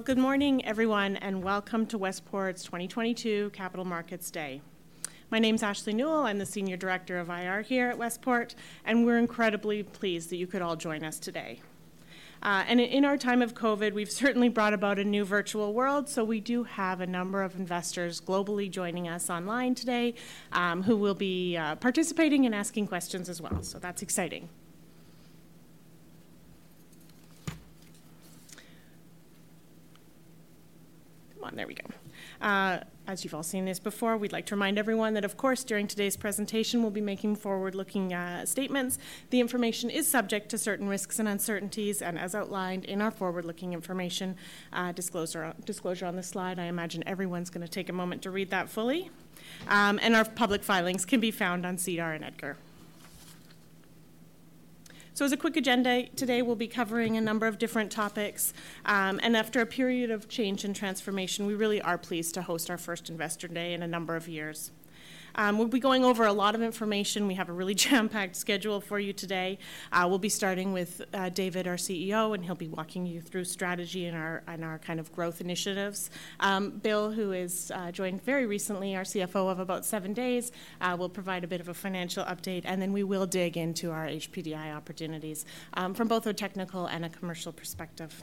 Good morning, everyone. Welcome to Westport's 2022 Capital Markets Day. My name's Ashley Nuell, I'm the Senior Director of IR here at Westport, and we're incredibly pleased that you could all join us today. In our time of COVID, we've certainly brought about a new virtual world, so we do have a number of investors globally joining us online today who will be participating and asking questions as well, so that's exciting. Come on, there we go. As you've all seen this before, we'd like to remind everyone that, of course, during today's presentation we'll be making forward-looking statements. The information is subject to certain risks and uncertainties, and as outlined in our forward-looking information disclosure on this slide, I imagine everyone's going to take a moment to read that fully. Our public filings can be found on SEDAR and EDGAR. As a quick agenda, today we'll be covering a number of different topics, and after a period of change and transformation, we really are pleased to host our first Investor Day in a number of years. We'll be going over a lot of information. We have a really jam-packed schedule for you today. We'll be starting with David, our CEO, and he'll be walking you through strategy and our kind of growth initiatives. Bill, who has joined very recently, our CFO of about seven days, will provide a bit of a financial update, and then we will dig into our HPDI opportunities from both a technical and a commercial perspective.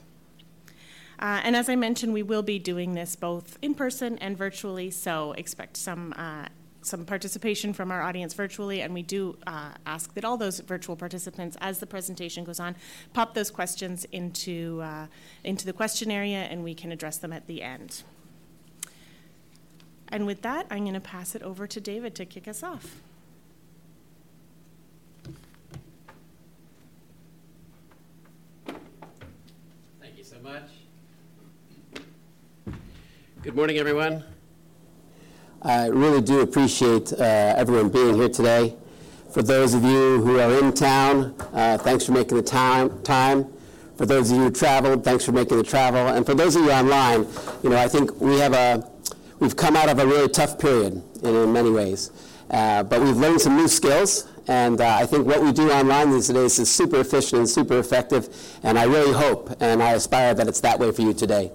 As I mentioned, we will be doing this both in person and virtually, so expect some participation from our audience virtually. We do ask that all those virtual participants, as the presentation goes on, pop those questions into the questionnaire and we can address them at the end. With that, I'm going to pass it over to David to kick us off. Thank you so much. Good morning, everyone. I really do appreciate everyone being here today. For those of you who are in town, thanks for making the time. For those of you who traveled, thanks for making the travel. For those of you online, I think we've come out of a really tough period in many ways, but we've learned some new skills. I think what we do online these days is super efficient and super effective, and I really hope and I aspire that it's that way for you today.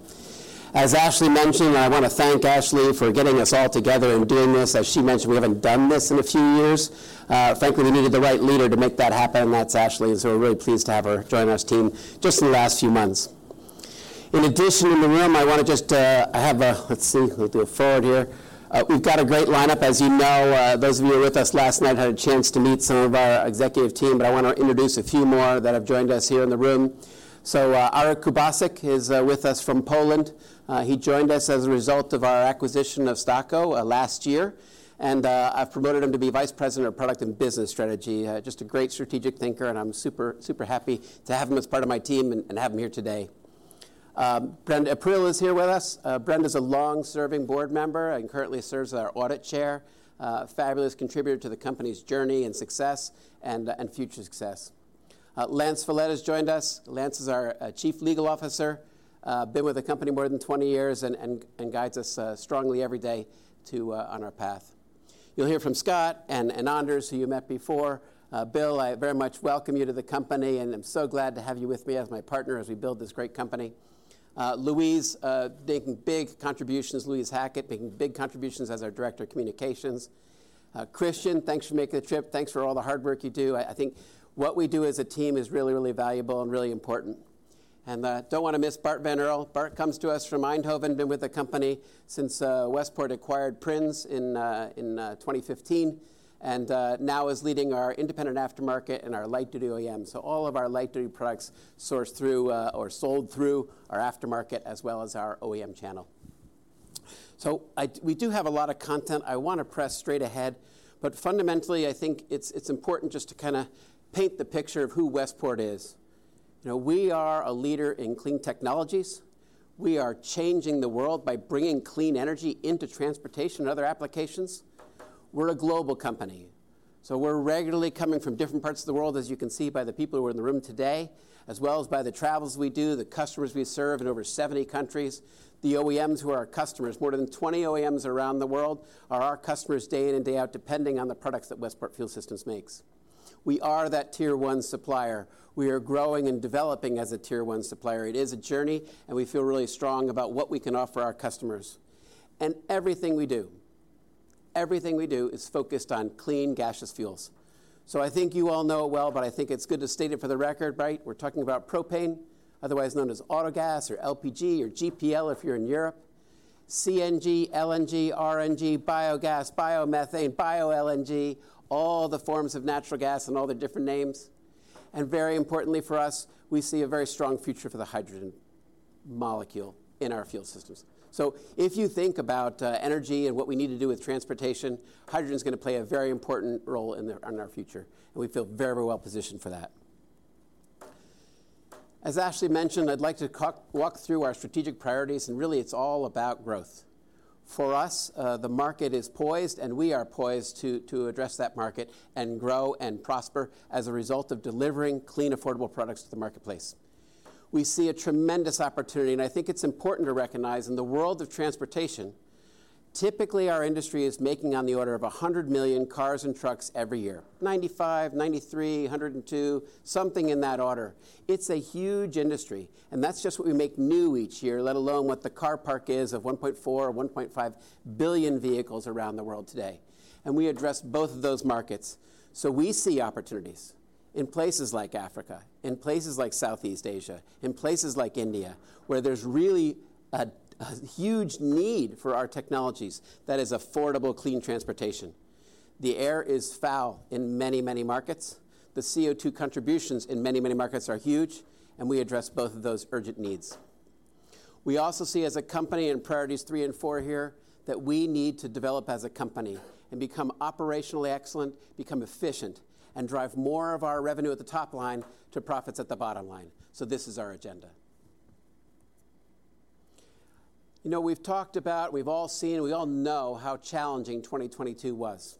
As Ashley mentioned, and I want to thank Ashley for getting us all together and doing this. As she mentioned, we haven't done this in a few years. Frankly, we needed the right leader to make that happen, and that's Ashley, and so we're really pleased to have her join our team just in the last few months. In addition, in the room, I want to just have a let's see, we'll do a forward here. We've got a great lineup. As you know, those of you who were with us last night had a chance to meet some of our executive team, but I want to introduce a few more that have joined us here in the room. Arek Kubasik is with us from Poland. He joined us as a result of our acquisition of Stako last year, and I've promoted him to be Vice President of Product and Business Strategy. Just a great strategic thinker, and I'm super happy to have him as part of my team and have him here today. Brenda Eprile is here with us. Brenda is a long-serving board member and currently serves as our audit chair. A fabulous contributor to the company's journey and success and future success. Lance Follett has joined us. Lance is our Chief Legal Officer, been with the company more than 20 years, and guides us strongly every day on our path. You'll hear from Scott and Anders, who you met before. Bill, I very much welcome you to the company and am so glad to have you with me as my partner as we build this great company. Louise, making big contributions. Louise Hackett, making big contributions as our Director of Communications. Christian, thanks for making the trip. Thanks for all the hard work you do. I think what we do as a team is really, really valuable and really important. I don't want to miss Bart van Aerle. Bart comes to us from Eindhoven, been with the company since Westport acquired Prins in 2015, and now is leading our independent aftermarket and our light-duty OEM. All of our light-duty products source through or sold through our aftermarket as well as our OEM channel. We do have a lot of content I want to press straight ahead, but fundamentally, I think it's important just to kind of paint the picture of who Westport is. We are a leader in clean technologies. We are changing the world by bringing clean energy into transportation and other applications. We're a global company. We're regularly coming from different parts of the world, as you can see by the people who are in the room today, as well as by the travels we do, the customers we serve in over 70 countries, the OEMs who are our customers. More than 20 OEMs around the world are our customers day in and day out, depending on the products that Westport Fuel Systems makes. We are that Tier 1 supplier. We are growing and developing as a Tier 1 supplier. It is a journey, we feel really strong about what we can offer our customers. Everything we do is focused on clean gaseous fuels. I think you all know it well, I think it's good to state it for the record, right? We're talking about propane, otherwise known as autogas or LPG or GPL if you're in Europe, CNG, LNG, RNG, biogas, biomethane, bio-LNG, all the forms of natural gas and all their different names. Very importantly for us, we see a very strong future for the hydrogen molecule in our fuel systems. If you think about energy and what we need to do with transportation, hydrogen's going to play a very important role in our future, we feel very, very well positioned for that. As Ashley mentioned, I'd like to walk through our strategic priorities. Really it's all about growth. For us, the market is poised. We are poised to address that market and grow and prosper as a result of delivering clean, affordable products to the marketplace. We see a tremendous opportunity. I think it's important to recognize in the world of transportation, typically our industry is making on the order of 100 million cars and trucks every year. 95 million, 93 million, 102 million, something in that order. It's a huge industry. That's just what we make new each year, let alone what the car park is of 1.4 or 1.5 billion vehicles around the world today. We address both of those markets. We see opportunities in places like Africa, in places like Southeast Asia, in places like India where there's really a huge need for our technologies that is affordable, clean transportation. The air is foul in many, many markets. The CO2 contributions in many, many markets are huge. We address both of those urgent needs. We also see as a company in priorities three and four here that we need to develop as a company and become operationally excellent, become efficient, and drive more of our revenue at the top line to profits at the bottom line. This is our agenda. We've talked about, we've all seen, we all know how challenging 2022 was,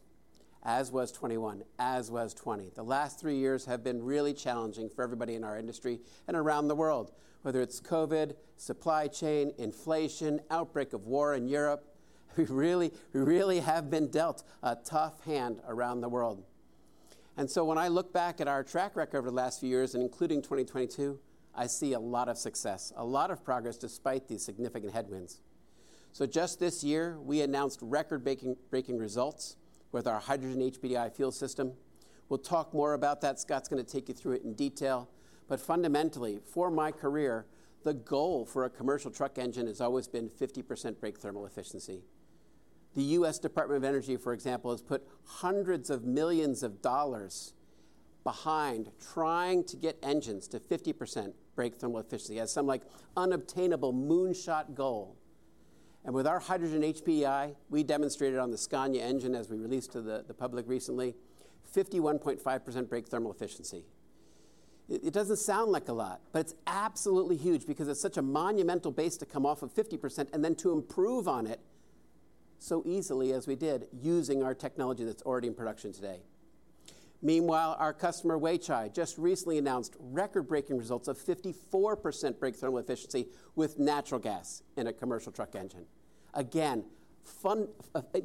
as was 2021, as was 2020. The last three years have been really challenging for everybody in our industry and around the world, whether it's COVID, supply chain, inflation, outbreak of war in Europe. We really have been dealt a tough hand around the world. When I look back at our track record over the last few years, including 2022, I see a lot of success, a lot of progress despite these significant headwinds. Just this year, we announced record-breaking results with our hydrogen HPDI fuel system. We'll talk more about that. Scott's going to take you through it in detail. Fundamentally, for my career, the goal for a commercial truck engine has always been 50% brake thermal efficiency. The U.S. Department of Energy, for example, has put hundreds of millions of dollars behind trying to get engines to 50% brake thermal efficiency, as some unobtainable moonshot goal. With our hydrogen HPDI, we demonstrated on the Scania engine, as we released to the public recently, 51.5% brake thermal efficiency. It doesn't sound like a lot, but it's absolutely huge because it's such a monumental base to come off of 50% and then to improve on it so easily as we did using our technology that's already in production today. Meanwhile, our customer Weichai just recently announced record-breaking results of 54% brake thermal efficiency with natural gas in a commercial truck engine. Again,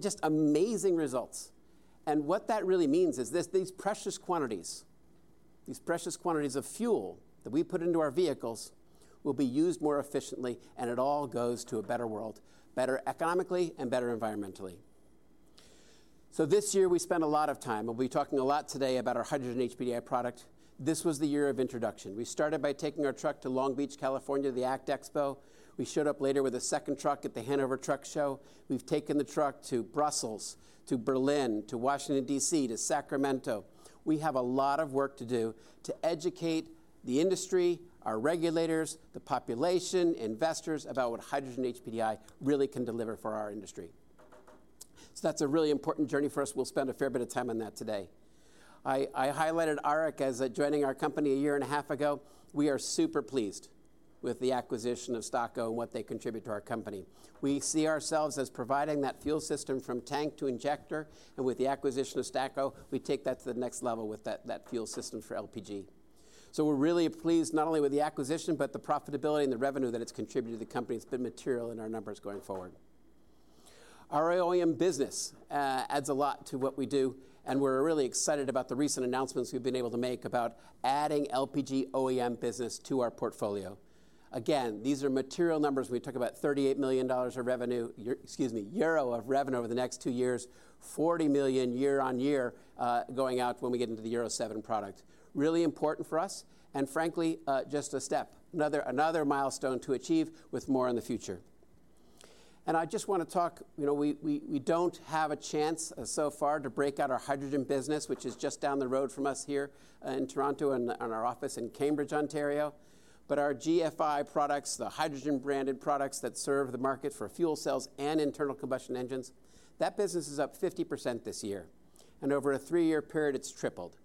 just amazing results. What that really means is these precious quantities, these precious quantities of fuel that we put into our vehicles will be used more efficiently, and it all goes to a better world, better economically and better environmentally. This year we spent a lot of time. We'll be talking a lot today about our hydrogen HPDI product. This was the year of introduction. We started by taking our truck to Long Beach, California, the ACT Expo. We showed up later with a second truck at the Hanover Truck Show. We've taken the truck to Brussels, to Berlin, to Washington, D.C., to Sacramento. We have a lot of work to do to educate the industry, our regulators, the population, investors about what hydrogen HPDI really can deliver for our industry. That's a really important journey for us. We'll spend a fair bit of time on that today. I highlighted Arek as joining our company a year and a half ago. We are super pleased with the acquisition of Stako and what they contribute to our company. We see ourselves as providing that fuel system from tank to injector, and with the acquisition of Stako, we take that to the next level with that fuel system for LPG. We're really pleased not only with the acquisition, but the profitability and the revenue that it's contributed to the company has been material in our numbers going forward. Our OEM business adds a lot to what we do. We're really excited about the recent announcements we've been able to make about adding LPG OEM business to our portfolio. These are material numbers. We talk about EUR 38 million of revenue, excuse me, euro of revenue over the next two years, 40 million year-over-year going out when we get into the Euro 7 product. Really important for us. Frankly, just a step, another milestone to achieve with more in the future. I just want to talk. We don't have a chance so far to break out our hydrogen business, which is just down the road from us here in Toronto and our office in Cambridge, Ontario. Our GFI products, the hydrogen-branded products that serve the market for fuel cells and internal combustion engines, that business is up 50% this year, and over a three-year period, it's tripled.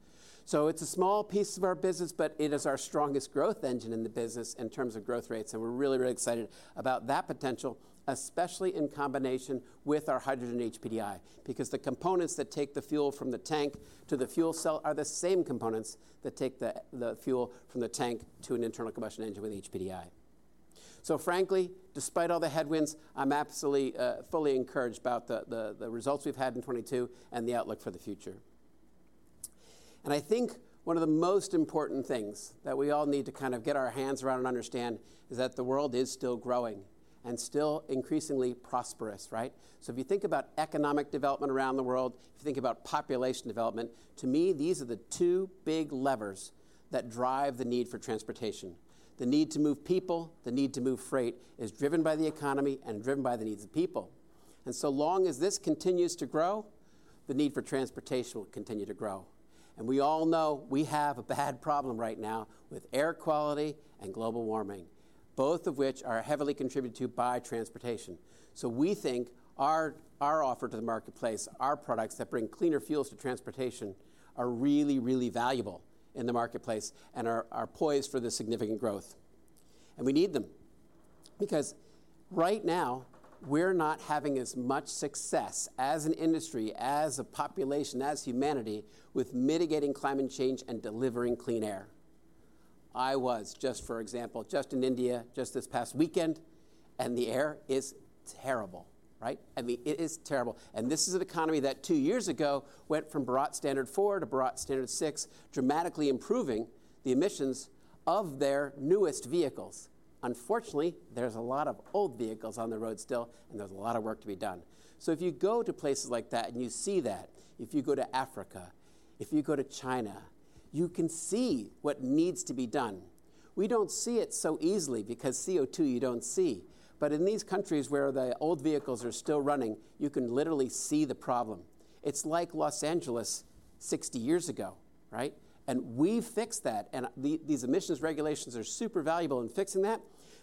It's a small piece of our business, but it is our strongest growth engine in the business in terms of growth rates, and we're really, really excited about that potential, especially in combination with our hydrogen HPDI, because the components that take the fuel from the tank to the fuel cell are the same components that take the fuel from the tank to an internal combustion engine with HPDI. Frankly, despite all the headwinds, I'm absolutely fully encouraged about the results we've had in 2022 and the outlook for the future. I think one of the most important things that we all need to kind of get our hands around and understand is that the world is still growing and still increasingly prosperous, right? If you think about economic development around the world, if you think about population development, to me, these are the two big levers that drive the need for transportation. The need to move people, the need to move freight is driven by the economy and driven by the needs of people. Long as this continues to grow, the need for transportation will continue to grow. We all know we have a bad problem right now with air quality and global warming, both of which are heavily contributed to by transportation. We think our offer to the marketplace, our products that bring cleaner fuels to transportation are really, really valuable in the marketplace and are poised for this significant growth. We need them because right now, we're not having as much success as an industry, as a population, as humanity with mitigating climate change and delivering clean air. I was, just for example, just in India just this past weekend, and the air is terrible, right? I mean, it is terrible. This is an economy that two years ago went from Bharat Standard IV to Bharat Standard VI, dramatically improving the emissions of their newest vehicles. Unfortunately, there's a lot of old vehicles on the road still, and there's a lot of work to be done. If you go to places like that and you see that, if you go to Africa, if you go to China, you can see what needs to be done. We don't see it so easily because CO2 you don't see, but in these countries where the old vehicles are still running, you can literally see the problem. It's like Los Angeles 60 years ago, right? We've fixed that, and these emissions regulations are super valuable in fixing that,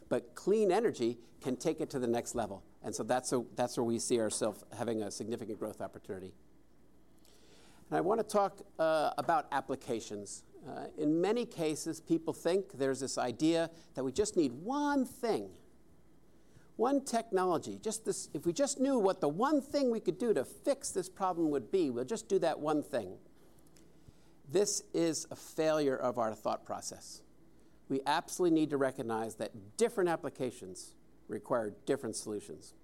but clean energy can take it to the next level. That's where we see ourselves having a significant growth opportunity. I want to talk about applications. In many cases, people think there's this idea that we just need one thing, one technology. If we just knew what the one thing we could do to fix this problem would be, we'll just do that one thing. This is a failure of our thought process. We absolutely need to recognize that different applications require different solutions.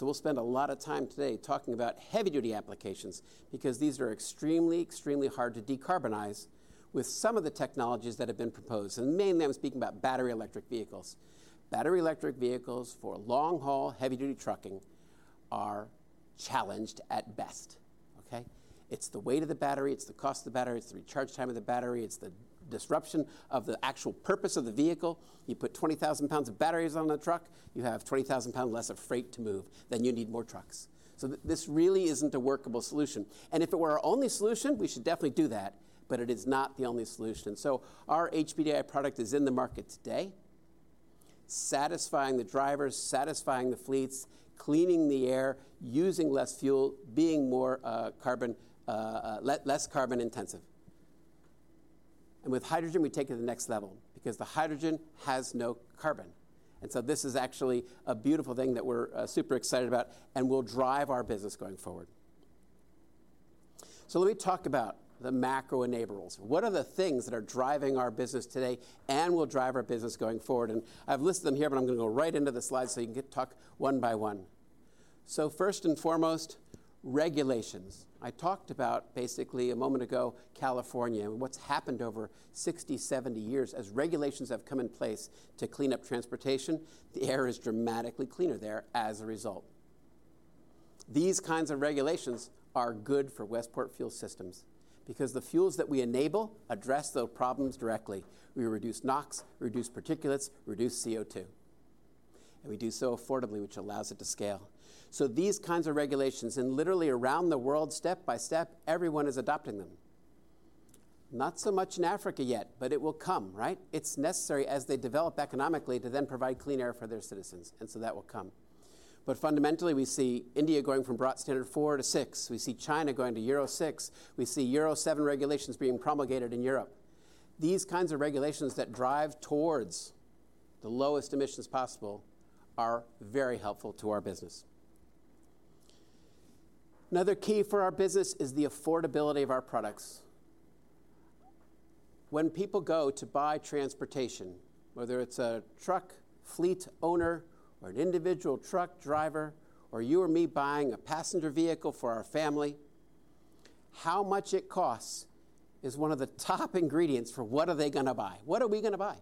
We'll spend a lot of time today talking about heavy-duty applications because these are extremely hard to decarbonize with some of the technologies that have been proposed. Mainly, I'm speaking about battery electric vehicles. Battery electric vehicles for long-haul heavy-duty trucking are challenged at best, okay? It's the weight of the battery, it's the cost of the battery, it's the recharge time of the battery, it's the disruption of the actual purpose of the vehicle. You put 20,000 pounds of batteries on a truck, you have 20,000 pounds less of freight to move, then you need more trucks. This really isn't a workable solution. If it were our only solution, we should definitely do that, but it is not the only solution. Our HPDI product is in the market today, satisfying the drivers, satisfying the fleets, cleaning the air, using less fuel, being less carbon intensive. With hydrogen, we take it to the next level because the hydrogen has no carbon. This is actually a beautiful thing that we're super excited about and will drive our business going forward. Let me talk about the macro-enablers. What are the things that are driving our business today and will drive our business going forward? I've listed them here, but I'm going to go right into the slides so you can talk one by one. First and foremost, regulations. I talked about basically a moment ago California and what's happened over 60-70 years. Regulations have come in place to clean up transportation, the air is dramatically cleaner there as a result. These kinds of regulations are good for Westport Fuel Systems because the fuels that we enable address those problems directly. We reduce NOx, reduce particulates, reduce CO2. We do so affordably, which allows it to scale. These kinds of regulations, and literally around the world, step by step, everyone is adopting them. Not so much in Africa yet, it will come, right? It's necessary as they develop economically to then provide clean air for their citizens, and so that will come. Fundamentally, we see India going from Bharat Standard IV to VI, we see China going to Euro 6, we see Euro 7 regulations being promulgated in Europe. These kinds of regulations that drive towards the lowest emissions possible are very helpful to our business. Another key for our business is the affordability of our products. When people go to buy transportation, whether it's a truck fleet owner or an individual truck driver or you or me buying a passenger vehicle for our family, how much it costs is one of the top ingredients for what are they going to buy. What are we going to buy?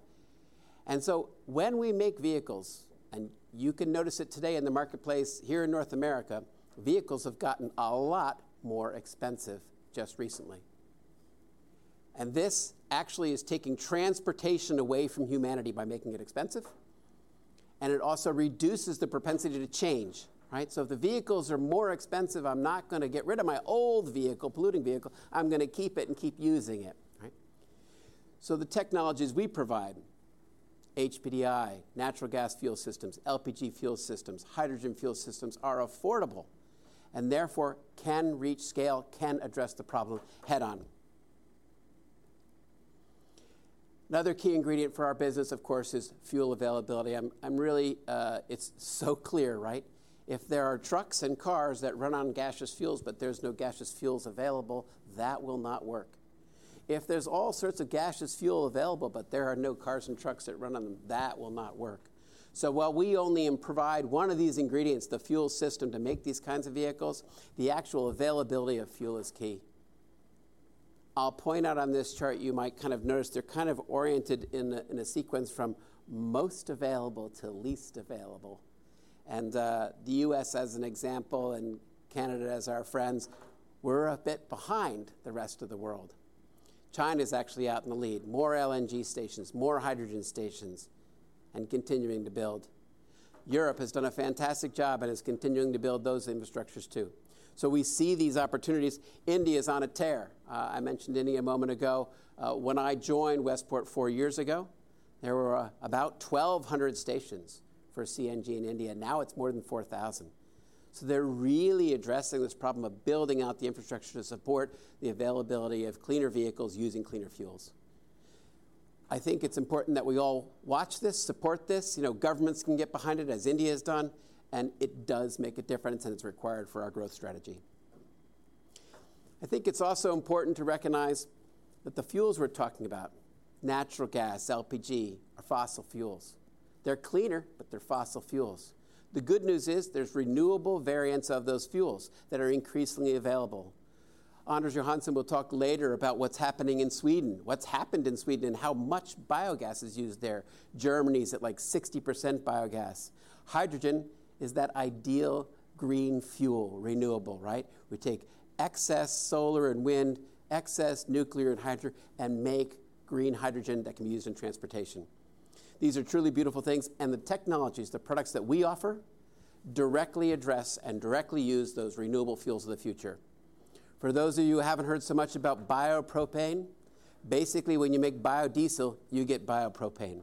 When we make vehicles, and you can notice it today in the marketplace here in North America, vehicles have gotten a lot more expensive just recently. This actually is taking transportation away from humanity by making it expensive, and it also reduces the propensity to change, right? If the vehicles are more expensive, I'm not going to get rid of my old vehicle, polluting vehicle. I'm going to keep it and keep using it, right? The technologies we provide, HPDI, natural gas fuel systems, LPG fuel systems, hydrogen fuel systems, are affordable and therefore can reach scale, can address the problem head-on. Another key ingredient for our business, of course, is fuel availability. I'm really it's so clear, right? If there are trucks and cars that run on gaseous fuels, but there's no gaseous fuels available, that will not work. If there's all sorts of gaseous fuel available, but there are no cars and trucks that run on them, that will not work. While we only provide one of these ingredients, the fuel system, to make these kinds of vehicles, the actual availability of fuel is key. I'll point out on this chart you might kind of notice they're kind of oriented in a sequence from most available to least available. The U.S. as an example and Canada as our friends, we're a bit behind the rest of the world. China is actually out in the lead, more LNG stations, more hydrogen stations, and continuing to build. Europe has done a fantastic job and is continuing to build those infrastructures too. We see these opportunities. India is on a tear. I mentioned India a moment ago. When I joined Westport four years ago, there were about 1,200 stations for CNG in India. Now it's more than 4,000. They're really addressing this problem of building out the infrastructure to support the availability of cleaner vehicles using cleaner fuels. I think it's important that we all watch this, support this. You know, governments can get behind it as India has done, and it does make a difference, and it's required for our growth strategy. I think it's also important to recognize that the fuels we're talking about, natural gas, LPG, are fossil fuels. They're cleaner, but they're fossil fuels. The good news is there's renewable variants of those fuels that are increasingly available. Anders Johansson will talk later about what's happening in Sweden, what's happened in Sweden, and how much biogas is used there. Germany's at like 60% biogas. Hydrogen is that ideal green fuel, renewable, right? We take excess solar and wind, excess nuclear and hydrogen, and make green hydrogen that can be used in transportation. These are truly beautiful things, and the technologies, the products that we offer, directly address and directly use those renewable fuels of the future. For those of you who haven't heard so much about biopropane, basically when you make biodiesel, you get biopropane.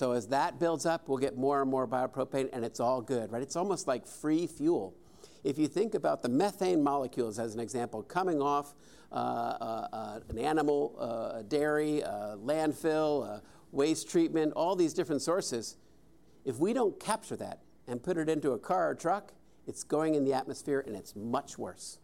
As that builds up, we'll get more and more biopropane, and it's all good, right? It's almost like free fuel. If you think about the methane molecules as an example coming off an animal, dairy, landfill, waste treatment, all these different sources, if we don't capture that and put it into a car or truck, it's going in the atmosphere, and it's much worse.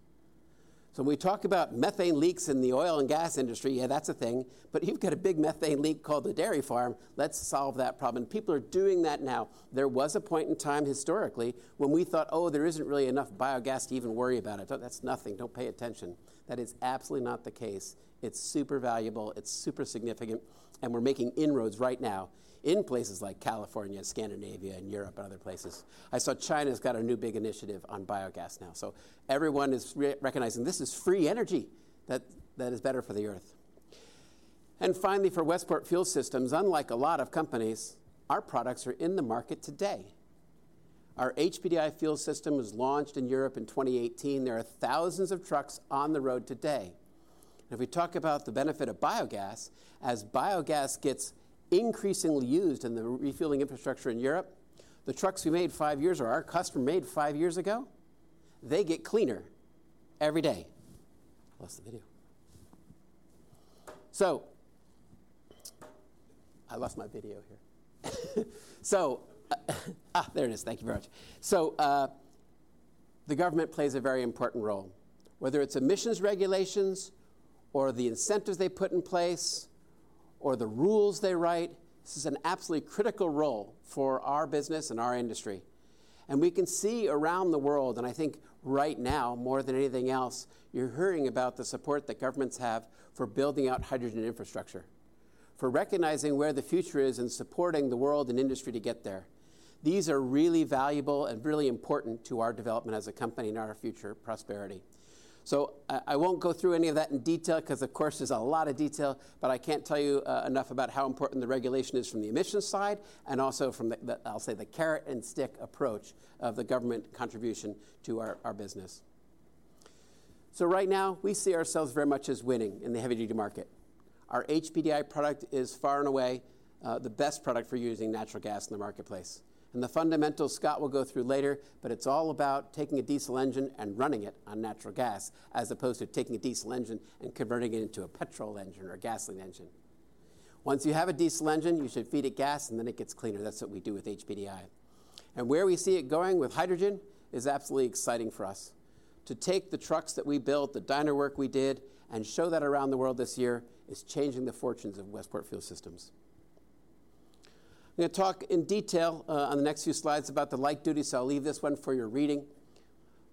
When we talk about methane leaks in the oil and gas industry, yeah, that's a thing, but you've got a big methane leak called the dairy farm. Let's solve that problem, and people are doing that now. There was a point in time historically when we thought, "Oh, there isn't really enough biogas to even worry about it. Oh, that's nothing. Don't pay attention." That is absolutely not the case. It's super valuable, it's super significant, and we're making inroads right now in places like California, Scandinavia, and Europe, and other places. I saw China's got a new big initiative on biogas now. Everyone is recognizing this is free energy that is better for the Earth. Finally, for Westport Fuel Systems, unlike a lot of companies, our products are in the market today. Our HPDI fuel system was launched in Europe in 2018. There are thousands of trucks on the road today. If we talk about the benefit of biogas, as biogas gets increasingly used in the refueling infrastructure in Europe, the trucks we made five years or our customer made five years ago, they get cleaner every day. I lost the video. I lost my video here. There it is. Thank you very much. The government plays a very important role. Whether it's emissions regulations or the incentives they put in place or the rules they write, this is an absolutely critical role for our business and our industry. We can see around the world, and I think right now more than anything else, you're hearing about the support that governments have for building out hydrogen infrastructure, for recognizing where the future is and supporting the world and industry to get there. These are really valuable and really important to our development as a company and our future prosperity. I won't go through any of that in detail because, of course, there's a lot of detail, but I can't tell you enough about how important the regulation is from the emissions side and also from the, I'll say, the carrot and stick approach of the government contribution to our business. Right now, we see ourselves very much as winning in the heavy-duty market. Our HPDI product is far and away the best product for using natural gas in the marketplace. The fundamentals, Scott, we'll go through later, but it's all about taking a diesel engine and running it on natural gas as opposed to taking a diesel engine and converting it into a petrol engine or a gasoline engine. Once you have a diesel engine, you should feed it gas, and then it gets cleaner. That's what we do with HPDI. Where we see it going with hydrogen is absolutely exciting for us. To take the trucks that we built, the dyno work we did, and show that around the world this year is changing the fortunes of Westport Fuel Systems. I'm going to talk in detail on the next few slides about the light duty, so I'll leave this one for your reading.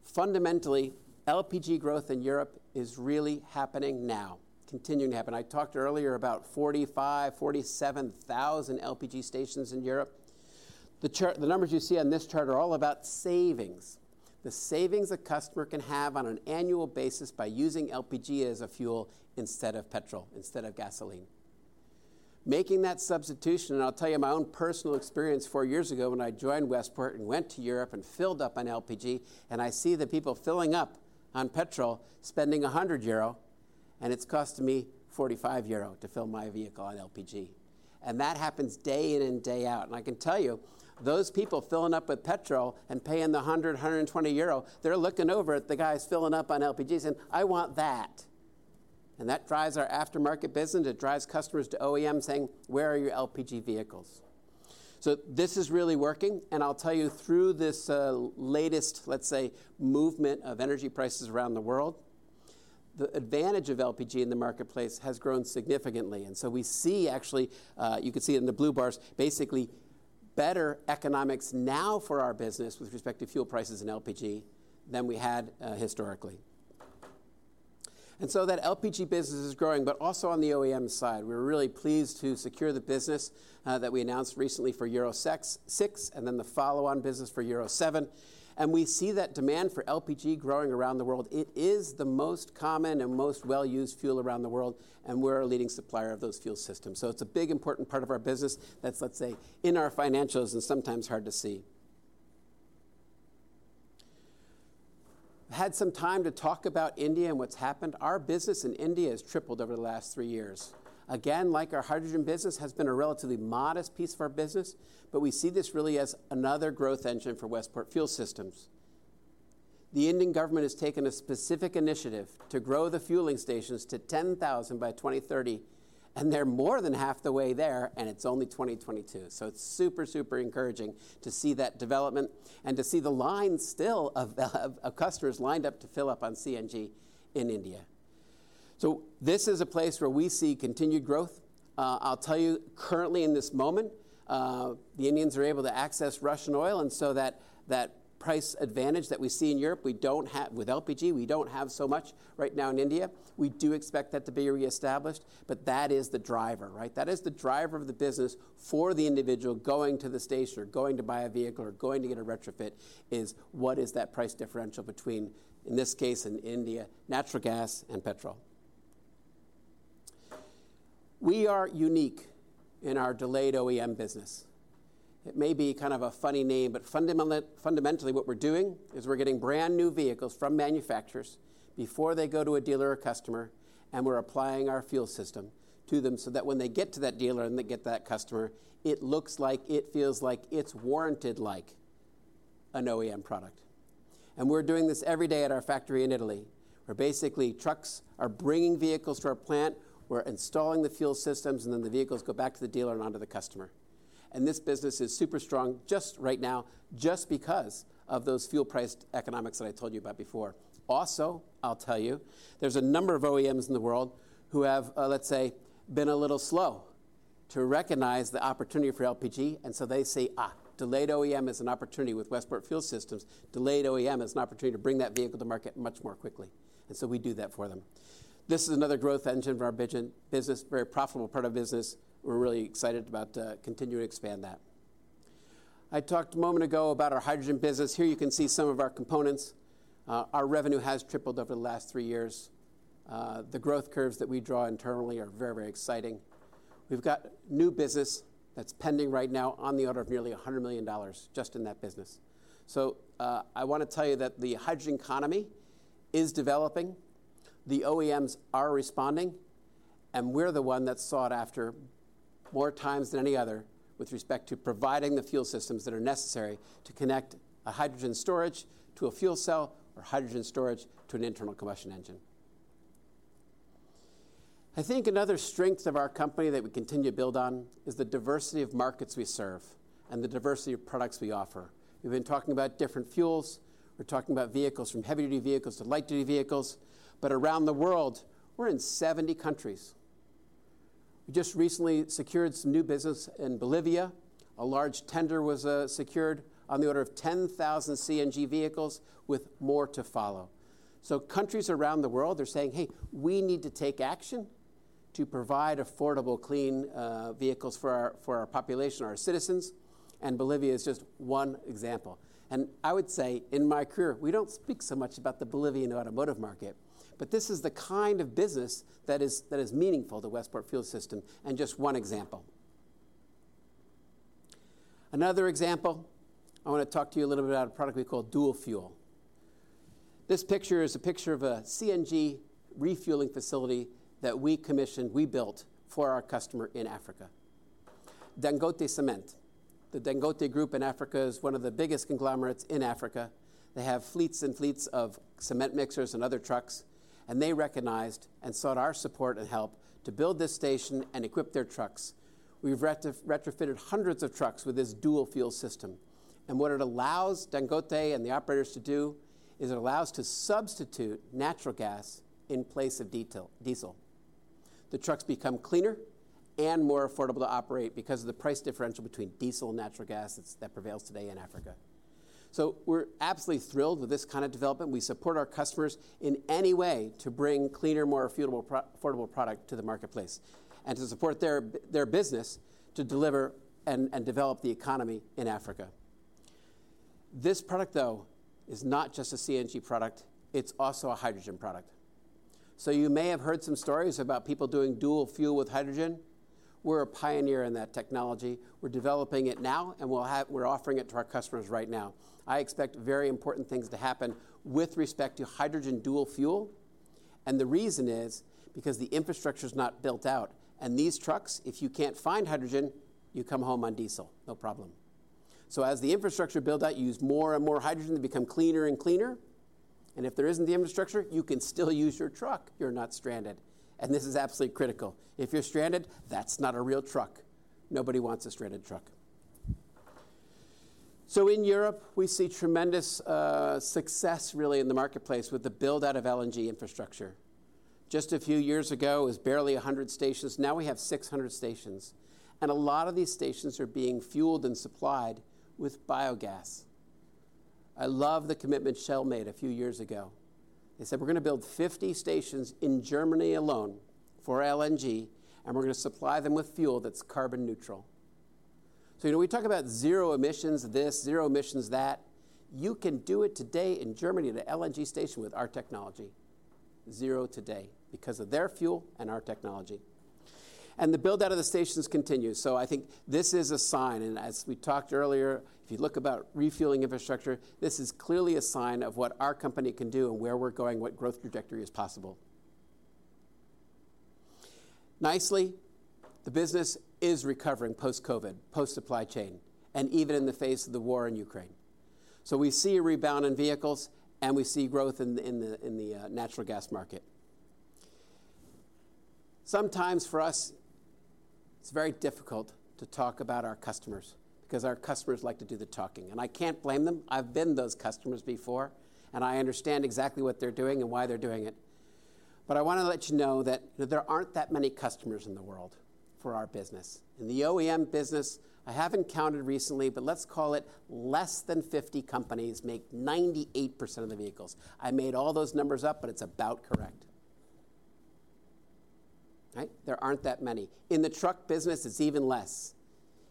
Fundamentally, LPG growth in Europe is really happening now, continuing to happen. I talked earlier about 45,000, 47,000 LPG stations in Europe. The numbers you see on this chart are all about savings, the savings a customer can have on an annual basis by using LPG as a fuel instead of petrol, instead of gasoline. Making that substitution, I'll tell you my own personal experience four years ago when I joined Westport and went to Europe and filled up on LPG, and I see the people filling up on petrol spending 100 euro, and it's cost me 45 euro to fill my vehicle on LPG. That happens day in and day out. I can tell you, those people filling up with petrol and paying the 100, 120 euro, they're looking over at the guys filling up on LPG saying, "I want that." That drives our aftermarket business. It drives customers to OEMs saying, "Where are your LPG vehicles?" This is really working, and I'll tell you through this latest, let's say, movement of energy prices around the world, the advantage of LPG in the marketplace has grown significantly. We see actually, you can see it in the blue bars, basically better economics now for our business with respect to fuel prices and LPG than we had historically. That LPG business is growing, but also on the OEM side. We're really pleased to secure the business that we announced recently for Euro 6, and then the follow-on business for Euro 7. We see that demand for LPG growing around the world. It is the most common and most well-used fuel around the world, and we're a leading supplier of those fuel systems. It's a big important part of our business that's, let's say, in our financials and sometimes hard to see. Had some time to talk about India and what's happened. Our business in India has tripled over the last three years. Again, like our hydrogen business, has been a relatively modest piece of our business, but we see this really as another growth engine for Westport Fuel Systems. The Indian government has taken a specific initiative to grow the fueling stations to 10,000 by 2030, and they're more than half the way there, and it's only 2022. It's super encouraging to see that development and to see the lines still of customers lined up to fill up on CNG in India. I'll tell you, currently in this moment, the Indians are able to access Russian oil, and so that price advantage that we see in Europe, we don't have with LPG, we don't have so much right now in India. We do expect that to be reestablished, but that is the driver, right? That is the driver of the business for the individual going to the station or going to buy a vehicle or going to get a retrofit is what is that price differential between, in this case, in India, natural gas and petrol. We are unique in our delayed OEM business. It may be kind of a funny name. Fundamentally what we're doing is we're getting brand new vehicles from manufacturers before they go to a dealer or customer, and we're applying our fuel system to them so that when they get to that dealer and they get that customer, it looks like, it feels like, it's warranted like an OEM product. We're doing this every day at our factory in Italy, where basically trucks are bringing vehicles to our plant, we're installing the fuel systems. The vehicles go back to the dealer and onto the customer. This business is super strong just right now just because of those fuel-priced economics that I told you about before. I'll tell you, there's a number of OEMs in the world who have, let's say, been a little slow to recognize the opportunity for LPG. They say, delayed OEM is an opportunity with Westport Fuel Systems. Delayed OEM is an opportunity to bring that vehicle to market much more quickly. We do that for them. This is another growth engine for our business, very profitable part of business. We're really excited about continuing to expand that. I talked a moment ago about our hydrogen business. Here you can see some of our components. Our revenue has tripled over the last three years. The growth curves that we draw internally are very, very exciting. We've got new business that's pending right now on the order of nearly $100 million just in that business. I want to tell you that the hydrogen economy is developing, the OEMs are responding, and we're the one that sought after more times than any other with respect to providing the fuel systems that are necessary to connect a hydrogen storage to a fuel cell or hydrogen storage to an internal combustion engine. I think another strength of our company that we continue to build on is the diversity of markets we serve and the diversity of products we offer. We've been talking about different fuels. We're talking about vehicles from heavy-duty vehicles to light-duty vehicles, but around the world, we're in 70 countries. We just recently secured some new business in Bolivia. A large tender was secured on the order of 10,000 CNG vehicles with more to follow. Countries around the world, they're saying, "Hey, we need to take action to provide affordable, clean vehicles for our population, our citizens," and Bolivia is just one example. I would say, in my career, we don't speak so much about the Bolivian automotive market, but this is the kind of business that is meaningful to Westport Fuel Systems, and just one example. Another example, I want to talk to you a little bit about a product we call Dual Fuel. This picture is a picture of a CNG refueling facility that we commissioned, we built for our customer in Africa, Dangote Cement. The Dangote Group in Africa is one of the biggest conglomerates in Africa. They have fleets and fleets of cement mixers and other trucks, and they recognized and sought our support and help to build this station and equip their trucks. We've retrofitted hundreds of trucks with this Dual Fuel System. What it allows Dangote and the operators to do is it allows to substitute natural gas in place of diesel. The trucks become cleaner and more affordable to operate because of the price differential between diesel and natural gas that prevails today in Africa. We're absolutely thrilled with this kind of development. We support our customers in any way to bring cleaner, more affordable product to the marketplace, and to support their business to deliver and develop the economy in Africa. This product, though, is not just a CNG product. It's also a hydrogen product. You may have heard some stories about people doing Dual Fuel with hydrogen. We're a pioneer in that technology. We're developing it now, and we're offering it to our customers right now. I expect very important things to happen with respect to hydrogen Dual Fuel. The reason is because the infrastructure's not built out. These trucks, if you can't find hydrogen, you come home on diesel, no problem. As the infrastructure builds out, you use more and more hydrogen. They become cleaner and cleaner. If there isn't the infrastructure, you can still use your truck. You're not stranded. This is absolutely critical. If you're stranded, that's not a real truck. Nobody wants a stranded truck. In Europe, we see tremendous success, really, in the marketplace with the build-out of LNG infrastructure. Just a few years ago, it was barely 100 stations. Now we have 600 stations. A lot of these stations are being fueled and supplied with biogas. I love the commitment Shell made a few years ago. They said, "We're going to build 50 stations in Germany alone for LNG, and we're going to supply them with fuel that's carbon neutral." You know, we talk about zero emissions this, zero emissions that. You can do it today in Germany, at an LNG station with our technology. Zero today, because of their fuel and our technology. The build-out of the stations continues. I think this is a sign, and as we talked earlier, if you look about refueling infrastructure, this is clearly a sign of what our company can do and where we're going, what growth trajectory is possible. Nicely, the business is recovering post-COVID, post-supply chain, and even in the face of the war in Ukraine. We see a rebound in vehicles, and we see growth in the natural gas market. Sometimes for us, it's very difficult to talk about our customers because our customers like to do the talking, and I can't blame them. I've been those customers before, and I understand exactly what they're doing and why they're doing it. I want to let you know that there aren't that many customers in the world for our business. In the OEM business, I have encountered recently, let's call it, less than 50 companies make 98% of the vehicles. I made all those numbers up, it's about correct. All right? There aren't that many. In the truck business, it's even less.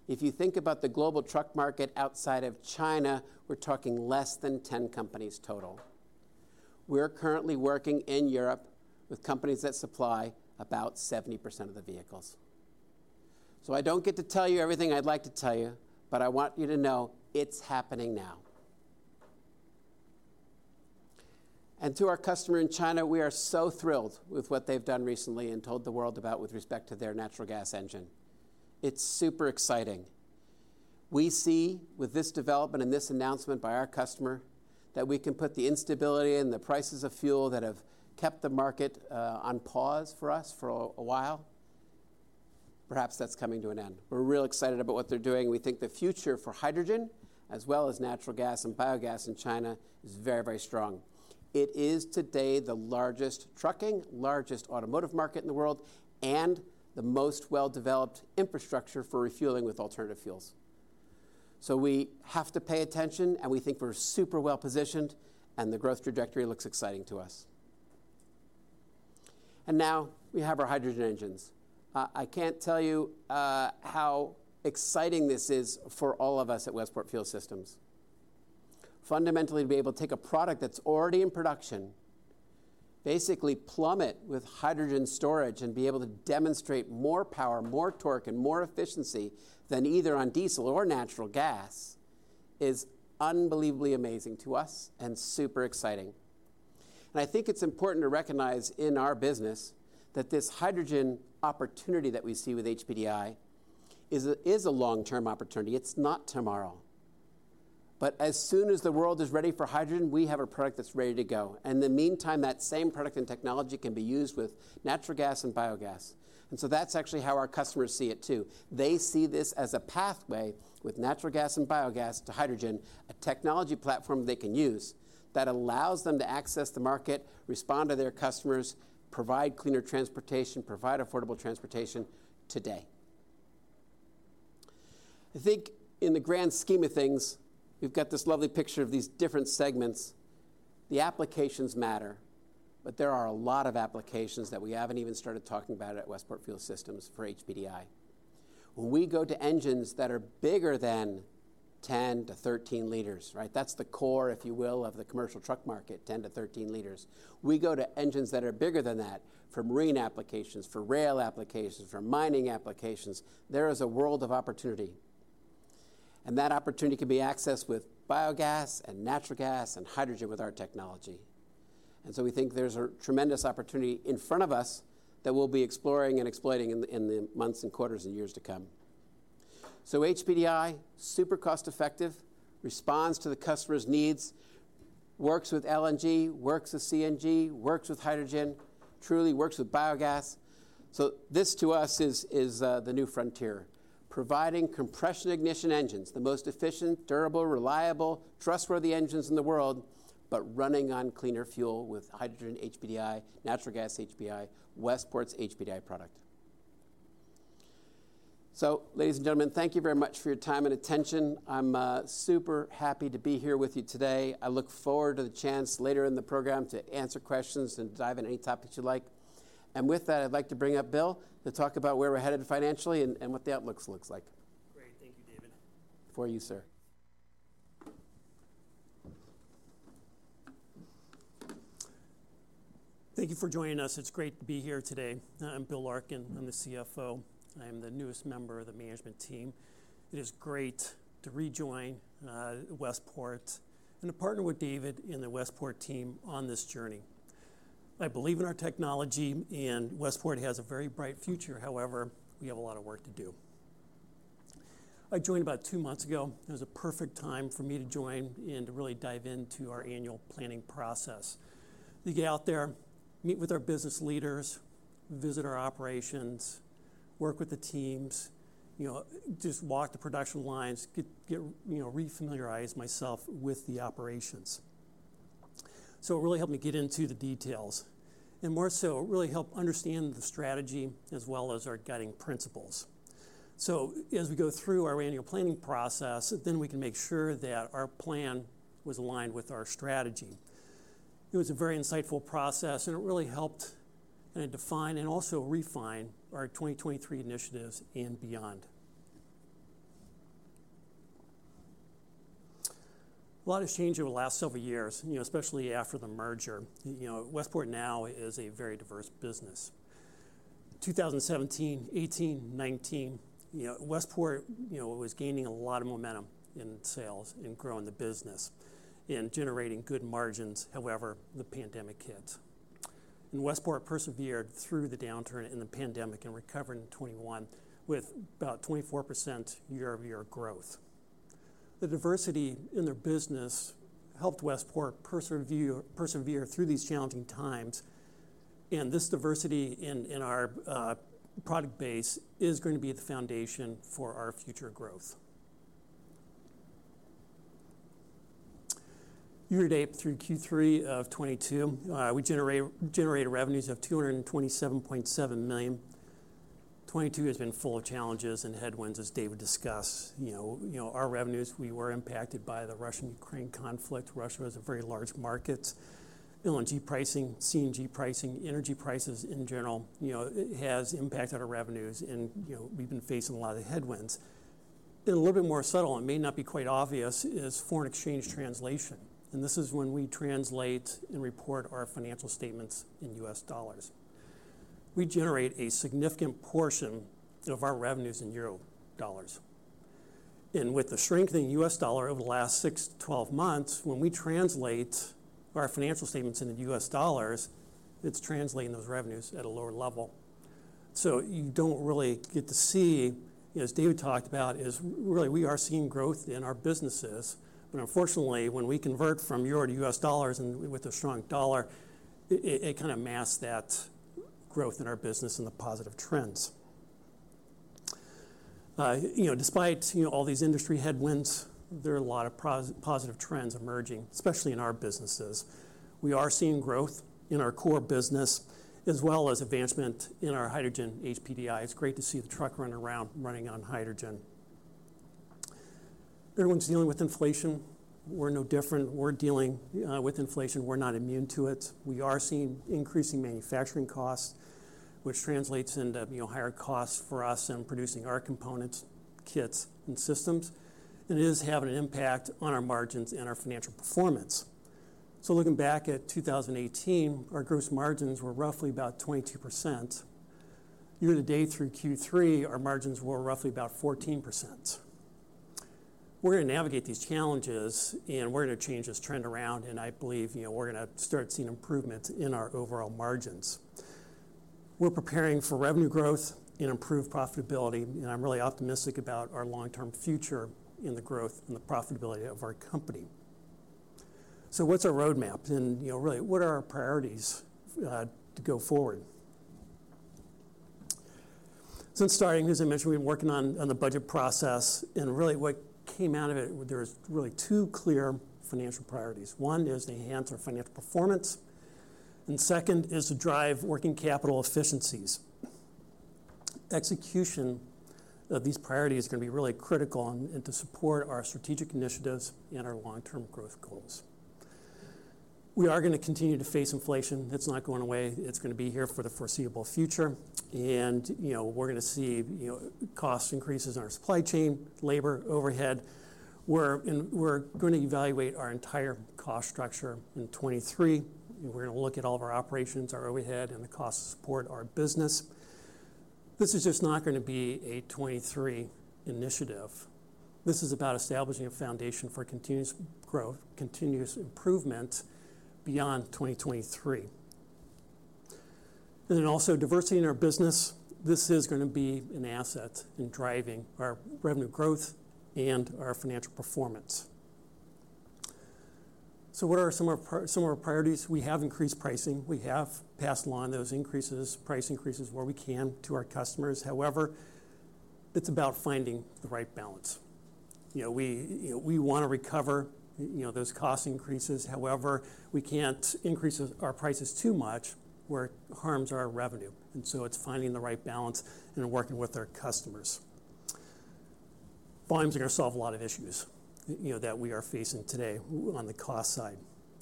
If you think about the global truck market outside of China, we're talking less than 10 companies total. We're currently working in Europe with companies that supply about 70% of the vehicles. I don't get to tell you everything I'd like to tell you, but I want you to know it's happening now. To our customer in China, we are so thrilled with what they've done recently and told the world about with respect to their natural gas engine. It's super exciting. We see, with this development and this announcement by our customer, that we can put the instability and the prices of fuel that have kept the market on pause for us for a while, perhaps that's coming to an end. We're real excited about what they're doing. We think the future for hydrogen, as well as natural gas and biogas in China, is very, very strong. It is today the largest trucking, largest automotive market in the world, and the most well-developed infrastructure for refueling with alternative fuels. We have to pay attention, and we think we're super well-positioned, and the growth trajectory looks exciting to us. Now we have our hydrogen engines. I can't tell you how exciting this is for all of us at Westport Fuel Systems. Fundamentally, to be able to take a product that's already in production, basically plummet with hydrogen storage, and be able to demonstrate more power, more torque, and more efficiency than either on diesel or natural gas is unbelievably amazing to us and super exciting. I think it's important to recognize in our business that this hydrogen opportunity that we see with HPDI is a long-term opportunity. It's not tomorrow. As soon as the world is ready for hydrogen, we have a product that's ready to go, and in the meantime, that same product and technology can be used with natural gas and biogas. That's actually how our customers see it too. They see this as a pathway with natural gas and biogas to hydrogen, a technology platform they can use that allows them to access the market, respond to their customers, provide cleaner transportation, provide affordable transportation today. I think in the grand scheme of things, we've got this lovely picture of these different segments. The applications matter, but there are a lot of applications that we haven't even started talking about at Westport Fuel Systems for HPDI. When we go to engines that are bigger than 10L-13L, right? That's the core, if you will, of the commercial truck market, 10L-13L. We go to engines that are bigger than that, for marine applications, for rail applications, for mining applications, there is a world of opportunity. That opportunity can be accessed with biogas and natural gas and hydrogen with our technology. We think there's a tremendous opportunity in front of us that we'll be exploring and exploiting in the months and quarters and years to come. HPDI, super cost-effective, responds to the customer's needs, works with LNG, works with CNG, works with hydrogen, truly works with biogas. This, to us, is the new frontier, providing compression ignition engines, the most efficient, durable, reliable, trustworthy engines in the world, but running on cleaner fuel with hydrogen HPDI, natural gas HPDI, Westport's HPDI product. Ladies and gentlemen, thank you very much for your time and attention. I'm super happy to be here with you today. I look forward to the chance later in the program to answer questions and dive into any topics you like. With that, I'd like to bring up Bill to talk about where we're headed financially and what the outlooks look like. Great. Thank you, David. Thank you for joining us. It's great to be here today. I'm Bill Larkin. I'm the CFO. I am the newest member of the management team. It is great to rejoin Westport and to partner with David in the Westport team on this journey. I believe in our technology, and Westport has a very bright future. However, we have a lot of work to do. I joined about two months ago. It was a perfect time for me to join and to really dive into our annual planning process. To get out there, meet with our business leaders, visit our operations, work with the teams, you know, just walk the production lines, get re-familiarized myself with the operations. It really helped me get into the details, and more so, it really helped understand the strategy as well as our guiding principles. As we go through our annual planning process, then we can make sure that our plan was aligned with our strategy. It was a very insightful process, and it really helped kind of define and also refine our 2023 initiatives and beyond. A lot has changed over the last several years, you know, especially after the merger. You know, Westport now is a very diverse business. 2017, 2018, 2019, you know, Westport, you know, was gaining a lot of momentum in sales and growing the business and generating good margins. However, the pandemic hit. Westport persevered through the downturn in the pandemic and recovered in 2021 with about 24% year-over-year growth. The diversity in their business helped Westport persevere through these challenging times. This diversity in our product base is going to be the foundation for our future growth. Year to date through Q3 of 2022, we generated revenues of $227.7 million. 2022 has been full of challenges and headwinds, as David discussed. You know, our revenues, we were impacted by the Russian-Ukraine conflict. Russia has a very large market. LNG pricing, CNG pricing, energy prices in general, you know, has impacted our revenues. We've been facing a lot of headwinds. A little bit more subtle, and may not be quite obvious, is foreign exchange translation. This is when we translate and report our financial statements in U.S. dollars. We generate a significant portion of our revenues in euro dollars. With the strengthening U.S. dollar over the last six to 12 months, when we translate our financial statements into U.S. dollars, it's translating those revenues at a lower level. You don't really get to see, as David talked about, is really we are seeing growth in our businesses, but unfortunately, when we convert from EUR to U.S. dollars and with a strong dollar, it kind of masks that growth in our business and the positive trends. Despite all these industry headwinds, there are a lot of positive trends emerging, especially in our businesses. We are seeing growth in our core business as well as advancement in our hydrogen HPDI. It's great to see the truck run around running on hydrogen. Everyone's dealing with inflation. We're no different. We're dealing with inflation. We're not immune to it. We are seeing increasing manufacturing costs, which translates into higher costs for us in producing our components, kits, and systems, and it is having an impact on our margins and our financial performance. Looking back at 2018, our gross margins were roughly about 22%. Year to date through Q3, our margins were roughly about 14%. We're going to navigate these challenges, and we're going to change this trend around, and I believe we're going to start seeing improvements in our overall margins. We're preparing for revenue growth and improved profitability, and I'm really optimistic about our long-term future in the growth and the profitability of our company. What's our roadmap, and really, what are our priorities to go forward? Since starting, as I mentioned, we've been working on the budget process, and really what came out of it, there were really two clear financial priorities. One is to enhance our financial performance, and second is to drive working capital efficiencies. Execution of these priorities is going to be really critical and to support our strategic initiatives and our long-term growth goals. We are going to continue to face inflation. It's not going away. It's going to be here for the foreseeable future, and we're going to see cost increases in our supply chain, labor overhead. We're going to evaluate our entire cost structure in 2023. We're going to look at all of our operations, our overhead, and the costs to support our business. This is just not going to be a 2023 initiative. This is about establishing a foundation for continuous growth, continuous improvement beyond 2023. Also, diversity in our business. This is going to be an asset in driving our revenue growth and our financial performance. What are some of our priorities? We have increased pricing. We have passed along those increases, price increases where we can to our customers. However, it's about finding the right balance. We want to recover those cost increases. However, we can't increase our prices too much where it harms our revenue, and so it's finding the right balance and working with our customers. Volumes are going to solve a lot of issues that we are facing today on the cost side.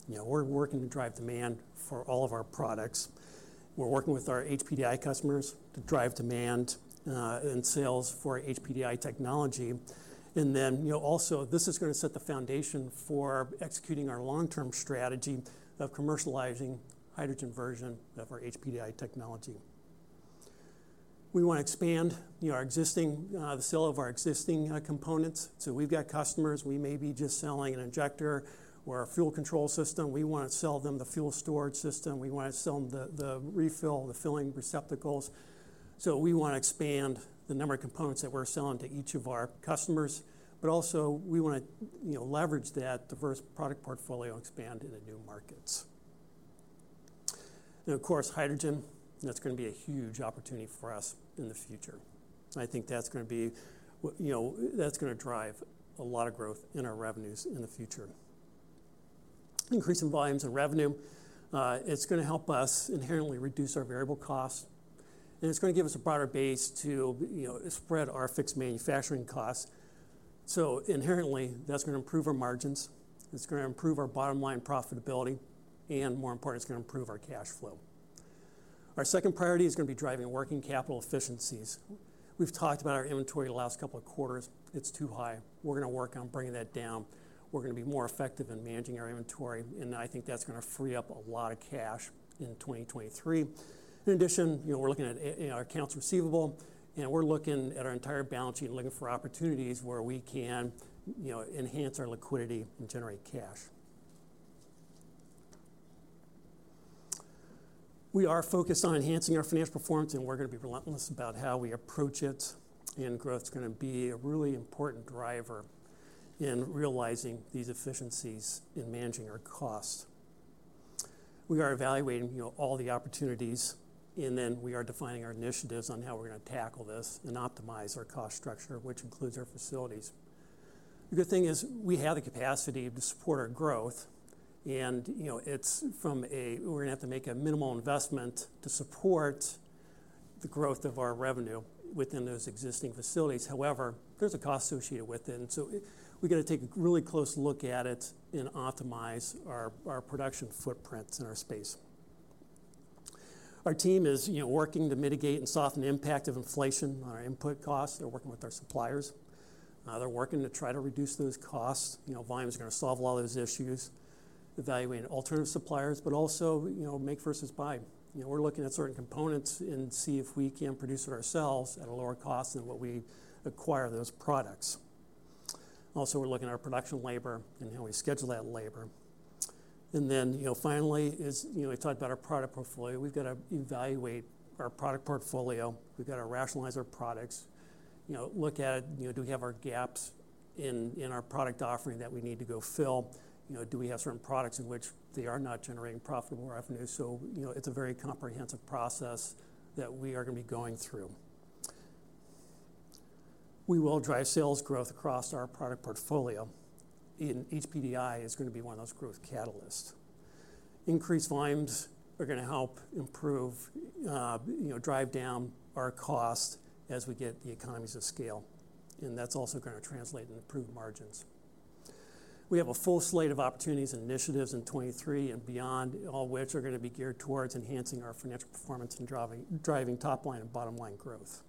We're working to drive demand for all of our products. We're working with our HPDI customers to drive demand and sales for HPDI technology, and then also, this is going to set the foundation for executing our long-term strategy of commercializing hydrogen version of our HPDI technology. We want to expand the sale of our existing components. We've got customers. We may be just selling an injector or a fuel control system. We want to sell them the fuel storage system. We want to sell them the refill, the filling receptacles. We want to expand the number of components that we're selling to each of our customers, but also we want to leverage that diverse product portfolio and expand into new markets. Of course, hydrogen, that's going to be a huge opportunity for us in the future. I think that's going to drive a lot of growth in our revenues in the future. Increasing volumes and revenue, it's going to help us inherently reduce our variable costs, and it's going to give us a broader base to spread our fixed manufacturing costs. Inherently, that's going to improve our margins. It's going to improve our bottom-line profitability, and more important, it's going to improve our cash flow. Our second priority is going to be driving working capital efficiencies. We've talked about our inventory the last couple of quarters. It's too high. We're going to work on bringing that down. We're going to be more effective in managing our inventory, and I think that's going to free up a lot of cash in 2023. In addition, we're looking at our accounts receivable, and we're looking at our entire balance sheet and looking for opportunities where we can enhance our liquidity and generate cash. We are focused on enhancing our financial performance, and we're going to be relentless about how we approach it, and growth's going to be a really important driver in realizing these efficiencies in managing our costs. We are evaluating all the opportunities, and then we are defining our initiatives on how we're going to tackle this and optimize our cost structure, which includes our facilities. The good thing is we have the capacity to support our growth, and it's from a we're going to have to make a minimal investment to support the growth of our revenue within those existing facilities. However, there's a cost associated with it, and so we've got to take a really close look at it and optimize our production footprint in our space. Our team is working to mitigate and soften the impact of inflation on our input costs. They're working with our suppliers. They're working to try to reduce those costs. Volumes are going to solve all those issues, evaluating alternative suppliers, but also make versus buy. We're looking at certain components and see if we can produce it ourselves at a lower cost than what we acquire those products. We're looking at our production labor and how we schedule that labor. Finally, we talked about our product portfolio. We've got to evaluate our product portfolio. We've got to rationalize our products. Look at it. Do we have our gaps in our product offering that we need to go fill? Do we have certain products in which they are not generating profitable revenue? It's a very comprehensive process that we are going to be going through. We will drive sales growth across our product portfolio, and HPDI is going to be one of those growth catalysts. Increased volumes are going to help improve, drive down our cost as we get the economies of scale, and that's also going to translate in improved margins. We have a full slate of opportunities and initiatives in 2023 and beyond, all of which are going to be geared towards enhancing our financial performance and driving top-line and bottom-line growth.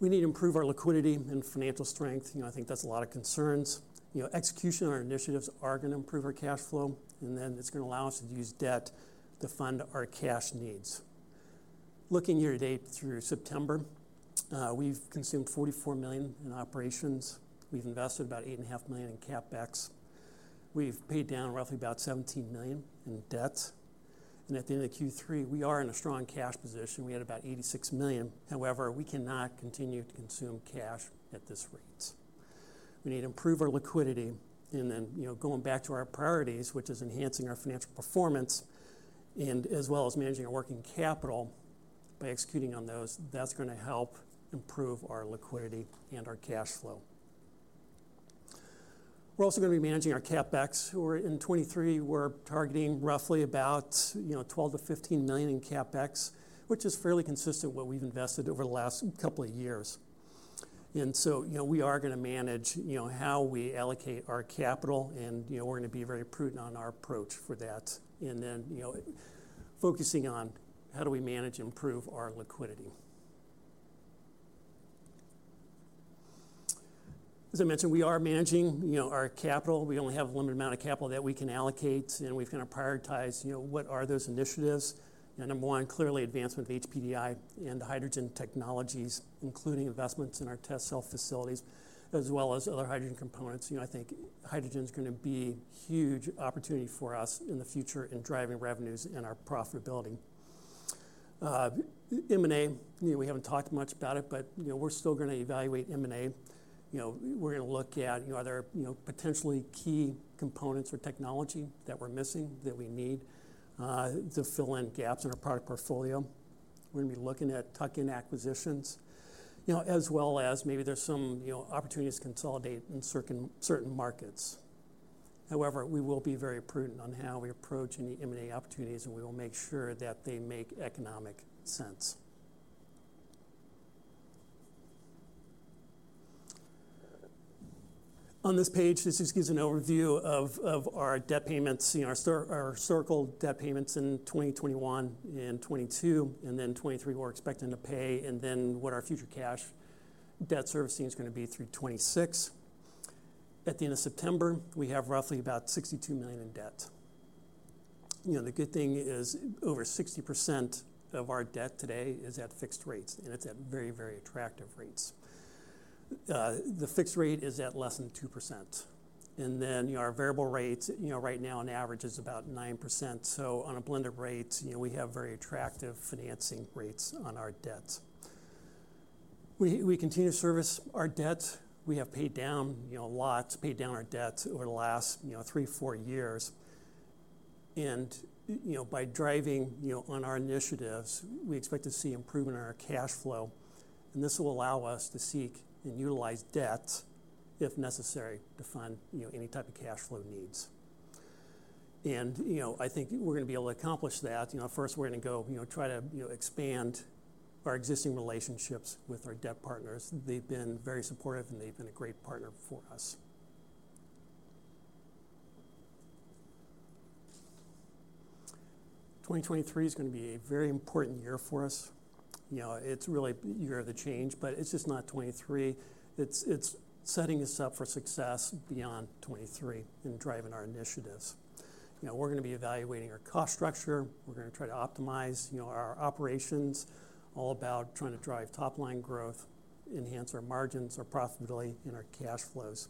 We need to improve our liquidity and financial strength. I think that's a lot of concerns. Execution of our initiatives are going to improve our cash flow, and then it's going to allow us to use debt to fund our cash needs. Looking year to date through September, we've consumed $44 million in operations. We've invested about $8.5 million in CapEx. We've paid down roughly about $17 million in debt. At the end of Q3, we are in a strong cash position. We had about $86 million. However, we cannot continue to consume cash at this rate. We need to improve our liquidity. Going back to our priorities, which is enhancing our financial performance and as well as managing our working capital by executing on those, that's going to help improve our liquidity and our cash flow. We're also going to be managing our CapEx. In 2023, we're targeting roughly about $12 million-$15 million in CapEx, which is fairly consistent with what we've invested over the last couple of years. We are going to manage how we allocate our capital, and we're going to be very prudent on our approach for that. Focusing on how do we manage and improve our liquidity. As I mentioned, we are managing our capital. We only have a limited amount of capital that we can allocate, and we've got to prioritize what are those initiatives. Number one, clearly advancement of HPDI and hydrogen technologies, including investments in our test cell facilities as well as other hydrogen components. I think hydrogen's going to be a huge opportunity for us in the future in driving revenues and our profitability. M&A, we haven't talked much about it, but we're still going to evaluate M&A. We're going to look at are there potentially key components or technology that we're missing that we need to fill in gaps in our product portfolio. We're going to be looking at tuck-in acquisitions as well as maybe there's some opportunities to consolidate in certain markets. However, we will be very prudent on how we approach any M&A opportunities, and we will make sure that they make economic sense. On this page, this just gives an overview of our debt payments, our historical debt payments in 2021 and 2022, and then 2023 we're expecting to pay, and then what our future cash debt servicing is going to be through 2026. At the end of September, we have roughly about $62 million in debt. The good thing is over 60% of our debt today is at fixed rates, and it's at very, very attractive rates. The fixed rate is at less than 2%, and then our variable rate right now on average is about 9%, so on a blended rate, we have very attractive financing rates on our debt. We continue to service our debt. We have paid down a lot, paid down our debt over the last three, four years, and by driving on our initiatives, we expect to see improvement in our cash flow, and this will allow us to seek and utilize debt if necessary to fund any type of cash flow needs. I think we're going to be able to accomplish that. First, we're going to go try to expand our existing relationships with our debt partners. They've been very supportive, and they've been a great partner for us. 2023 is going to be a very important year for us. It's really the year of the change, but it's just not 2023. It's setting us up for success beyond 2023 in driving our initiatives. We're going to be evaluating our cost structure. We're going to try to optimize our operations, all about trying to drive top-line growth, enhance our margins, our profitability, and our cash flows.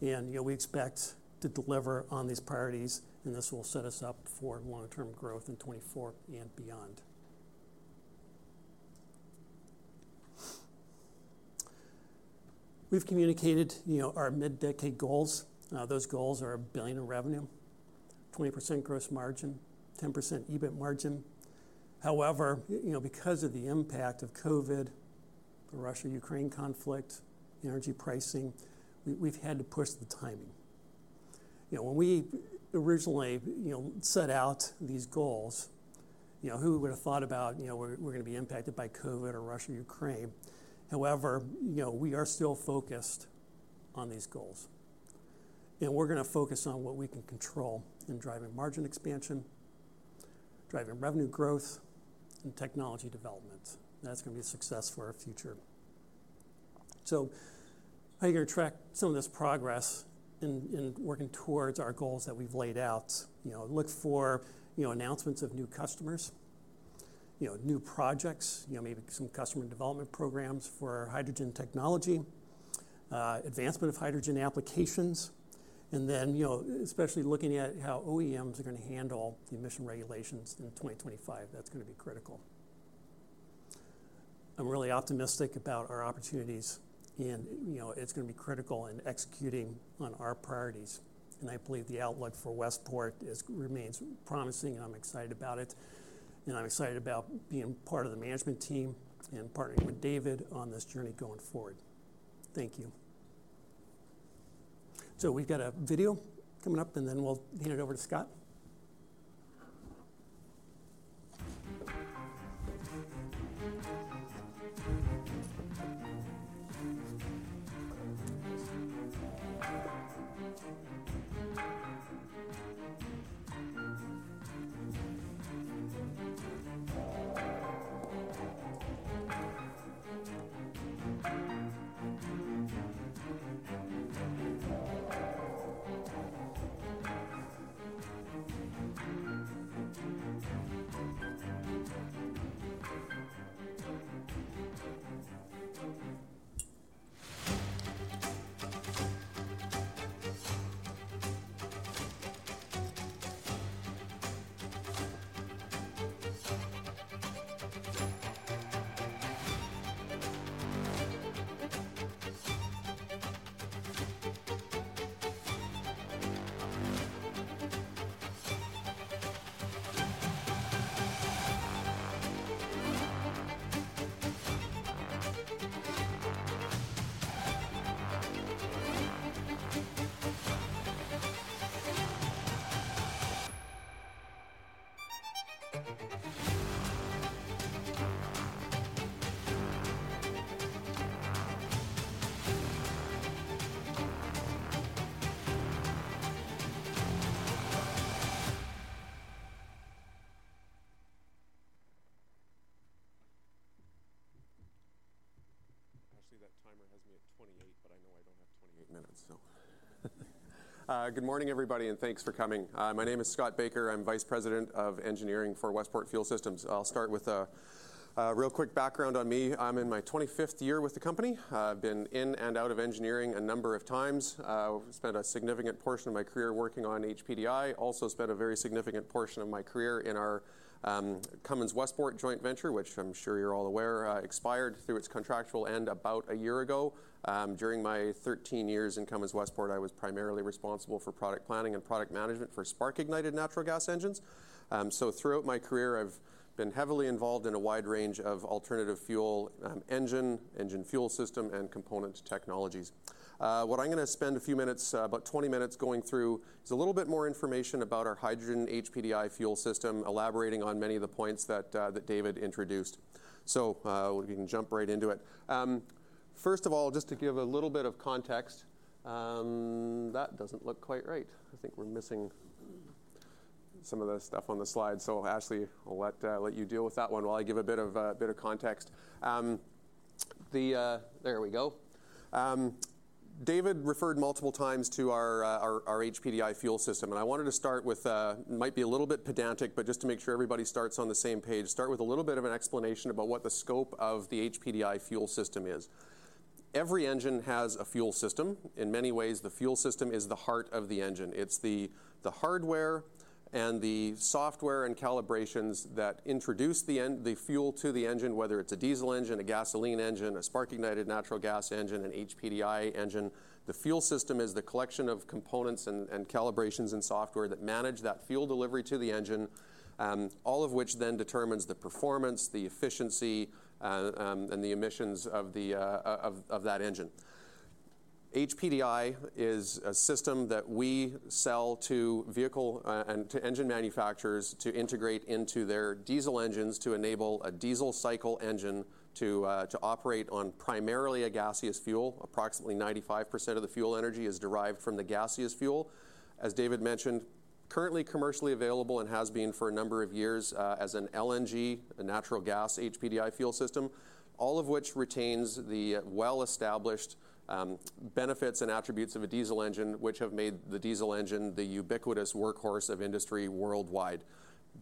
We expect to deliver on these priorities, and this will set us up for long-term growth in 2024 and beyond. We've communicated our mid-decade goals. Those goals are a billion in revenue, 20% gross margin, 10% EBIT margin. However, because of the impact of COVID, the Russia-Ukraine conflict, energy pricing, we've had to push the timing. When we originally set out these goals, who would have thought about we're going to be impacted by COVID or Russia-Ukraine? However, we are still focused on these goals, and we're going to focus on what we can control in driving margin expansion, driving revenue growth, and technology development. That's going to be a success for our future. How are you going to track some of this progress in working towards our goals that we've laid out? Look for announcements of new customers, new projects, maybe some customer development programs for hydrogen technology, advancement of hydrogen applications, especially looking at how OEMs are going to handle the emission regulations in 2025. That's going to be critical. I'm really optimistic about our opportunities, and it's going to be critical in executing on our priorities, and I believe the outlook for Westport remains promising, and I'm excited about it, and I'm excited about being part of the management team and partnering with David on this journey going forward. Thank you. We've got a video coming up, we'll hand it over to Scott. I see that timer has me at 28, but I know I don't have 28 minutes. Good morning, everybody, thanks for coming. My name is Scott Baker. I'm Vice President of Engineering for Westport Fuel Systems. I'll start with a real quick background on me. I'm in my 25th year with the company. I've been in and out of engineering a number of times. I've spent a significant portion of my career working on HPDI. Also spent a very significant portion of my career in our Cummins-Westport joint venture, which I'm sure you're all aware, expired through its contractual end about a year ago. During my 13 years in Cummins-Westport, I was primarily responsible for product planning and product management for spark-ignited natural gas engines. Throughout my career, I've been heavily involved in a wide range of alternative fuel engine fuel system, and component technologies. What I'm going to spend a few minutes, about 20 minutes, going through is a little bit more information about our hydrogen HPDI fuel system, elaborating on many of the points that David introduced. We can jump right into it. First of all, just to give a little bit of context, that doesn't look quite right. I think we're missing some of the stuff on the slide, so Ashley, I'll let you deal with that one while I give a bit of context. There we go. David referred multiple times to our HPDI fuel system, and I wanted to start with it might be a little bit pedantic, but just to make sure everybody starts on the same page, start with a little bit of an explanation about what the scope of the HPDI fuel system is. Every engine has a fuel system. In many ways, the fuel system is the heart of the engine. It's the hardware and the software and calibrations that introduce the fuel to the engine, whether it's a diesel engine, a gasoline engine, a spark-ignited natural gas engine, an HPDI engine. The fuel system is the collection of components and calibrations and software that manage that fuel delivery to the engine, all of which then determines the performance, the efficiency, and the emissions of that engine. HPDI is a system that we sell to vehicle and to engine manufacturers to integrate into their diesel engines to enable a diesel cycle engine to operate on primarily a gaseous fuel. Approximately 95% of the fuel energy is derived from the gaseous fuel. As David mentioned, currently commercially available and has been for a number of years as an LNG, a natural gas HPDI fuel system, all of which retains the well-established benefits and attributes of a diesel engine, which have made the diesel engine the ubiquitous workhorse of industry worldwide.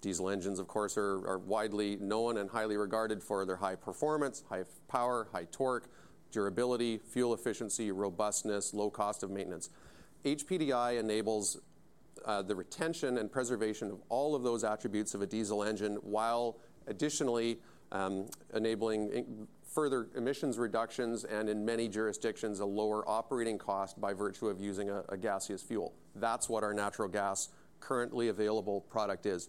Diesel engines, of course, are widely known and highly regarded for their high performance, high power, high torque, durability, fuel efficiency, robustness, low cost of maintenance. HPDI enables the retention and preservation of all of those attributes of a diesel engine while additionally enabling further emissions reductions and, in many jurisdictions, a lower operating cost by virtue of using a gaseous fuel. That's what our natural gas currently available product is.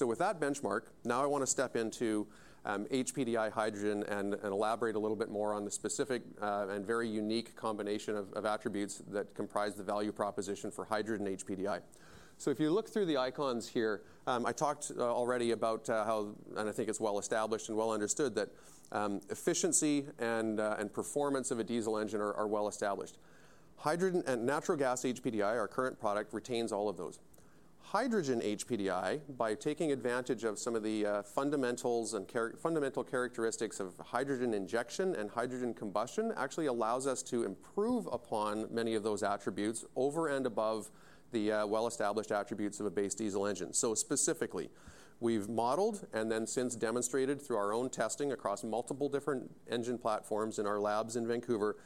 With that benchmark, now I want to step into HPDI hydrogen and elaborate a little bit more on the specific and very unique combination of attributes that comprise the value proposition for hydrogen HPDI. If you look through the icons here, I talked already about how, and I think it's well-established and well-understood, that efficiency and performance of a diesel engine are well-established. Hydrogen and natural gas HPDI, our current product, retains all of those. Hydrogen HPDI, by taking advantage of some of the fundamental characteristics of hydrogen injection and hydrogen combustion, actually allows us to improve upon many of those attributes over and above the well-established attributes of a base diesel engine. Specifically, we've modeled and then since demonstrated through our own testing across multiple different engine platforms in our labs in Vancouver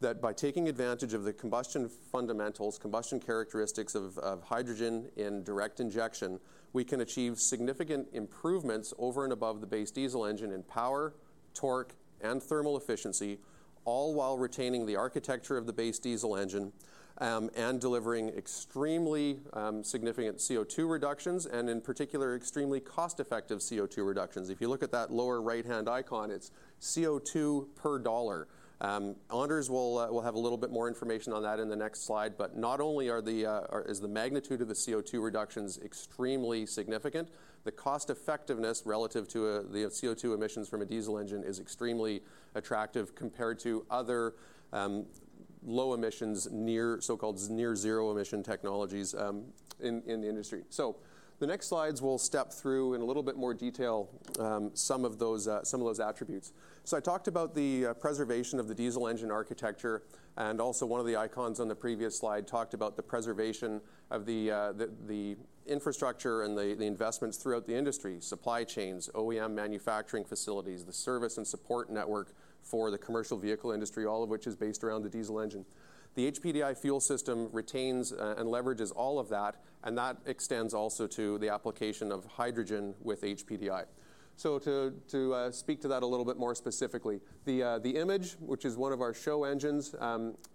that by taking advantage of the combustion fundamentals, combustion characteristics of hydrogen in direct injection, we can achieve significant improvements over and above the base diesel engine in power, torque, and thermal efficiency, all while retaining the architecture of the base diesel engine and delivering extremely significant CO2 reductions and, in particular, extremely cost-effective CO2 reductions. If you look at that lower right-hand icon, it's CO2 per dollar. Anders will have a little bit more information on that in the next slide. Not only is the magnitude of the CO2 reductions extremely significant, the cost-effectiveness relative to the CO2 emissions from a diesel engine is extremely attractive compared to other low emissions, so-called near-zero emission technologies in the industry. The next slides, we'll step through in a little bit more detail some of those attributes. I talked about the preservation of the diesel engine architecture, and also one of the icons on the previous slide talked about the preservation of the infrastructure and the investments throughout the industry, supply chains, OEM manufacturing facilities, the service and support network for the commercial vehicle industry, all of which is based around the diesel engine. The HPDI fuel system retains and leverages all of that, and that extends also to the application of hydrogen with HPDI. To speak to that a little bit more specifically, the image, which is one of our show engines,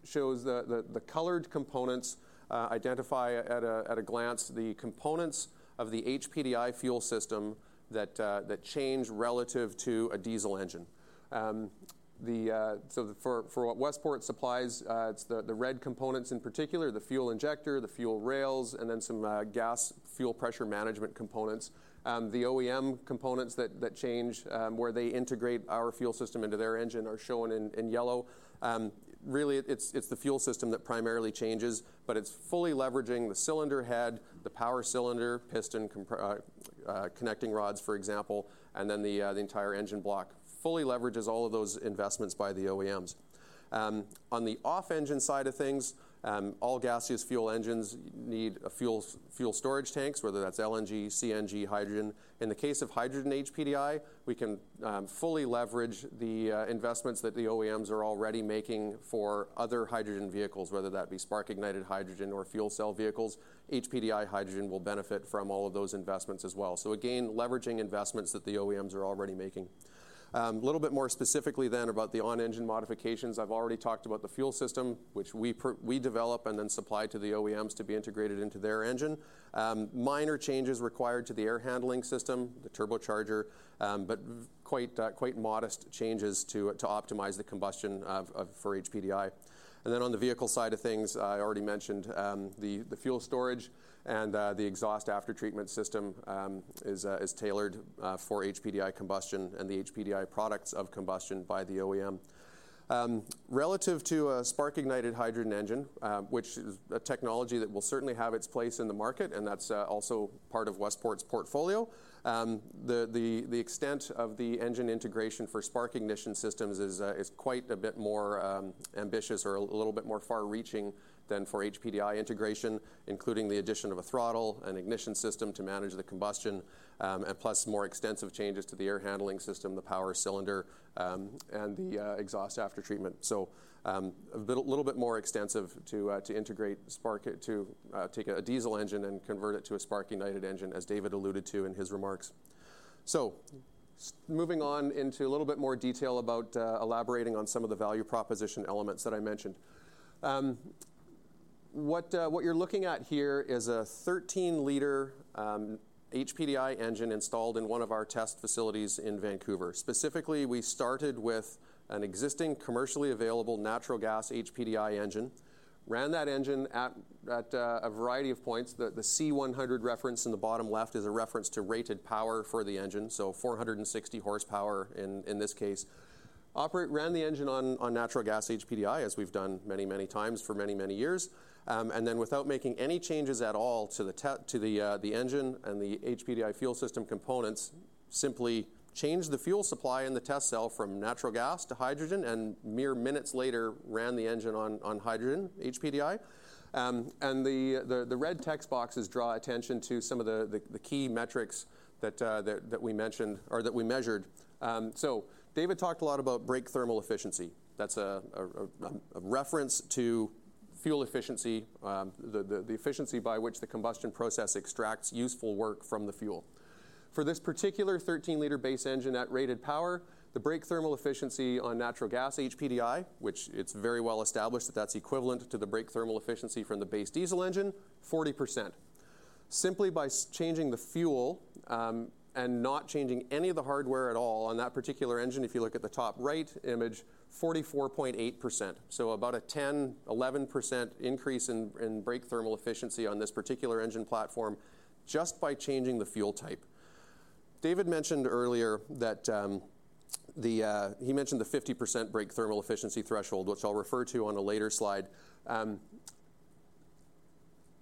shows the colored components identify at a glance the components of the HPDI fuel system that change relative to a diesel engine. For what Westport supplies, it's the red components in particular, the fuel injector, the fuel rails, and then some gas fuel pressure management components. The OEM components that change, where they integrate our fuel system into their engine, are shown in yellow. Really, it's the fuel system that primarily changes, but it's fully leveraging the cylinder head, the power cylinder, piston connecting rods, for example, and then the entire engine block. Fully leverages all of those investments by the OEMs. On the off-engine side of things, all gaseous fuel engines need fuel storage tanks, whether that's LNG, CNG, hydrogen. In the case of hydrogen HPDI, we can fully leverage the investments that the OEMs are already making for other hydrogen vehicles, whether that be spark-ignited hydrogen or fuel cell vehicles. HPDI hydrogen will benefit from all of those investments as well. Again, leveraging investments that the OEMs are already making. A little bit more specifically about the on-engine modifications. I've already talked about the fuel system, which we develop and then supply to the OEMs to be integrated into their engine. Minor changes required to the air handling system, the turbocharger, quite modest changes to optimize the combustion for HPDI. On the vehicle side of things, I already mentioned the fuel storage and the exhaust aftertreatment system is tailored for HPDI combustion and the HPDI products of combustion by the OEM. Relative to a spark-ignited hydrogen engine, which is a technology that will certainly have its place in the market, That's also part of Westport's portfolio, the extent of the engine integration for spark-ignition systems is quite a bit more ambitious or a little bit more far-reaching than for HPDI integration, including the addition of a throttle and ignition system to manage the combustion, plus more extensive changes to the air handling system, the power cylinder, and the exhaust aftertreatment. A little bit more extensive to integrate spark to take a diesel engine and convert it to a spark-ignited engine, as David alluded to in his remarks. Moving on into a little bit more detail about elaborating on some of the value proposition elements that I mentioned. What you're looking at here is a 13L HPDI engine installed in one of our test facilities in Vancouver. Specifically, we started with an existing commercially available natural gas HPDI engine, ran that engine at a variety of points. The C100 reference in the bottom left is a reference to rated power for the engine, so 460 hp in this case. Run the engine on natural gas HPDI, as we've done many, many times for many, many years, and then without making any changes at all to the engine and the HPDI fuel system components, simply changed the fuel supply in the test cell from natural gas to hydrogen and, mere minutes later, ran the engine on hydrogen HPDI. The red text boxes draw attention to some of the key metrics that we mentioned or that we measured. David talked a lot about brake thermal efficiency. That's a reference to fuel efficiency, the efficiency by which the combustion process extracts useful work from the fuel. For this particular 13L base engine at rated power, the brake thermal efficiency on natural gas HPDI, which it's very well established that that's equivalent to the brake thermal efficiency from the base diesel engine, 40%. Simply by changing the fuel and not changing any of the hardware at all on that particular engine, if you look at the top right image, 44.8%, so about a 10%, 11% increase in brake thermal efficiency on this particular engine platform just by changing the fuel type. David mentioned earlier that he mentioned the 50% brake thermal efficiency threshold, which I'll refer to on a later slide.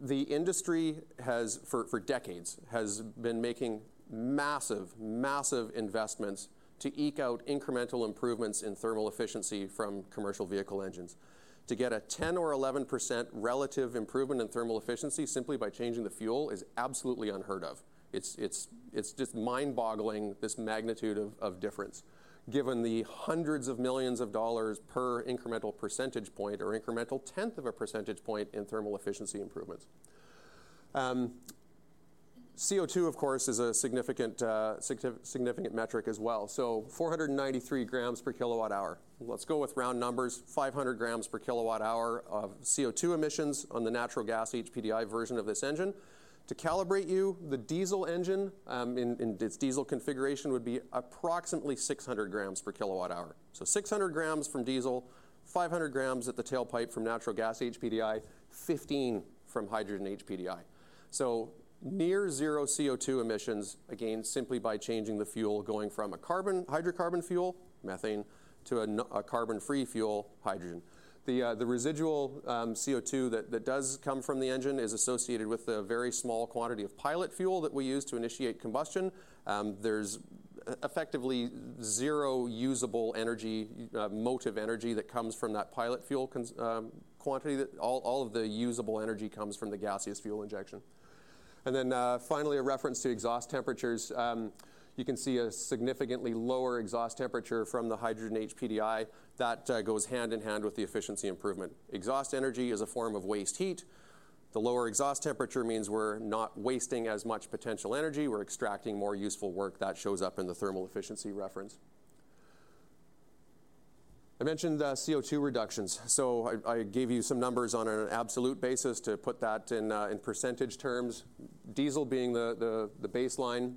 The industry has, for decades, been making massive investments to eke out incremental improvements in thermal efficiency from commercial vehicle engines. To get a 10% or 11% relative improvement in thermal efficiency simply by changing the fuel is absolutely unheard of. It's just mind-boggling, this magnitude of difference, given the hundreds of millions of dollars per incremental percentage point or incremental tenth of a percentage point in thermal efficiency improvements. CO2, of course, is a significant metric as well. 493 grams per kilowatt-hour. Let's go with round numbers, 500 grams per kilowatt-hour of CO2 emissions on the natural gas HPDI version of this engine. To calibrate you, the diesel engine, in its diesel configuration, would be approximately 600 grams per kilowatt-hour. 600 grams from diesel, 500 grams at the tailpipe from natural gas HPDI, 15 from hydrogen HPDI. Near-zero CO2 emissions, again, simply by changing the fuel, going from a hydrocarbon fuel, methane, to a carbon-free fuel, hydrogen. The residual CO2 that does come from the engine is associated with a very small quantity of pilot fuel that we use to initiate combustion. There's effectively zero usable energy, motive energy, that comes from that pilot fuel quantity. All of the usable energy comes from the gaseous fuel injection. Finally, a reference to exhaust temperatures. You can see a significantly lower exhaust temperature from the hydrogen HPDI. That goes hand in hand with the efficiency improvement. Exhaust energy is a form of waste heat. The lower exhaust temperature means we're not wasting as much potential energy. We're extracting more useful work that shows up in the thermal efficiency reference. I mentioned CO2 reductions. I gave you some numbers on an absolute basis to put that in percentage terms, diesel being the baseline,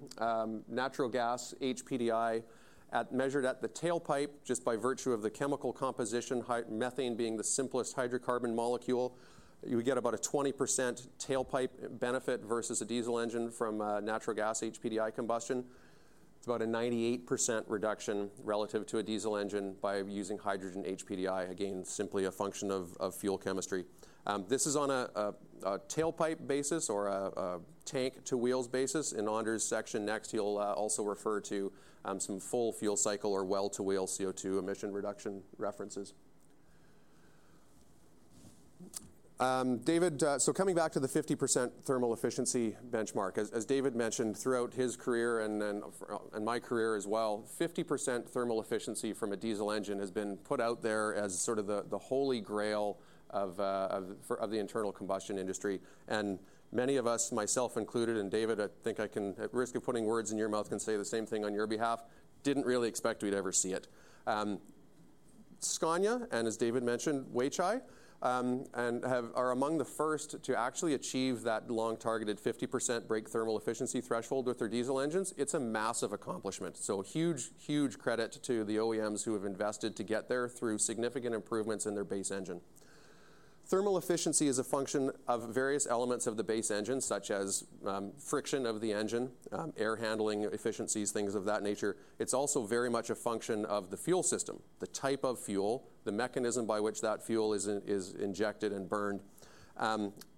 natural gas HPDI measured at the tailpipe just by virtue of the chemical composition, methane being the simplest hydrocarbon molecule. You would get about a 20% tailpipe benefit versus a diesel engine from natural gas HPDI combustion. It's about a 98% reduction relative to a diesel engine by using hydrogen HPDI, again, simply a function of fuel chemistry. This is on a tailpipe basis or a tank-to-wheel basis. In Anders' section next, he'll also refer to some full fuel cycle or well-to-wheel CO2 emission reduction references. David, coming back to the 50% thermal efficiency benchmark. As David mentioned, throughout his career and my career as well, 50% thermal efficiency from a diesel engine has been put out there as sort of the holy grail of the internal combustion industry. Many of us, myself included and David, I think I can, at risk of putting words in your mouth, can say the same thing on your behalf, didn't really expect we'd ever see it. Scania, as David mentioned, Weichai, are among the first to actually achieve that long-targeted 50% brake thermal efficiency threshold with their diesel engines. It's a massive accomplishment. Huge, huge credit to the OEMs who have invested to get there through significant improvements in their base engine. Thermal efficiency is a function of various elements of the base engine, such as friction of the engine, air handling efficiencies, things of that nature. It's also very much a function of the fuel system, the type of fuel, the mechanism by which that fuel is injected and burned.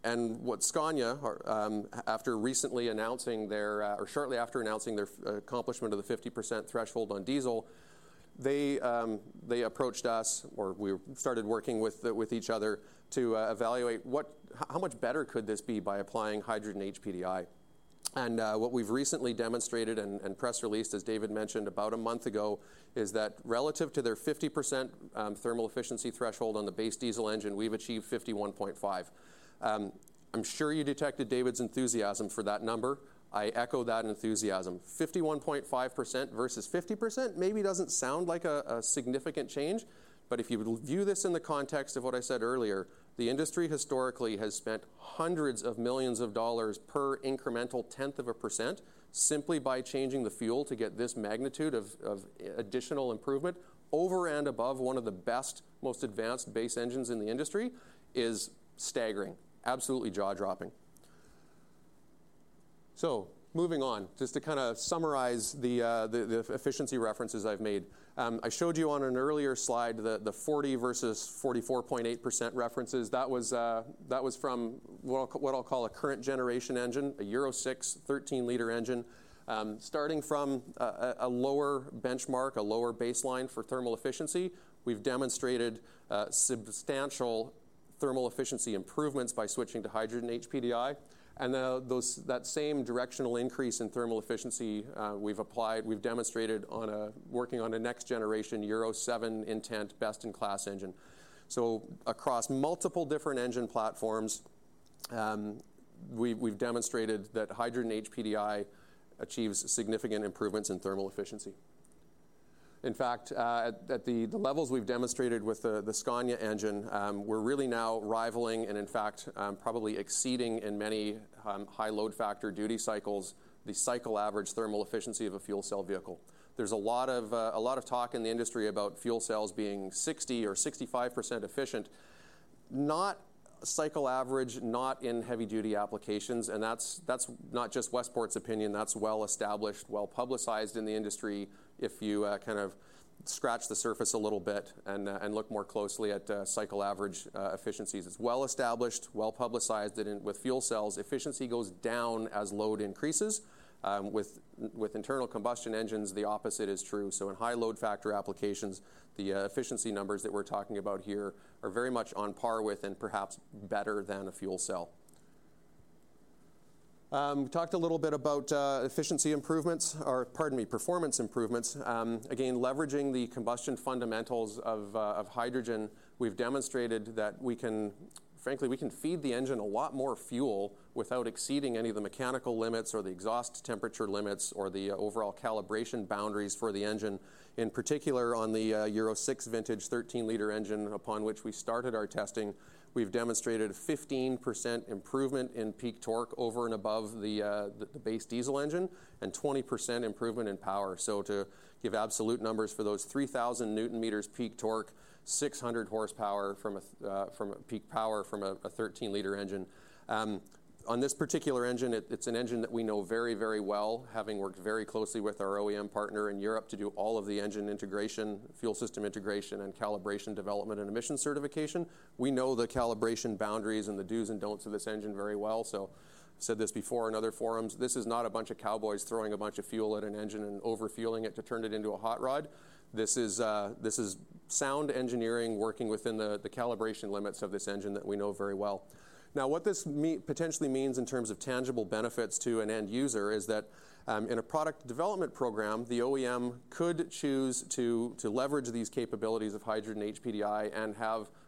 What Scania, after recently announcing their, or shortly after announcing their accomplishment of the 50% threshold on diesel, they approached us, or we started working with each other, to evaluate how much better could this be by applying hydrogen HPDI. What we've recently demonstrated and press-released, as David mentioned about a month ago, is that relative to their 50% thermal efficiency threshold on the base diesel engine, we've achieved 51.5%. I'm sure you detected David's enthusiasm for that number. I echo that enthusiasm. 51.5% versus 50% maybe doesn't sound like a significant change, but if you view this in the context of what I said earlier, the industry historically has spent hundreds of millions of dollars per incremental tenth of a percent simply by changing the fuel to get this magnitude of additional improvement over and above one of the best, most advanced base engines in the industry is staggering, absolutely jaw-dropping. Moving on, just to kind of summarize the efficiency references I've made. I showed you on an earlier slide the 40% versus 44.8% references. That was from what I'll call a current-generation engine, a Euro 6 13L engine. Starting from a lower benchmark, a lower baseline for thermal efficiency, we've demonstrated substantial thermal efficiency improvements by switching to hydrogen HPDI. That same directional increase in thermal efficiency we've demonstrated on a next-generation Euro 7 intent, best-in-class engine. Across multiple different engine platforms, we've demonstrated that hydrogen HPDI achieves significant improvements in thermal efficiency. At the levels we've demonstrated with the Scania engine, we're really now rivaling and, in fact, probably exceeding in many high-load factor duty cycles the cycle average thermal efficiency of a fuel cell vehicle. There's a lot of talk in the industry about fuel cells being 60% or 65% efficient, not cycle average, not in heavy-duty applications. That's not just Westport's opinion. That's well-established, well-publicized in the industry if you kind of scratch the surface a little bit and look more closely at cycle average efficiencies. It's well-established, well-publicized. With fuel cells, efficiency goes down as load increases. With internal combustion engines, the opposite is true. In high-load factor applications, the efficiency numbers that we're talking about here are very much on par with and perhaps better than a fuel cell. We talked a little bit about efficiency improvements, or pardon me, performance improvements. Again, leveraging the combustion fundamentals of hydrogen, we've demonstrated that we can, frankly, we can feed the engine a lot more fuel without exceeding any of the mechanical limits or the exhaust temperature limits or the overall calibration boundaries for the engine. In particular, on the Euro 6 vintage 13L engine upon which we started our testing, we've demonstrated a 15% improvement in peak torque over and above the base diesel engine and 20% improvement in power. To give absolute numbers for those 3,000 newton-meters peak torque, 600 hp from a peak power from a 13L engine. On this particular engine, it's an engine that we know very, very well, having worked very closely with our OEM partner in Europe to do all of the engine integration, fuel system integration, and calibration development and emission certification. We know the calibration boundaries and the dos and don'ts of this engine very well. I've said this before on other forums. This is not a bunch of cowboys throwing a bunch of fuel at an engine and over-fueling it to turn it into a hot rod. This is sound engineering working within the calibration limits of this engine that we know very well. What this potentially means in terms of tangible benefits to an end user is that in a product development program, the OEM could choose to leverage these capabilities of hydrogen HPDI and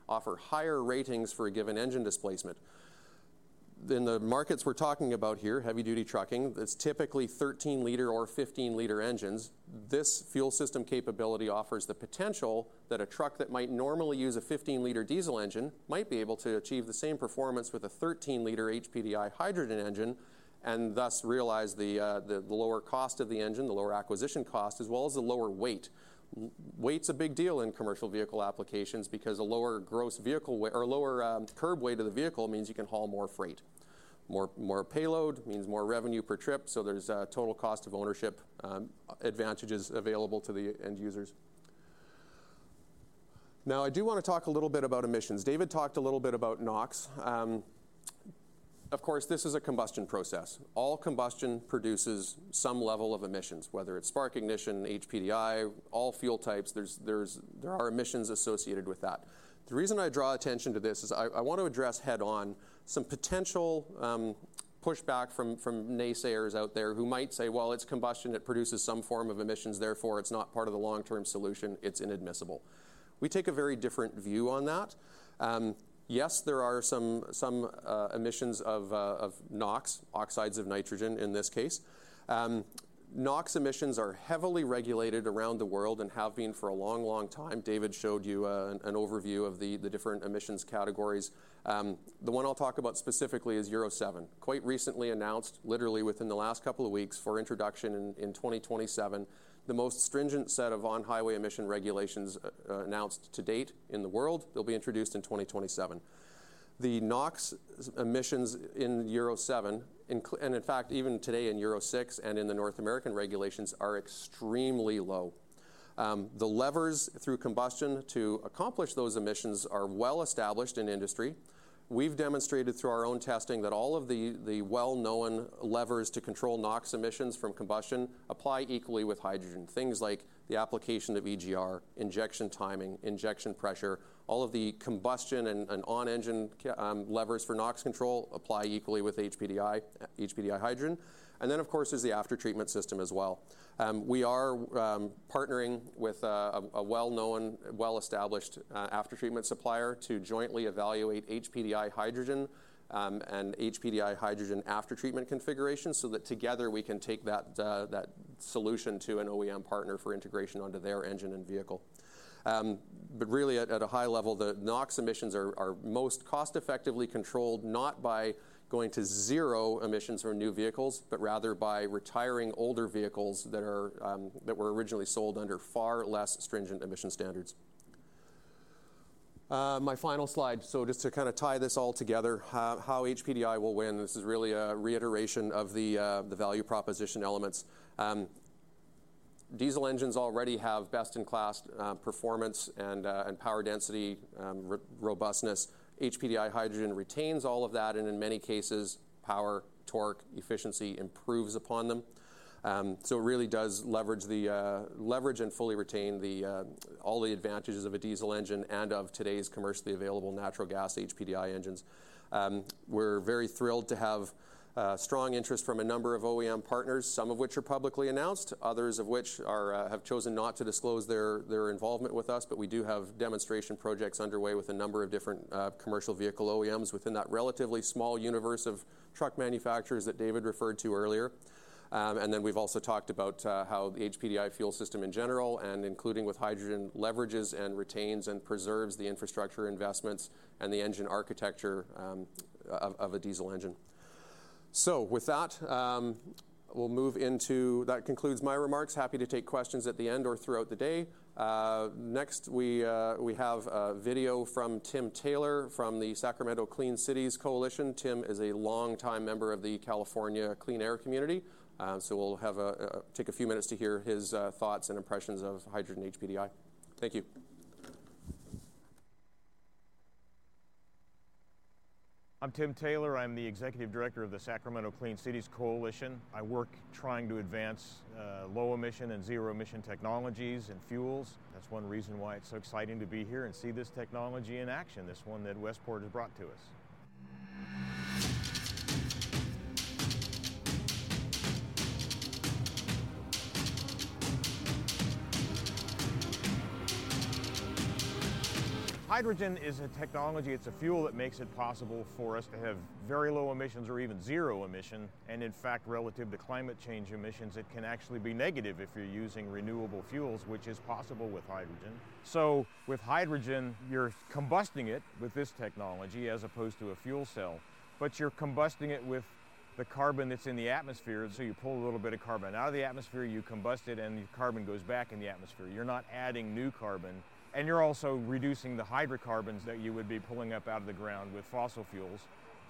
offer higher ratings for a given engine displacement. In the markets we're talking about here, heavy-duty trucking, it's typically 13L or 15L engines. This fuel system capability offers the potential that a truck that might normally use a 15L diesel engine might be able to achieve the same performance with a 13L HPDI hydrogen engine and thus realize the lower cost of the engine, the lower acquisition cost, as well as the lower weight. Weight's a big deal in commercial vehicle applications because a lower gross vehicle weight or lower curb weight of the vehicle means you can haul more freight. More payload means more revenue per trip, so there's total cost of ownership advantages available to the end users. Now, I do want to talk a little bit about emissions. David talked a little bit about NOx. Of course, this is a combustion process. All combustion produces some level of emissions, whether it's spark-ignition, HPDI, all fuel types, there are emissions associated with that. The reason I draw attention to this is I want to address head-on some potential pushback from naysayers out there who might say, "Well, it's combustion. It produces some form of emissions. Therefore, it's not part of the long-term solution. It's inadmissible." We take a very different view on that. Yes, there are some emissions of NOx, oxides of nitrogen in this case. NOx emissions are heavily regulated around the world and have been for a long, long time. David showed you an overview of the different emissions categories. The one I'll talk about specifically is Euro 7, quite recently announced, literally within the last couple of weeks, for introduction in 2027, the most stringent set of on-highway emission regulations announced to date in the world. They'll be introduced in 2027. The NOx emissions in Euro 7, and in fact, even today in Euro 6 and in the North American regulations, are extremely low. The levers through combustion to accomplish those emissions are well-established in industry. We've demonstrated through our own testing that all of the well-known levers to control NOx emissions from combustion apply equally with hydrogen, things like the application of EGR, injection timing, injection pressure. All of the combustion and on-engine levers for NOx control apply equally with HPDI hydrogen. Then, of course, there's the aftertreatment system as well. We are partnering with a well-known, well-established aftertreatment supplier to jointly evaluate HPDI hydrogen and HPDI hydrogen aftertreatment configurations so that together we can take that solution to an OEM partner for integration onto their engine and vehicle. Really, at a high level, the NOx emissions are most cost-effectively controlled not by going to zero emissions from new vehicles, but rather by retiring older vehicles that were originally sold under far less stringent emission standards. My final slide, just to kind of tie this all together, how HPDI will win. This is really a reiteration of the value proposition elements. Diesel engines already have best-in-class performance and power density, robustness. HPDI hydrogen retains all of that and, in many cases, power, torque, efficiency improves upon them. It really does leverage and fully retain all the advantages of a diesel engine and of today's commercially available natural gas HPDI engines. We're very thrilled to have strong interest from a number of OEM partners, some of which are publicly announced, others of which have chosen not to disclose their involvement with us, but we do have demonstration projects underway with a number of different commercial vehicle OEMs within that relatively small universe of truck manufacturers that David referred to earlier. Then we've also talked about how the HPDI fuel system in general, and including with hydrogen, leverages and retains and preserves the infrastructure investments and the engine architecture of a diesel engine. With that, That concludes my remarks. Happy to take questions at the end or throughout the day. Next, we have a video from Tim Taylor from the Sacramento Clean Cities Coalition. Tim is a long-time member of the California Clean Air Community. We'll take a few minutes to hear his thoughts and impressions of hydrogen HPDI. Thank you. I'm Tim Taylor. I'm the executive director of the Sacramento Clean Cities Coalition. I work trying to advance low-emission and zero-emission technologies and fuels. That's one reason why it's so exciting to be here and see this technology in action, this one that Westport has brought to us. Hydrogen is a technology. It's a fuel that makes it possible for us to have very low emissions or even zero emission, and, in fact, relative to climate change emissions, it can actually be negative if you're using renewable fuels, which is possible with hydrogen. With hydrogen, you're combusting it with this technology as opposed to a fuel cell, but you're combusting it with the carbon that's in the atmosphere, you pull a little bit of carbon out of the atmosphere, you combust it, and the carbon goes back in the atmosphere. You're not adding new carbon, you're also reducing the hydrocarbons that you would be pulling up out of the ground with fossil fuels.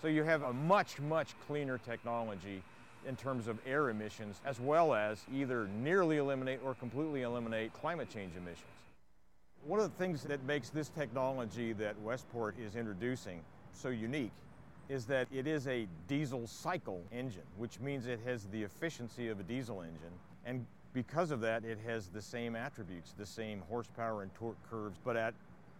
You have a much, much cleaner technology in terms of air emissions, as well as either nearly eliminate or completely eliminate climate change emissions. One of the things that makes this technology that Westport is introducing so unique is that it is a diesel cycle engine, which means it has the efficiency of a diesel engine, and because of that, it has the same attributes, the same horsepower and torque curves, but at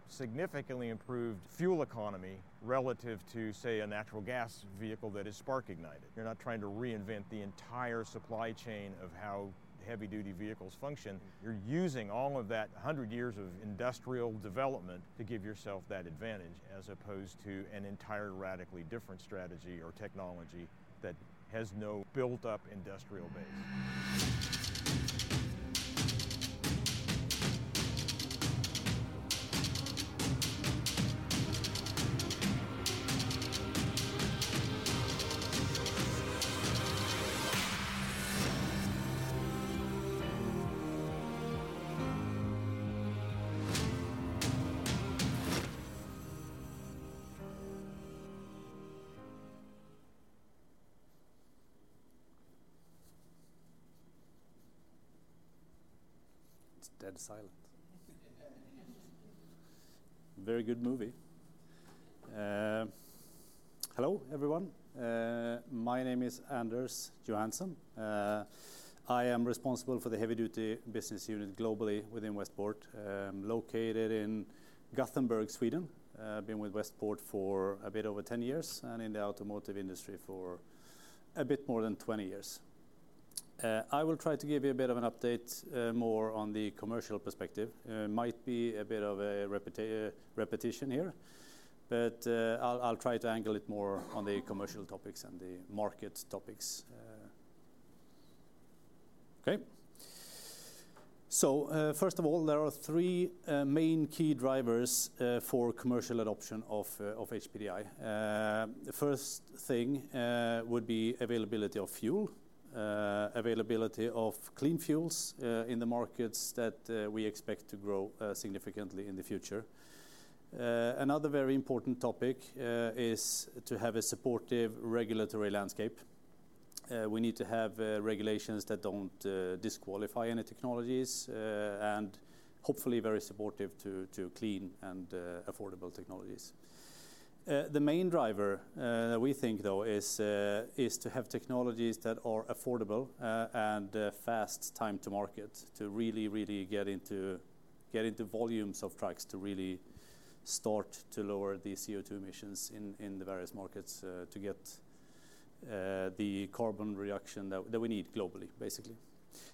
significantly improved fuel economy relative to, say, a natural gas vehicle that is spark-ignited. You're not trying to reinvent the entire supply chain of how heavy-duty vehicles function. You're using all of that 100 years of industrial development to give yourself that advantage as opposed to an entire radically different strategy or technology that has no built-up industrial base. It's dead silent. Very good movie. Hello, everyone. My name is Anders Johansson. I am responsible for the heavy-duty business unit globally within Westport, located in Gothenburg, Sweden. I've been with Westport for a bit over 10 years and in the automotive industry for a bit more than 20 years. I will try to give you a bit of an update more on the commercial perspective. It might be a bit of a repetition here, but I'll try to angle it more on the commercial topics and the market topics. Okay? First of all, there are three main key drivers for commercial adoption of HPDI. The first thing would be availability of fuel, availability of clean fuels in the markets that we expect to grow significantly in the future. Another very important topic is to have a supportive regulatory landscape. We need to have regulations that don't disqualify any technologies and, hopefully, very supportive to clean and affordable technologies. The main driver that we think, though, is to have technologies that are affordable and fast time to market, to really get into volumes of trucks to really start to lower the CO2 emissions in the various markets, to get the carbon reduction that we need globally, basically.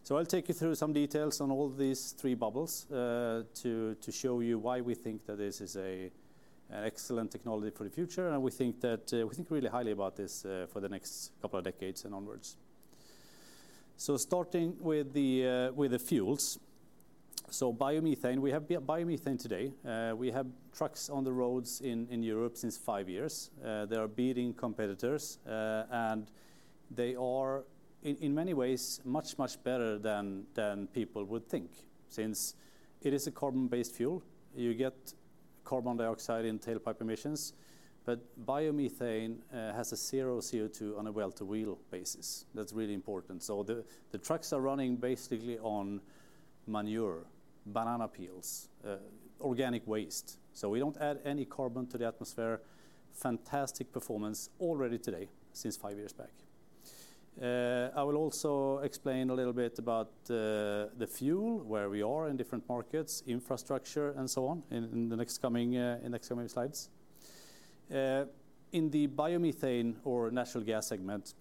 I'll take you through some details on all these three bubbles to show you why we think that this is an excellent technology for the future, and we think really highly about this for the next couple of decades and onwards. Starting with the fuels. Biomethane, we have biomethane today. We have trucks on the roads in Europe since five years. They are beating competitors, and they are, in many ways, much, much better than people would think since it is a carbon-based fuel. You get carbon dioxide in tailpipe emissions, but biomethane has a zero CO2 on a well-to-wheel basis. That's really important. The trucks are running basically on manure, banana peels, organic waste. We don't add any carbon to the atmosphere. Fantastic performance already today since five years back. I will also explain a little bit about the fuel, where we are in different markets, infrastructure, and so on in the next coming slides. In the biomethane or natural gas segment,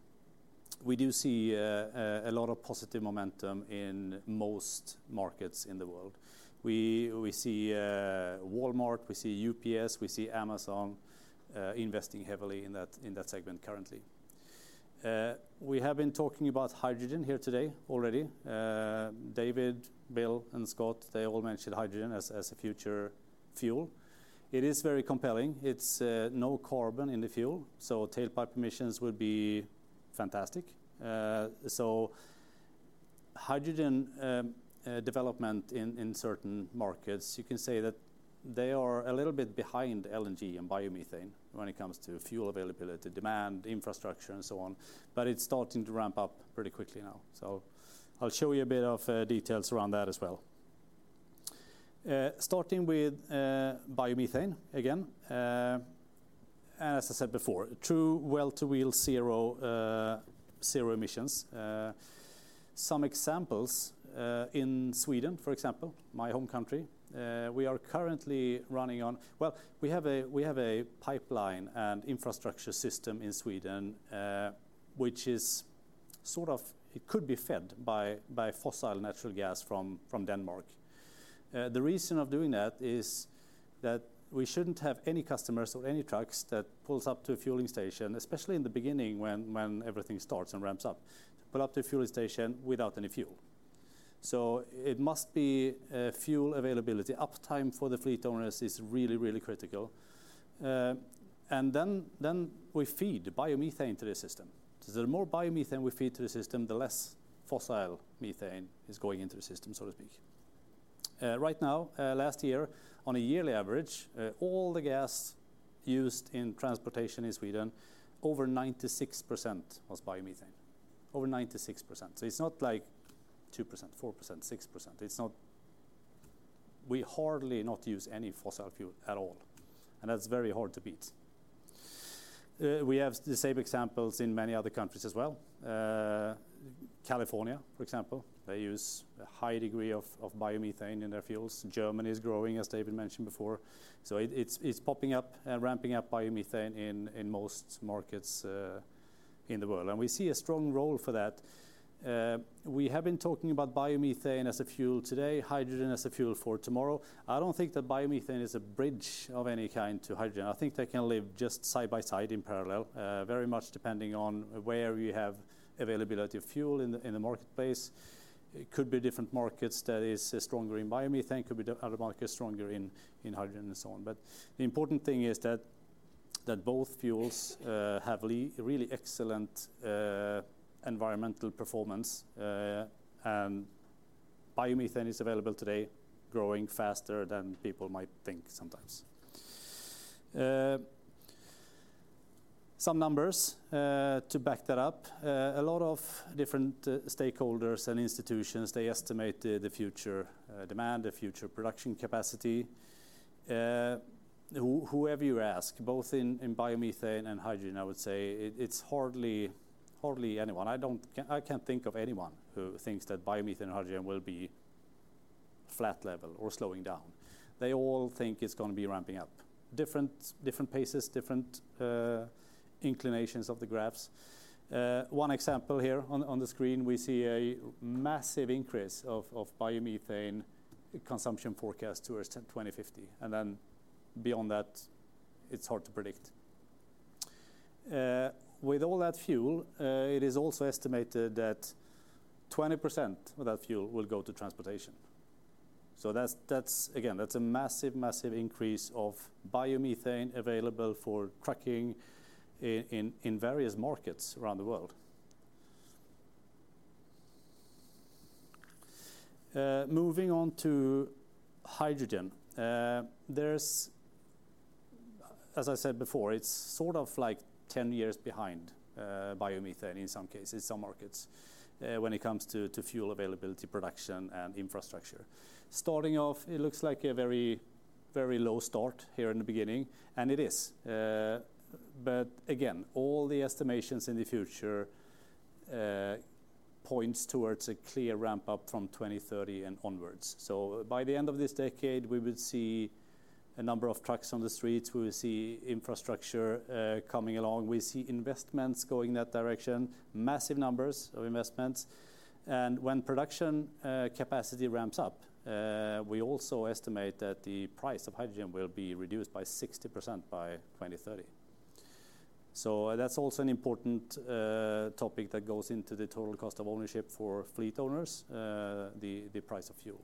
we do see a lot of positive momentum in most markets in the world. We see Walmart, we see UPS, we see Amazon investing heavily in that segment currently. We have been talking about hydrogen here today already. David, Bill, and Scott, they all mentioned hydrogen as a future fuel. It is very compelling. It's no carbon in the fuel, so tailpipe emissions would be fantastic. Hydrogen development in certain markets, you can say that they are a little bit behind LNG and biomethane when it comes to fuel availability, demand, infrastructure, and so on, but it's starting to ramp up pretty quickly now. I'll show you a bit of details around that as well. Starting with biomethane again, as I said before, true well-to-wheel zero emissions. Some examples in Sweden, for example, my home country. Well, we have a pipeline and infrastructure system in Sweden, which is sort of. It could be fed by fossil natural gas from Denmark. The reason of doing that is that we shouldn't have any customers or any trucks that pull up to a fueling station, especially in the beginning when everything starts and ramps up, to pull up to a fueling station without any fuel. It must be fuel availability. Uptime for the fleet owners is really critical. We feed biomethane into the system. The more biomethane we feed to the system, the less fossil methane is going into the system, so to speak. Right now, last year, on a yearly average, all the gas used in transportation in Sweden, over 96% was biomethane. Over 96%. It's not like 2%, 4%, 6%. We hardly not use any fossil fuel at all, That's very hard to beat. We have the same examples in many other countries as well. California, for example, they use a high degree of biomethane in their fuels. Germany is growing, as David mentioned before. It's popping up and ramping up biomethane in most markets in the world, and we see a strong role for that. We have been talking about biomethane as a fuel today, hydrogen as a fuel for tomorrow. I don't think that biomethane is a bridge of any kind to hydrogen. I think they can live just side by side in parallel, very much depending on where you have availability of fuel in the marketplace. It could be different markets that are stronger in biomethane, could be other markets stronger in hydrogen, and so on. The important thing is that both fuels have really excellent environmental performance, and biomethane is available today, growing faster than people might think sometimes. Some numbers to back that up. A lot of different stakeholders and institutions, they estimate the future demand, the future production capacity. Whoever you ask, both in biomethane and hydrogen, I would say, it's hardly anyone. I can't think of anyone who thinks that biomethane and hydrogen will be flat-level or slowing down. They all think it's going to be ramping up. Different paces, different inclinations of the graphs. One example here on the screen, we see a massive increase of biomethane consumption forecast towards 2050, and then beyond that, it's hard to predict. With all that fuel, it is also estimated that 20% of that fuel will go to transportation. Again, that's a massive increase of biomethane available for trucking in various markets around the world. Moving on to hydrogen, there's, as I said before, it's sort of like 10 years behind biomethane in some cases, some markets, when it comes to fuel availability, production, and infrastructure. Starting off, it looks like a very, very low start here in the beginning, and it is. Again, all the estimations in the future point towards a clear ramp-up from 2030 and onwards. By the end of this decade, we would see a number of trucks on the streets. We would see infrastructure coming along. We see investments going in that direction, massive numbers of investments. When production capacity ramps up, we also estimate that the price of hydrogen will be reduced by 60% by 2030. That's also an important topic that goes into the total cost of ownership for fleet owners, the price of fuel.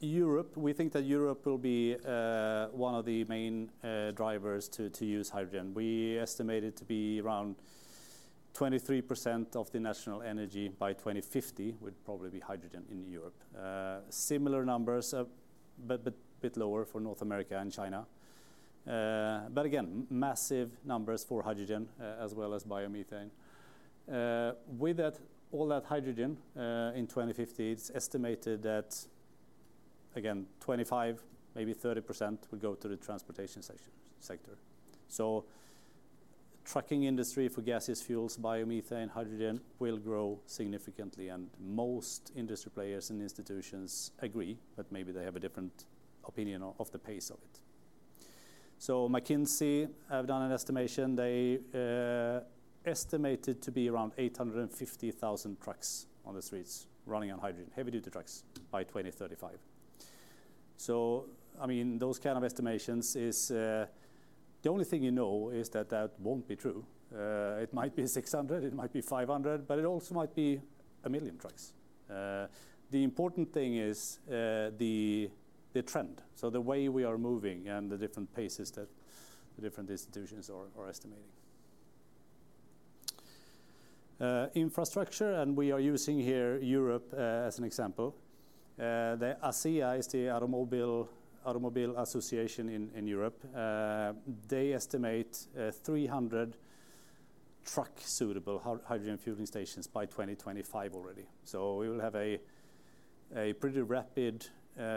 Europe, we think that Europe will be one of the main drivers to use hydrogen. We estimate it to be around 23% of the national energy by 2050 would probably be hydrogen in Europe. Similar numbers, but a bit lower for North America and China. Again, massive numbers for hydrogen as well as biomethane. With all that hydrogen in 2050, it's estimated that, again, 25, maybe 30% will go to the transportation sector. The trucking industry for gaseous fuels, biomethane, hydrogen will grow significantly, and most industry players and institutions agree, but maybe they have a different opinion of the pace of it. McKinsey, I've done an estimation. They estimated to be around 850,000 trucks on the streets running on hydrogen, heavy-duty trucks, by 2035. I mean, those kind of estimations, the only thing you know is that that won't be true. It might be 600, it might be 500, but it also might be 1 million trucks. The important thing is the trend, so the way we are moving and the different paces that the different institutions are estimating. Infrastructure, we are using here Europe as an example. The ACEA is the Automobile Association in Europe. They estimate 300 truck-suitable hydrogen fueling stations by 2025 already. We will have a pretty rapid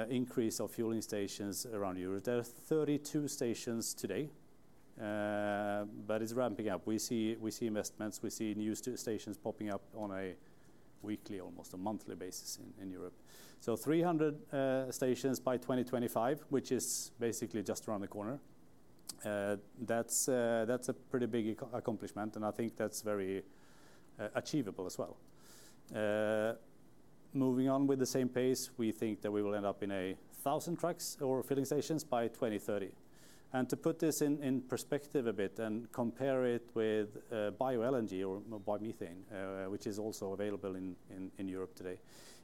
increase of fueling stations around Europe. There are 32 stations today, but it's ramping up. We see investments, we see new stations popping up on a weekly, almost a monthly basis in Europe. 300 stations by 2025, which is basically just around the corner, that's a pretty big accomplishment, and I think that's very achievable as well. Moving on with the same pace, we think that we will end up in 1,000 trucks or filling stations by 2030. To put this in perspective a bit and compare it with bio-LNG or biomethane, which is also available in Europe today,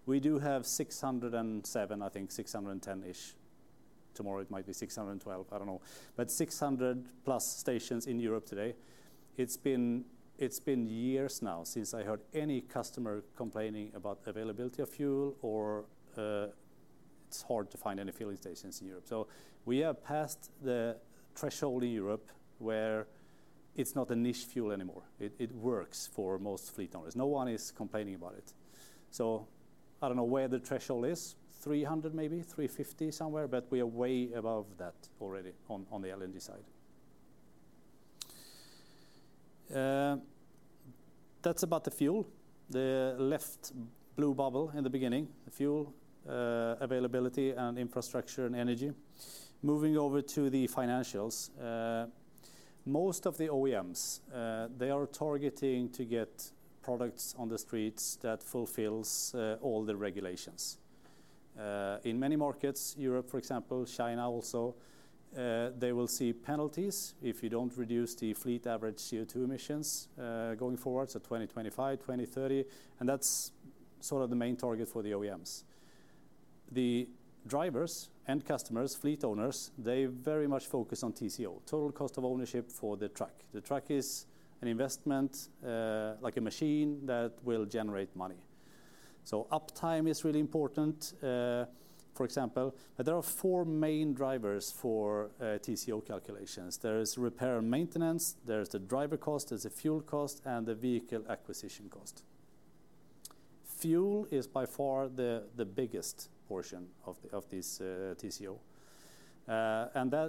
we do have 607, I think 610-ish. Tomorrow it might be 612, I don't know. 600-plus stations in Europe today. It's been years now since I heard any customer complaining about availability of fuel, or it's hard to find any filling stations in Europe. We have passed the threshold in Europe where it's not a niche fuel anymore. It works for most fleet owners. No one is complaining about it. I don't know where the threshold is, 300 maybe, 350 somewhere, but we are way above that already on the LNG side. That's about the fuel, the left blue bubble in the beginning, the fuel availability and infrastructure and energy. Moving over to the financials, most of the OEMs, they are targeting to get products on the streets that fulfill all the regulations. In many markets, Europe, for example, China also, they will see penalties if you don't reduce the fleet average CO2 emissions going forward, so 2025, 2030. That's sort of the main target for the OEMs. The drivers and customers, fleet owners, they very much focus on TCO, total cost of ownership for the truck. The truck is an investment, like a machine, that will generate money. Uptime is really important, for example. There are four main drivers for TCO calculations. There's repair and maintenance, there's the driver cost, there's the fuel cost, and the vehicle acquisition cost. Fuel is by far the biggest portion of this TCO.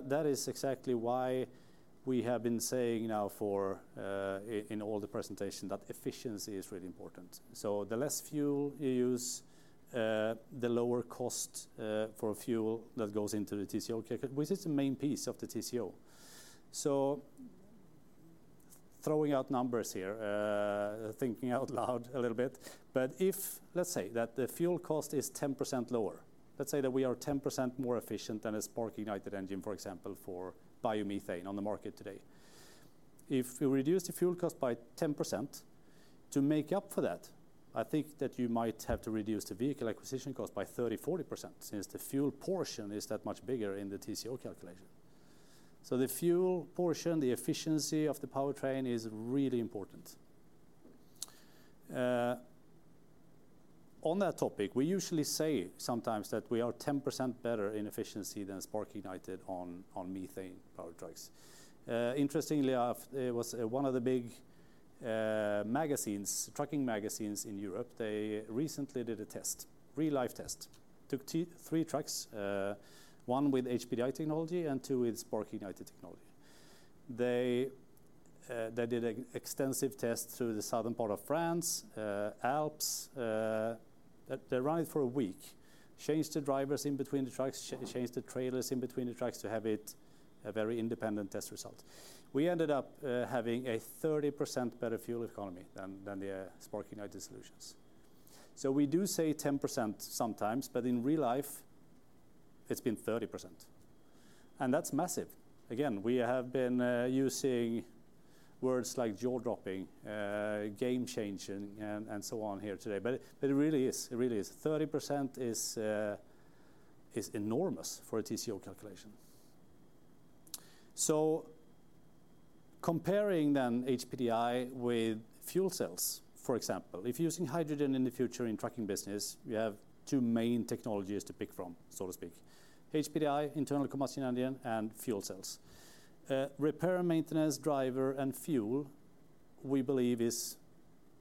That is exactly why we have been saying now in all the presentations that efficiency is really important. The less fuel you use, the lower cost for fuel that goes into the TCO calculation, which is the main piece of the TCO. Throwing out numbers here, thinking out loud a little bit, but if, let's say, that the fuel cost is 10% lower, let's say that we are 10% more efficient than a spark-ignited engine, for example, for biomethane on the market today. If we reduce the fuel cost by 10%, to make up for that, I think that you might have to reduce the vehicle acquisition cost by 30%-40% since the fuel portion is that much bigger in the TCO calculation. The fuel portion, the efficiency of the powertrain is really important. On that topic, we usually say sometimes that we are 10% better in efficiency than spark-ignited on methane powered trucks. Interestingly, it was one of the big trucking magazines in Europe, they recently did a test, real-life test, took three trucks, one with HPDI technology and two with spark-ignited technology. They did an extensive test through the southern part of France, Alps. They ran it for a week, changed the drivers in between the trucks, changed the trailers in between the trucks to have a very independent test result. We ended up having a 30% better fuel economy than the spark-ignited solutions. We do say 10% sometimes, but in real life, it's been 30%, and that's massive. Again, we have been using words like jaw-dropping, game-changing, and so on here today, but it really is, it really is. 30% is enormous for a TCO calculation. Comparing then HPDI with fuel cells, for example, if using hydrogen in the future in trucking business, you have two main technologies to pick from, so to speak: HPDI, internal combustion engine, and fuel cells. Repair, maintenance, driver, and fuel, we believe, is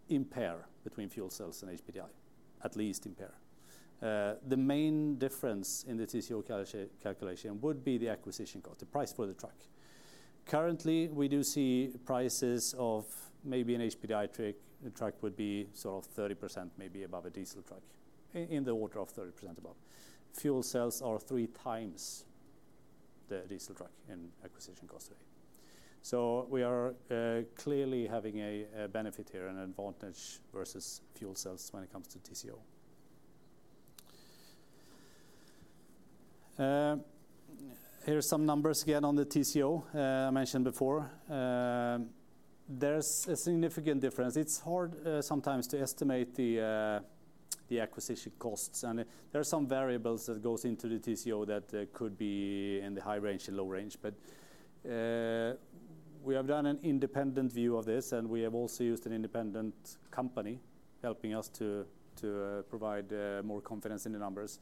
in pair between fuel cells and HPDI, at least in pair. The main difference in the TCO calculation would be the acquisition cost, the price for the truck. Currently, we do see prices of maybe an HPDI truck would be sort of 30% maybe above a diesel truck, in the order of 30% above. Fuel cells are three times the diesel truck in acquisition cost today. We are clearly having a benefit here, an advantage versus fuel cells when it comes to TCO. Here's some numbers again on the TCO I mentioned before. There's a significant difference. It's hard sometimes to estimate the acquisition costs, and there are some variables that go into the TCO that could be in the high range and low range, but we have done an independent view of this, and we have also used an independent company helping us to provide more confidence in the numbers.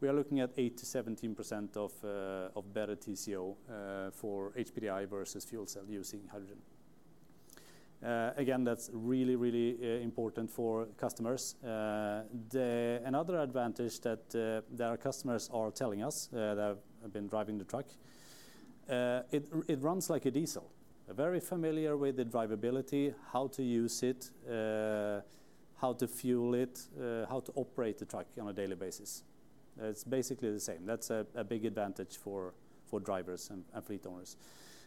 We are looking at 8%-17% of better TCO for HPDI versus fuel cell using hydrogen. Again, that's really, really important for customers. Another advantage that our customers are telling us that have been driving the truck, it runs like a diesel. Very familiar with the drivability, how to use it, how to fuel it, how to operate the truck on a daily basis. It's basically the same. That's a big advantage for drivers and fleet owners.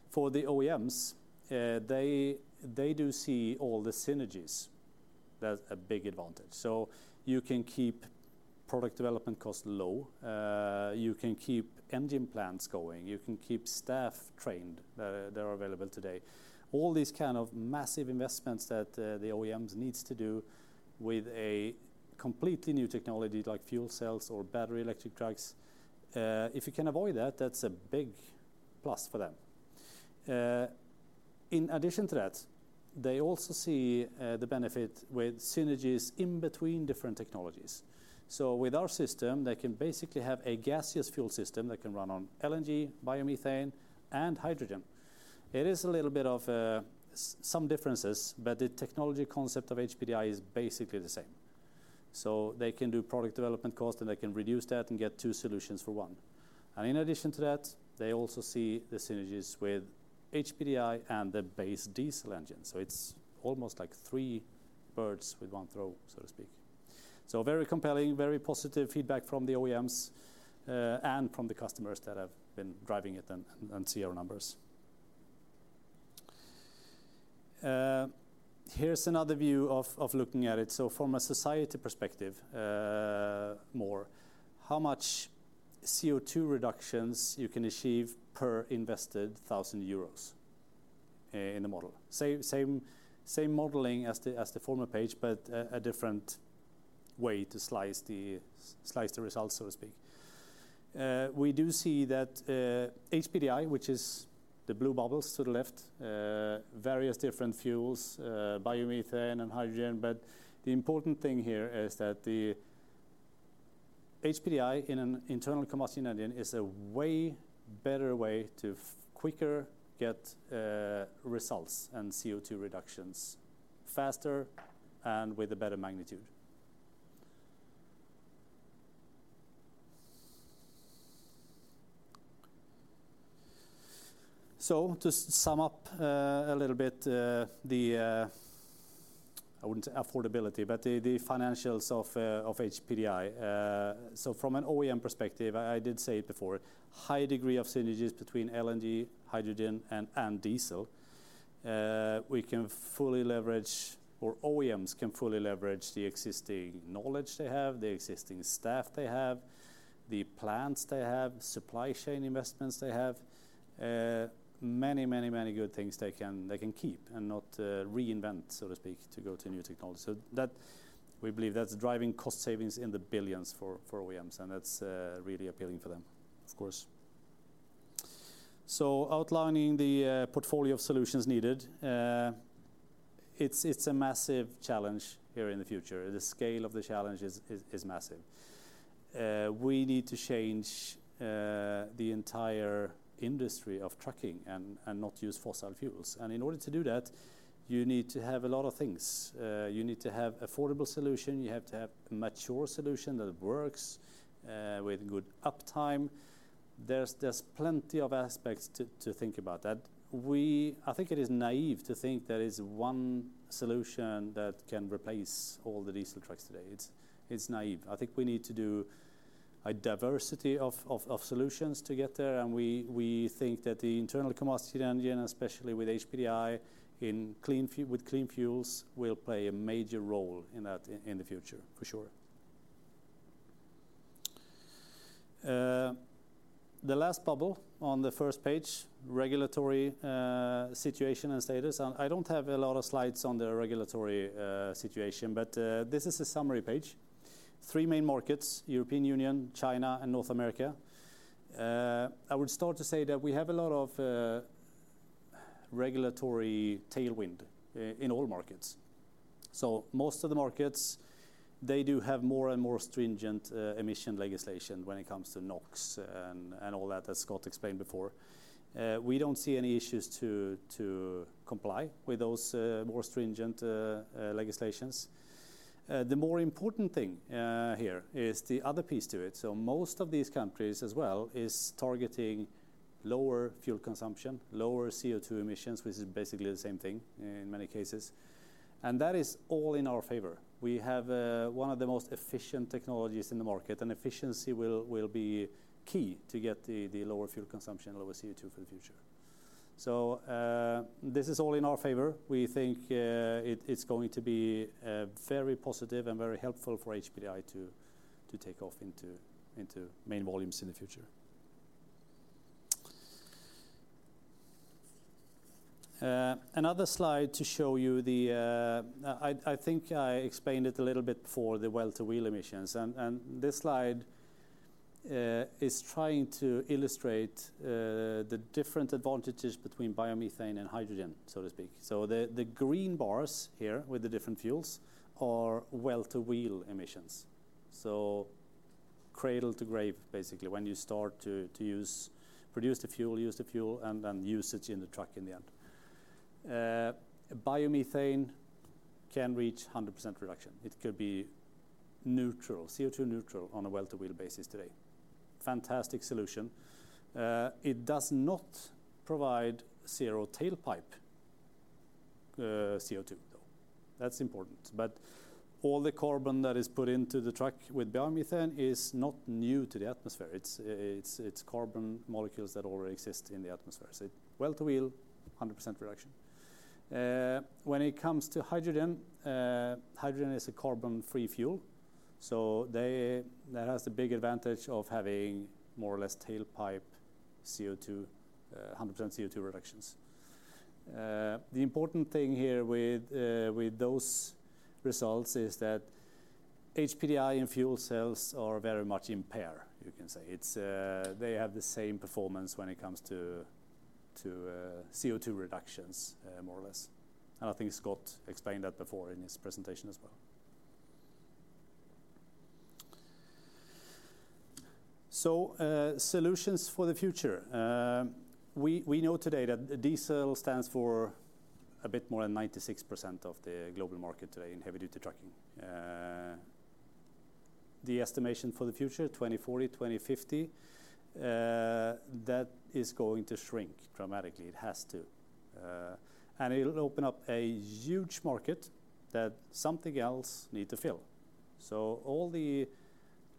For the OEMs, they do see all the synergies. That's a big advantage. You can keep product development costs low, you can keep engine plants going, you can keep staff trained that are available today. All these kind of massive investments that the OEMs need to do with a completely new technology like fuel cells or battery electric trucks, if you can avoid that's a big plus for them. In addition to that, they also see the benefit with synergies in between different technologies. With our system, they can basically have a gaseous fuel system that can run on LNG, biomethane, and hydrogen. It is a little bit of some differences, but the technology concept of HPDI is basically the same. They can do product development cost, and they can reduce that and get two solutions for one. In addition to that, they also see the synergies with HPDI and the base diesel engine. It's almost like three birds with one throw, so to speak. Very compelling, very positive feedback from the OEMs and from the customers that have been driving it and see our numbers. Here's another view of looking at it. From a society perspective more, how much CO2 reductions you can achieve per invested 1,000 euros in the model. Same modeling as the former page, but a different way to slice the results, so to speak. We do see that HPDI, which is the blue bubbles to the left, various different fuels, biomethane and hydrogen, but the important thing here is that the HPDI in an internal combustion engine is a way better way to quicker get results and CO2 reductions faster and with a better magnitude. To sum up a little bit the, I wouldn't say affordability, but the financials of HPDI. From an OEM perspective, I did say it before, high degree of synergies between LNG, hydrogen, and diesel. We can fully leverage, or OEMs can fully leverage the existing knowledge they have, the existing staff they have, the plants they have, supply chain investments they have, many good things they can keep and not reinvent, so to speak, to go to new technology. We believe that's driving cost savings in the billions for OEMs, and that's really appealing for them, of course. Outlining the portfolio of solutions needed, it's a massive challenge here in the future. The scale of the challenge is massive. We need to change the entire industry of trucking and not use fossil fuels. In order to do that, you need to have a lot of things. You need to have an affordable solution, you have to have a mature solution that works with good uptime. There's plenty of aspects to think about that. I think it is naive to think there is one solution that can replace all the diesel trucks today. It's naive. I think we need to do a diversity of solutions to get there. We think that the internal combustion engine, especially with HPDI, with clean fuels will play a major role in that in the future, for sure. The last bubble on the 1st page, regulatory situation and status. I don't have a lot of slides on the regulatory situation. This is a summary page. Three main markets, European Union, China, and North America. I would start to say that we have a lot of regulatory tailwind in all markets. Most of the markets, they do have more and more stringent emission legislation when it comes to NOx and all that that Scott explained before. We don't see any issues to comply with those more stringent legislations. The more important thing here is the other piece to it. Most of these countries as well is targeting lower fuel consumption, lower CO2 emissions, which is basically the same thing in many cases, and that is all in our favor. We have one of the most efficient technologies in the market, and efficiency will be key to get the lower fuel consumption, lower CO2 for the future. This is all in our favor. We think it's going to be very positive and very helpful for HPDI to take off into main volumes in the future. Another slide to show you the, I think I explained it a little bit before, the well-to-wheel emissions. This slide is trying to illustrate the different advantages between biomethane and hydrogen, so to speak. The green bars here with the different fuels are well-to-wheel emissions. Cradle to grave, basically, when you start to produce the fuel, use the fuel, and then use it in the truck in the end. Biomethane can reach 100% reduction. It could be neutral, CO2 neutral on a well-to-wheel basis today. Fantastic solution. It does not provide zero tailpipe CO2, though. That's important. All the carbon that is put into the truck with biomethane is not new to the atmosphere. It's carbon molecules that already exist in the atmosphere. Well-to-wheel, 100% reduction. When it comes to hydrogen is a carbon-free fuel, so that has the big advantage of having more or less tailpipe 100% CO2 reductions. The important thing here with those results is that HPDI and fuel cells are very much in pair, you can say. They have the same performance when it comes to CO2 reductions, more or less. I think Scott explained that before in his presentation as well. Solutions for the future. We know today that diesel stands for a bit more than 96% of the global market today in heavy-duty trucking. The estimation for the future, 2040, 2050, that is going to shrink dramatically. It has to. It'll open up a huge market that something else needs to fill. All the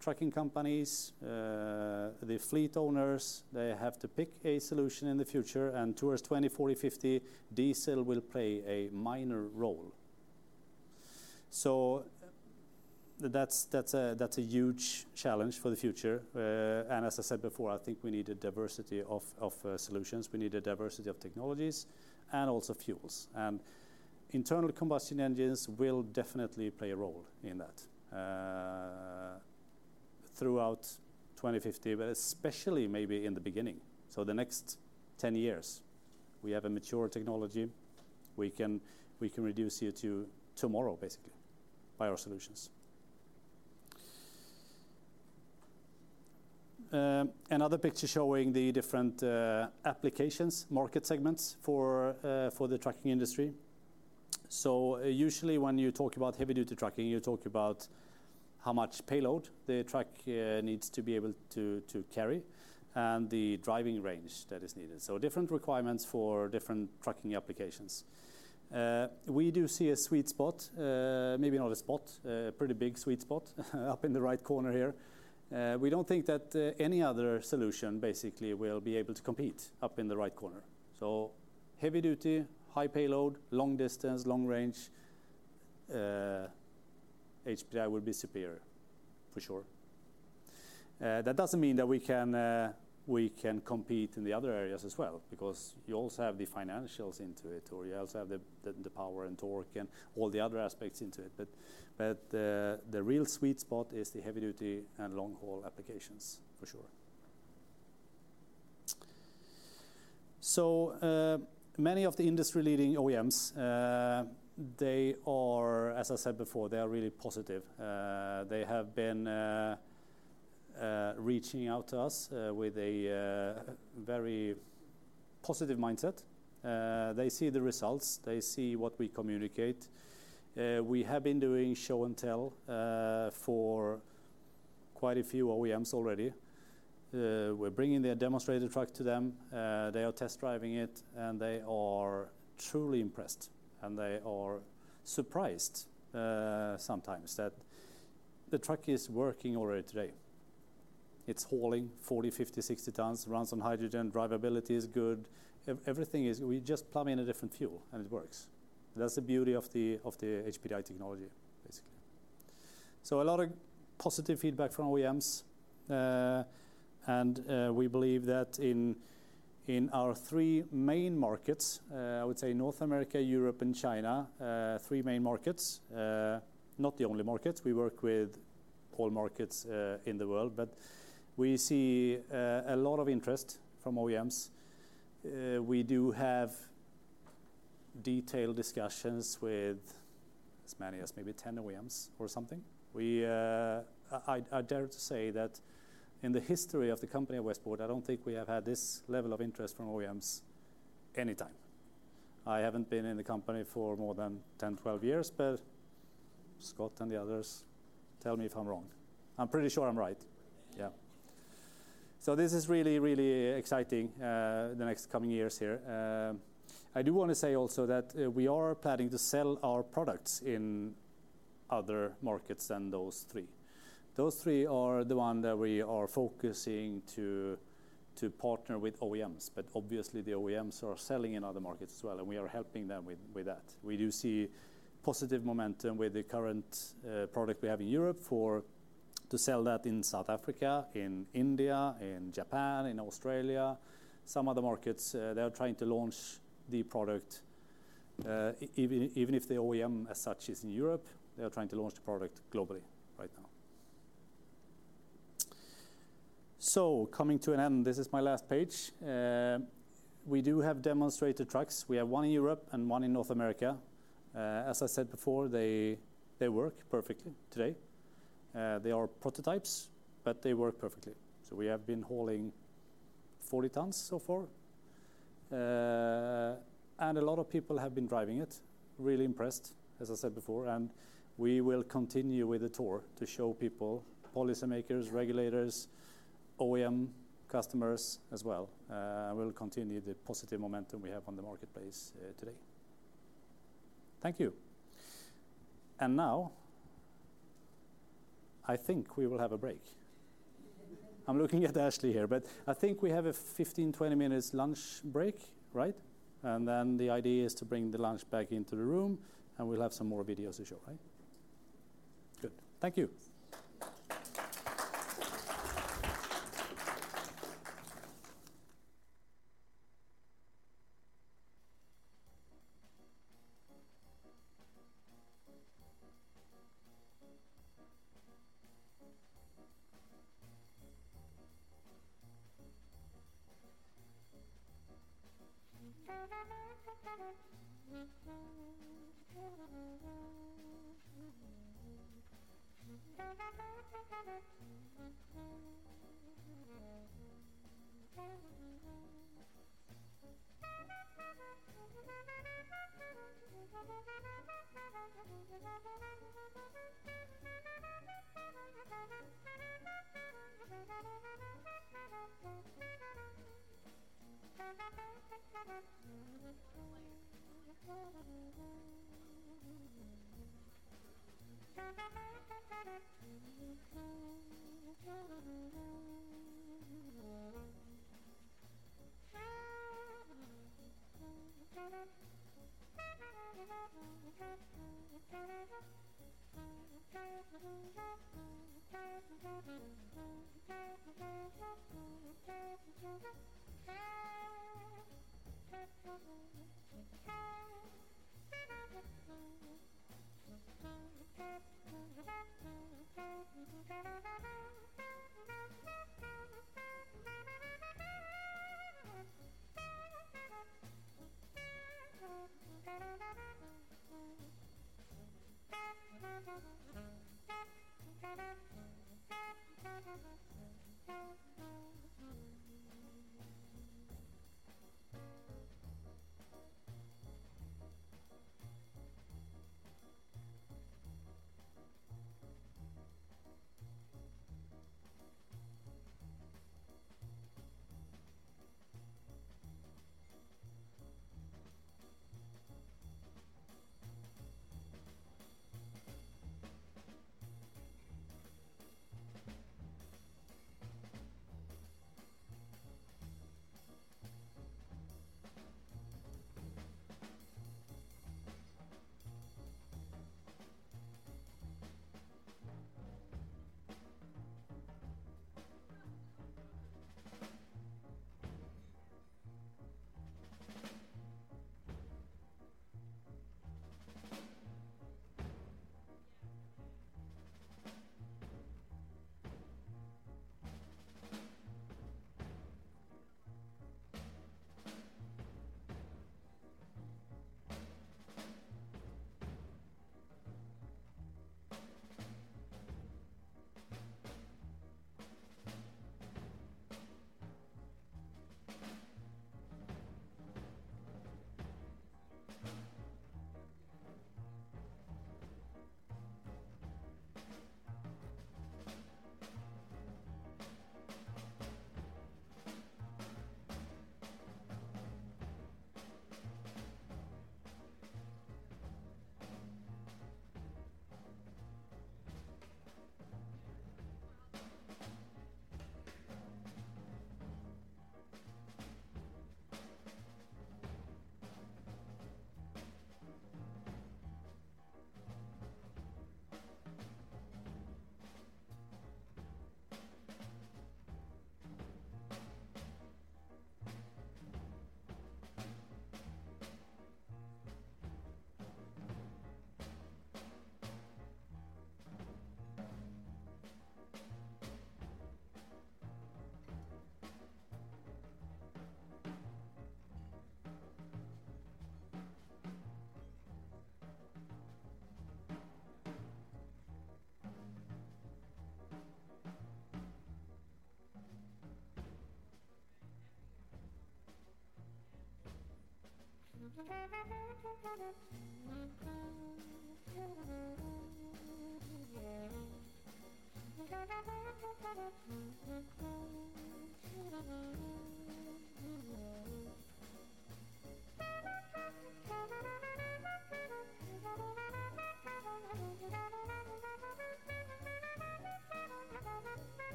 trucking companies, the fleet owners, they have to pick a solution in the future, and towards 2040, 2050, diesel will play a minor role. That's a huge challenge for the future. As I said before, I think we need a diversity of solutions. We need a diversity of technologies and also fuels. Internal combustion engines will definitely play a role in that throughout 2050, but especially maybe in the beginning. The next 10 years, we have a mature technology. We can reduce CO2 tomorrow, basically, by our solutions. Another picture showing the different applications, market segments for the trucking industry. Usually when you talk about heavy-duty trucking, you talk about how much payload the truck needs to be able to carry and the driving range that is needed. Different requirements for different trucking applications. We do see a sweet spot, maybe not a spot, a pretty big sweet spot up in the right corner here. We don't think that any other solution, basically, will be able to compete up in the right corner. Heavy-duty, high payload, long distance, long range, HPDI will be superior, for sure. That doesn't mean that we can compete in the other areas as well because you also have the financials into it, or you also have the power and torque and all the other aspects into it. The real sweet spot is the heavy-duty and long-haul applications, for sure. Many of the industry-leading OEMs, they are, as I said before, they are really positive. They have been reaching out to us with a very positive mindset. They see the results. They see what we communicate. We have been doing show and tell for quite a few OEMs already. We're bringing their demonstrator truck to them. They are test driving it, and they are truly impressed, and they are surprised sometimes that the truck is working already today. It's hauling 40, 50, 60 tons, runs on hydrogen, drivability is good. Everything is, we just plug in a different fuel, and it works. That's the beauty of the HPDI technology, basically. A lot of positive feedback from OEMs, and we believe that in our three main markets, I would say North America, Europe, and China, three main markets, not the only markets. We work with all markets in the world, but we see a lot of interest from OEMs. We do have detailed discussions with as many as maybe 10 OEMs or something. I dare to say that in the history of the company at Westport, I don't think we have had this level of interest from OEMs anytime. I haven't been in the company for more than 10, 12 years. Scott and the others, tell me if I'm wrong. I'm pretty sure I'm right. Yeah. This is really, really exciting the next coming years here. I do want to say also that we are planning to sell our products in other markets than those three. Those three are the ones that we are focusing to partner with OEMs. Obviously the OEMs are selling in other markets as well. We are helping them with that. We do see positive momentum with the current product we have in Europe to sell that in South Africa, in India, in Japan, in Australia, some other markets. They are trying to launch the product, even if the OEM as such is in Europe, they are trying to launch the product globally right now. Coming to an end, this is my last page. We do have demonstrator trucks. We have one in Europe and one in North America. As I said before, they work perfectly today. They are prototypes, but they work perfectly. We have been hauling 40 tons so far, and a lot of people have been driving it, really impressed, as I said before. We will continue with the tour to show people, policymakers, regulators, OEM customers as well. We'll continue the positive momentum we have on the marketplace today. Thank you. Now I think we will have a break. I'm looking at Ashley here, but I think we have a 15, 20 minutes lunch break, right? The idea is to bring the lunch back into the room, and we'll have some more videos to show, right? Good. Thank you.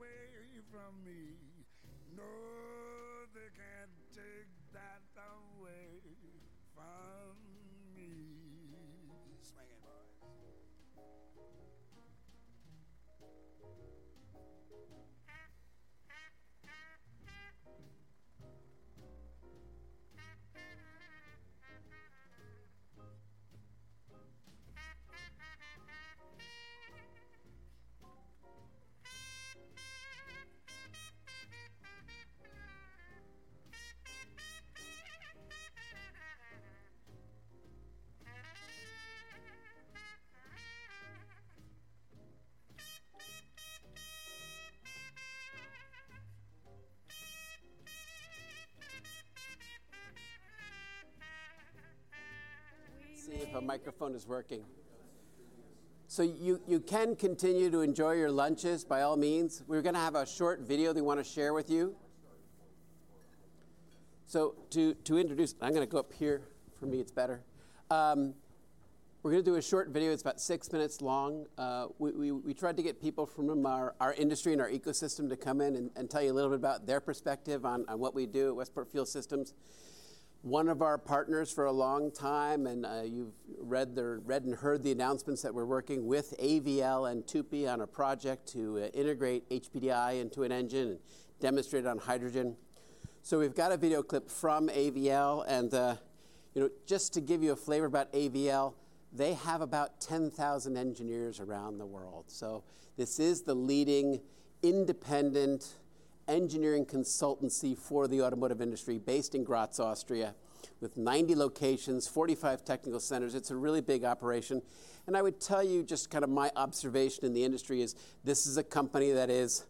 See if her microphone is working. You can continue to enjoy your lunches, by all means. We're gonna have a short video that we wanna share with you. To introduce, I'm gonna go up here. For me, it's better. We're gonna do a short video. It's about six minutes long. We tried to get people from our industry and our ecosystem to come in and tell you a little bit about their perspective on what we do at Westport Fuel Systems. One of our partners for a long time, you've read and heard the announcements that we're working with AVL and Tupy on a project to integrate HPDI into an engine and demonstrate on hydrogen. We've got a video clip from AVL. Just to give you a flavor about AVL, they have about 10,000 engineers around the world. This is the leading independent engineering consultancy for the automotive industry based in Graz, Austria, with 90 locations, 45 technical centers. It's a really big operation. I would tell you, just kind of my observation in the industry is this is a company that is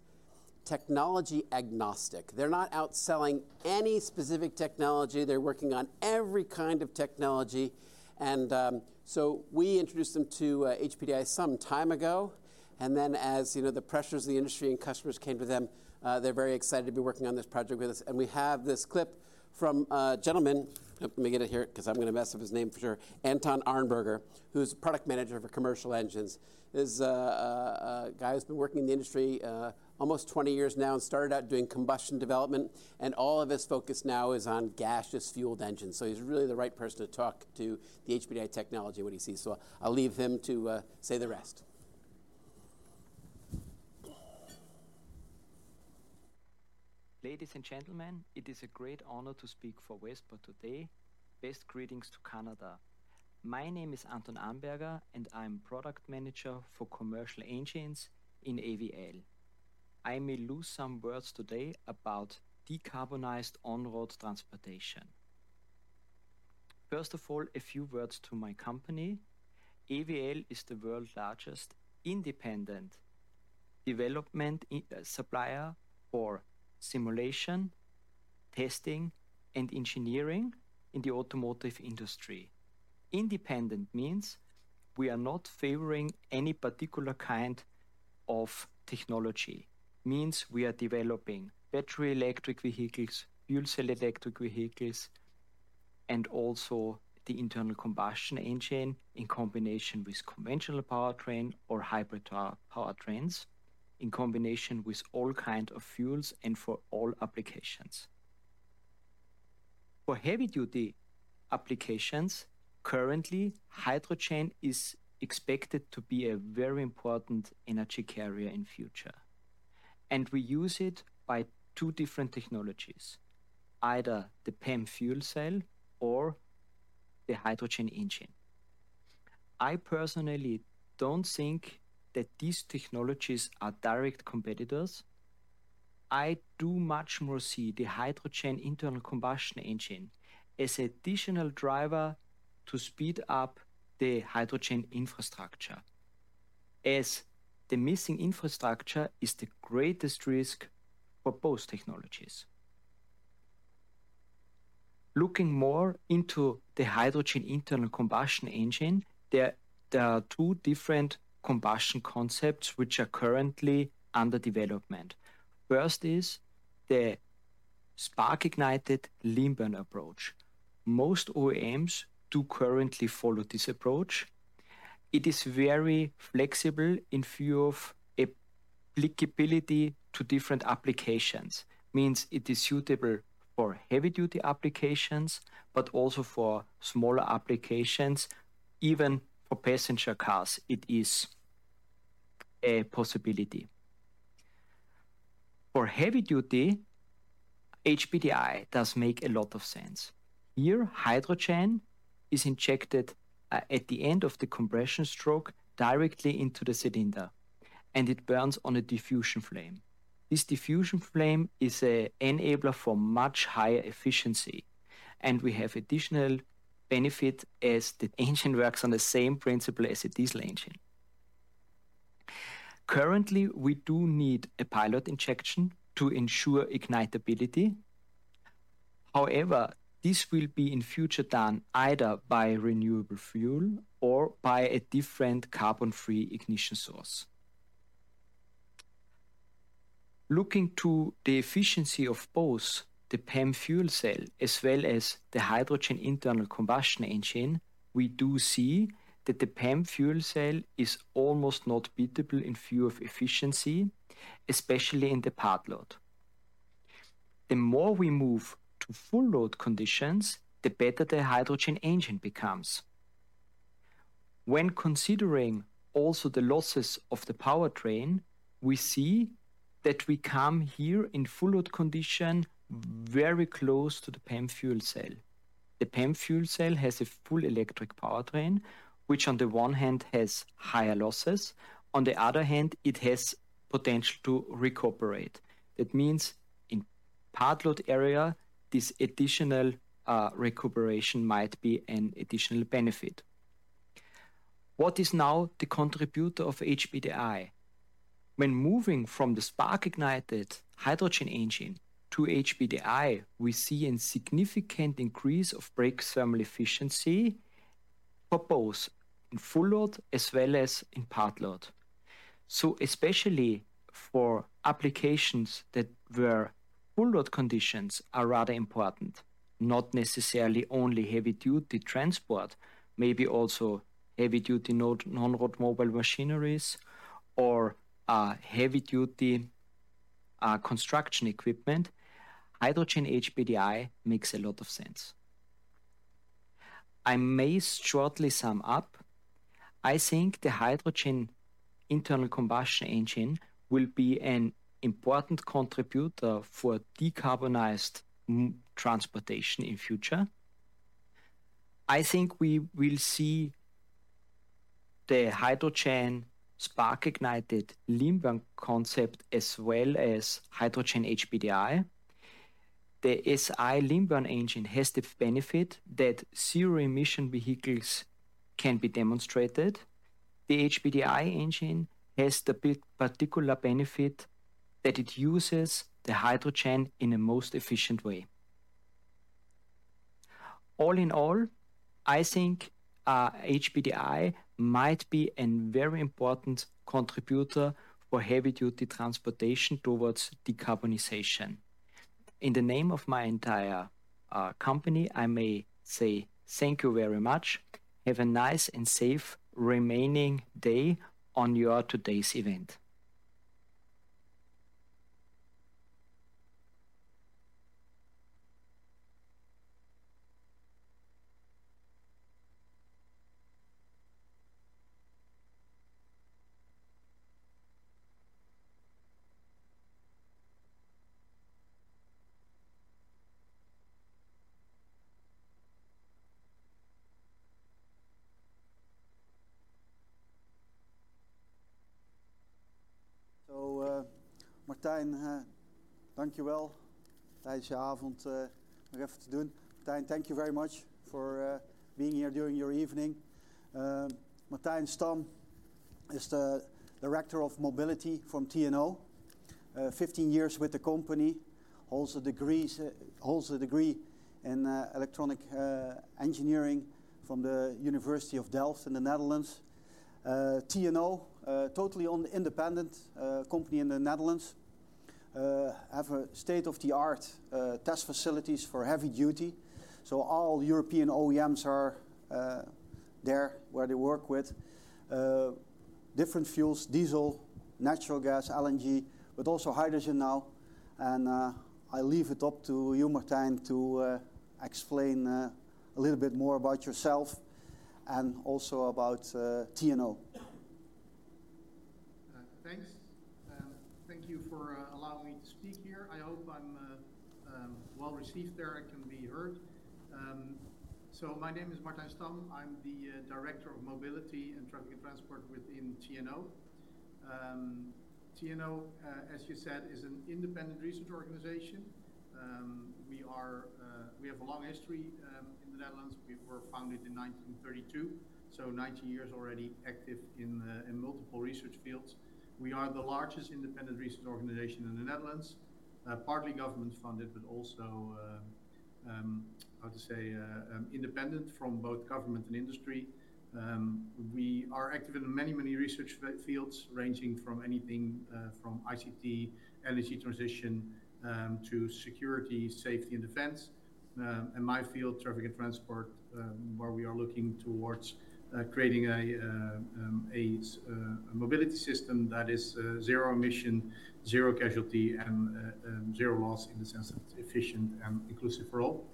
technology agnostic. They're not outselling any specific technology. They're working on every kind of technology. We introduced them to HPDI some time ago. Then, as the pressures of the industry and customers came to them, they're very excited to be working on this project with us. We have this clip from a gentleman, let me get it here 'cause I'm gonna mess up his name for sure, Anton Arnberger, who's a Product Manager for Commercial Engines. This is a guy who's been working in the industry almost 20 years now and started out doing combustion development. All of his focus now is on gaseous-fueled engines. He's really the right person to talk to the HPDI technology and what he sees. I'll leave him to say the rest. Ladies and gentlemen, it is a great honor to speak for Westport today. Best greetings to Canada. My name is Anton Arnberger, and I'm product manager for Commercial Engines in AVL. I may lose some words today about decarbonized on-road transportation. First of all, a few words to my company. AVL is the world's largest independent development supplier for simulation, testing, and engineering in the automotive industry. Independent means we are not favoring any particular kind of technology. Means we are developing battery electric vehicles, fuel cell electric vehicles, and also the internal combustion engine in combination with conventional powertrain or hybrid powertrains in combination with all kinds of fuels and for all applications. For heavy-duty applications, currently, hydrogen is expected to be a very important energy carrier in the future. We use it by two different technologies: either the PEM fuel cell or the hydrogen engine. I personally don't think that these technologies are direct competitors. I do much more see the hydrogen internal combustion engine as an additional driver to speed up the hydrogen infrastructure. As the missing infrastructure is the greatest risk for both technologies. Looking more into the hydrogen internal combustion engine, there are two different combustion concepts which are currently under development. First is the spark-ignited lean-burn approach. Most OEMs do currently follow this approach. It is very flexible in view of applicability to different applications. Means it is suitable for heavy-duty applications, but also for smaller applications, even for passenger cars, it is a possibility. For heavy-duty, HPDI does make a lot of sense. Here, hydrogen is injected at the end of the compression stroke directly into the cylinder, and it burns on a diffusion flame. This diffusion flame is an enabler for much higher efficiency. We have an additional benefit as the engine works on the same principle as a diesel engine. Currently, we do need a pilot injection to ensure ignitability. However, this will be in the future done either by renewable fuel or by a different carbon-free ignition source. Looking to the efficiency of both, the PEM fuel cell as well as the hydrogen internal combustion engine, we do see that the PEM fuel cell is almost not beatable in view of efficiency, especially in the part load. The more we move to full-load conditions, the better the hydrogen engine becomes. When considering also the losses of the powertrain, we see that we come here in full-load condition very close to the PEM fuel cell. The PEM fuel cell has a full electric powertrain, which on the one hand has higher losses, on the other hand it has potential to recuperate. That means in part load area, this additional recuperation might be an additional benefit. What is now the contributor of HPDI? When moving from the spark-ignited hydrogen engine to HPDI, we see a significant increase of brake thermal efficiency for both in full-load as well as in part load. Especially for applications that where full-load conditions are rather important, not necessarily only heavy-duty transport, maybe also heavy-duty non-road mobile machineries or heavy-duty construction equipment, hydrogen HPDI makes a lot of sense. I may shortly sum up. The hydrogen internal combustion engine will be an important contributor for decarbonized transportation in the future. We will see the hydrogen spark-ignited lean-burn concept as well as hydrogen HPDI. The SI lean-burn engine has the benefit that zero-emission vehicles can be demonstrated. The HPDI engine has the particular benefit that it uses the hydrogen in a most efficient way. All in all, HPDI might be a very important contributor for heavy-duty transportation towards decarbonization. In the name of my entire company, I may say thank you very much. Have a nice and safe remaining day on your today's event. Martijn, dank je wel. Tijdens je avond nog even te doen. Martijn, thank you very much for being here during your evening. Martijn Stamm is the director of mobility from TNO. 15 years with the company. Also a degree in electronic engineering from the Delft University of Technology in the Netherlands. TNO, totally independent company in the Netherlands. Have state-of-the-art test facilities for heavy-duty. All European OEMs are there where they work with different fuels: diesel, natural gas, LNG, but also hydrogen now. I leave it up to you, Martijn, to explain a little bit more about yourself and also about TNO. Thanks. Thank you for allowing me to speak here. I hope I'm well received there. I can be heard. My name is Martijn Stamm. I'm the Director of mobility and traffic and transport within TNO. TNO, as you said, is an independent research organization. We have a long history in the Netherlands. We were founded in 1932. 90 years already active in multiple research fields. We are the largest independent research organization in the Netherlands, partly government-funded, but also, how to say, independent from both government and industry. We are active in many, many research fields ranging from anything from ICT, energy transition, to security, safety, and defense. My field, traffic and transport, where we are looking towards creating a mobility system that is zero emission, zero casualty, and zero loss in the sense that it's efficient and inclusive for all.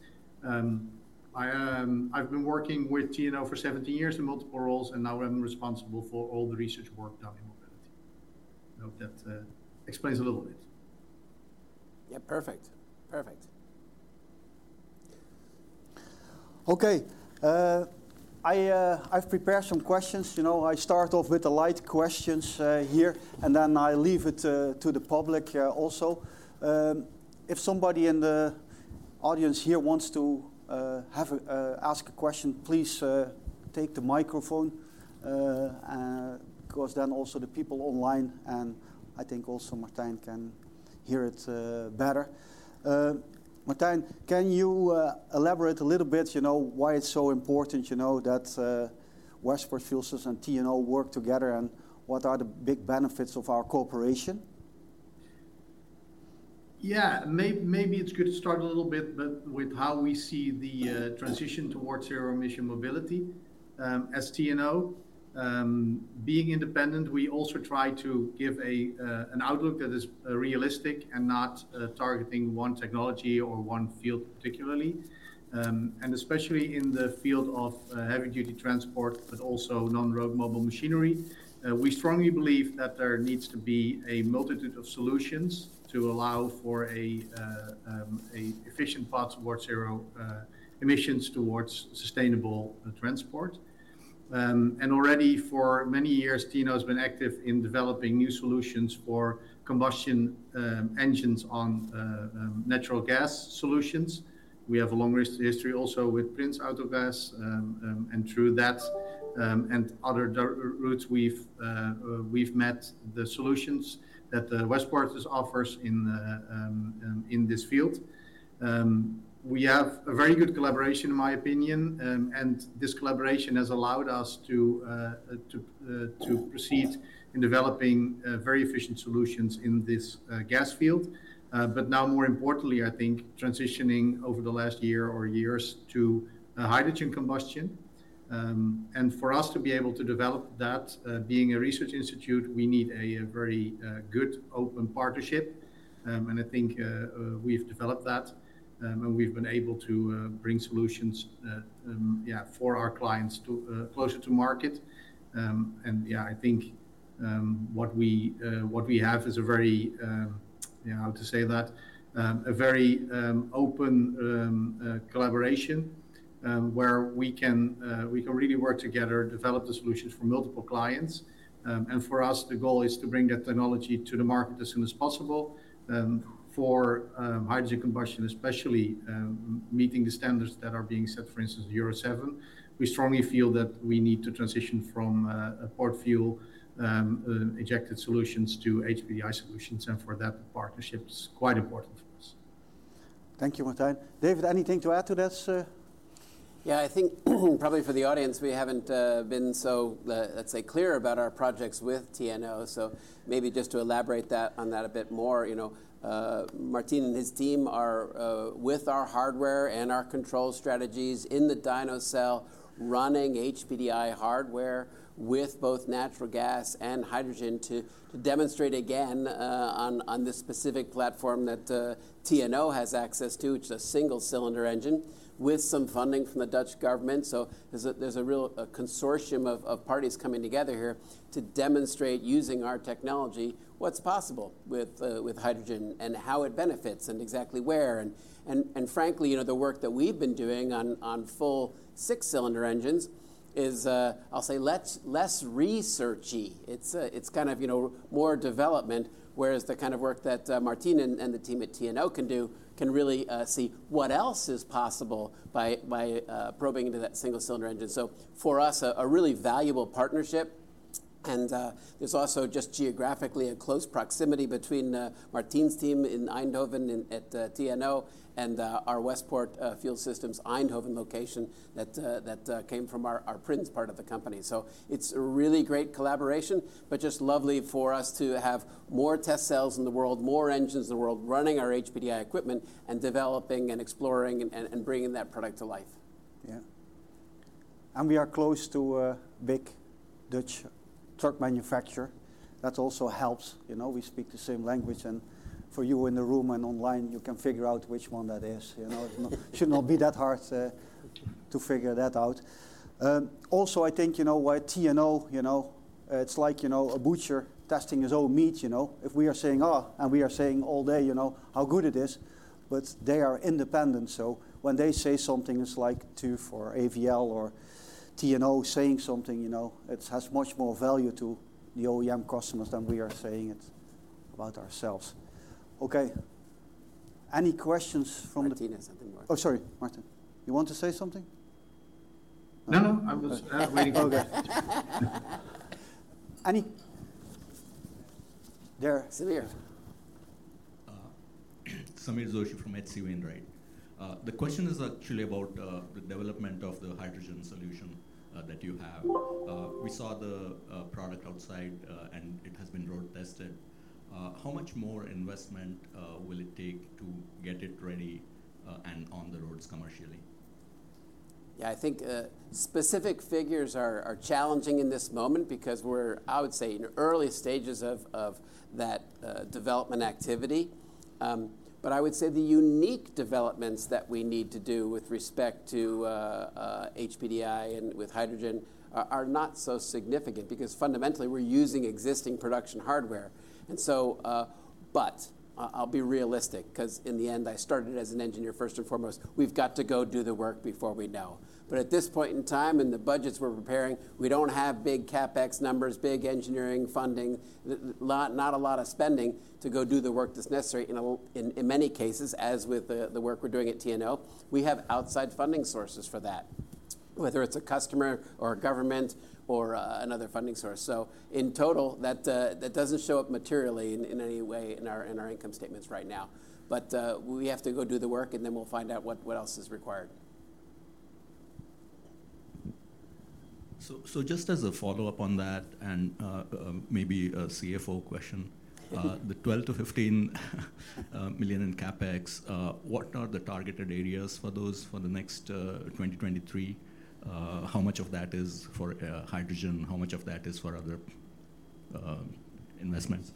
I've been working with TNO for 17 years in multiple roles, and now I'm responsible for all the research work done in mobility. I hope that explains a little bit. Yeah, perfect. Perfect. Okay. I've prepared some questions. I start off with the light questions here. I leave it to the public also. If somebody in the audience here wants to ask a question, please take the microphone because then also the people online, and I think also Martijn can hear it better. Martijn, can you elaborate a little bit why it's so important that Westport Fuel Systems and TNO work together and what are the big benefits of our cooperation? Yeah, maybe it's good to start a little bit with how we see the transition towards zero-emission mobility. As TNO, being independent, we also try to give an outlook that is realistic and not targeting one technology or one field particularly. Especially in the field of heavy-duty transport, but also non-road mobile machinery, we strongly believe that there needs to be a multitude of solutions to allow for efficient paths towards zero emissions, towards sustainable transport. Already for many years, TNO has been active in developing new solutions for combustion engines on natural gas solutions. We have a long history also with Prins Autogas. Through that and other routes, we've met the solutions that Westport offers in this field. We have a very good collaboration, in my opinion. This collaboration has allowed us to proceed in developing very efficient solutions in this gas field. Now, more importantly, I think transitioning over the last year or years to hydrogen combustion. For us to be able to develop that, being a research institute, we need a very good open partnership. I think we've developed that. We've been able to bring solutions for our clients closer to market. I think what we have is a very, how to say that? A very open collaboration where we can really work together, develop the solutions for multiple clients. For us, the goal is to bring that technology to the market as soon as possible. For hydrogen combustion, especially meeting the standards that are being set, for instance, Euro 7, we strongly feel that we need to transition from port fuel injection solutions to HPDI solutions. For that, the partnership is quite important for us. Thank you, Martijn. David, anything to add to this? I think probably for the audience, we haven't been so, let's say, clear about our projects with TNO. Maybe just to elaborate on that a bit more. Martijn and his team are with our hardware and our control strategies in the dyno cell running HPDI hardware with both natural gas and hydrogen to demonstrate again on this specific platform that TNO has access to, which is a single-cylinder engine with some funding from the Dutch government. There's a real consortium of parties coming together here to demonstrate using our technology what's possible with hydrogen and how it benefits and exactly where. Frankly, the work that we've been doing on full six-cylinder engines is, I'll say, less researchy. It's kind of more development, whereas the kind of work that Martijn and the team at TNO can do can really see what else is possible by probing into that single-cylinder engine. For us, a really valuable partnership. There's also just geographically a close proximity between Martijn's team in Eindhoven at TNO and our Westport Fuel Systems Eindhoven location that came from our Prins part of the company. It's a really great collaboration, but just lovely for us to have more test cells in the world, more engines in the world running our HPDI equipment and developing and exploring and bringing that product to life. Yeah. We are close to a big Dutch truck manufacturer that also helps. We speak the same language. For you in the room and online, you can figure out which one that is. It should not be that hard to figure that out. Also, I think why TNO, it's like a butcher testing his own meat. If we are saying, "Oh," and we are saying all day how good it is, but they are independent. When they say something, it's like for AVL or TNO saying something, it has much more value to the OEM customers than we are saying it about ourselves. Okay. Any questions from the? Martijn has something more. Sorry. Martijn, you want to say something? No. I was waiting for. Okay. Any? There. Sameer. Sameer Joshi from H.C. Wainwright, right? The question is actually about the development of the hydrogen solution that you have. We saw the product outside, and it has been road-tested. How much more investment will it take to get it ready and on the roads commercially? I think specific figures are challenging in this moment because we're, I would say, in early stages of that development activity. I would say the unique developments that we need to do with respect to HPDI and with hydrogen are not so significant because fundamentally, we're using existing production hardware. I'll be realistic because in the end, I started as an engineer first and foremost. We've got to go do the work before we know. At this point in time and the budgets we're preparing, we don't have big CapEx numbers, big engineering funding, not a lot of spending to go do the work that's necessary. In many cases, as with the work we're doing at TNO, we have outside funding sources for that, whether it's a customer or government or another funding source. In total, that doesn't show up materially in any way in our income statements right now. We have to go do the work, and then we'll find out what else is required. Just as a follow-up on that and maybe a CFO question, the $12 million-$15 million in CapEx, what are the targeted areas for those for the next 2023? How much of that is for hydrogen? How much of that is for other investments?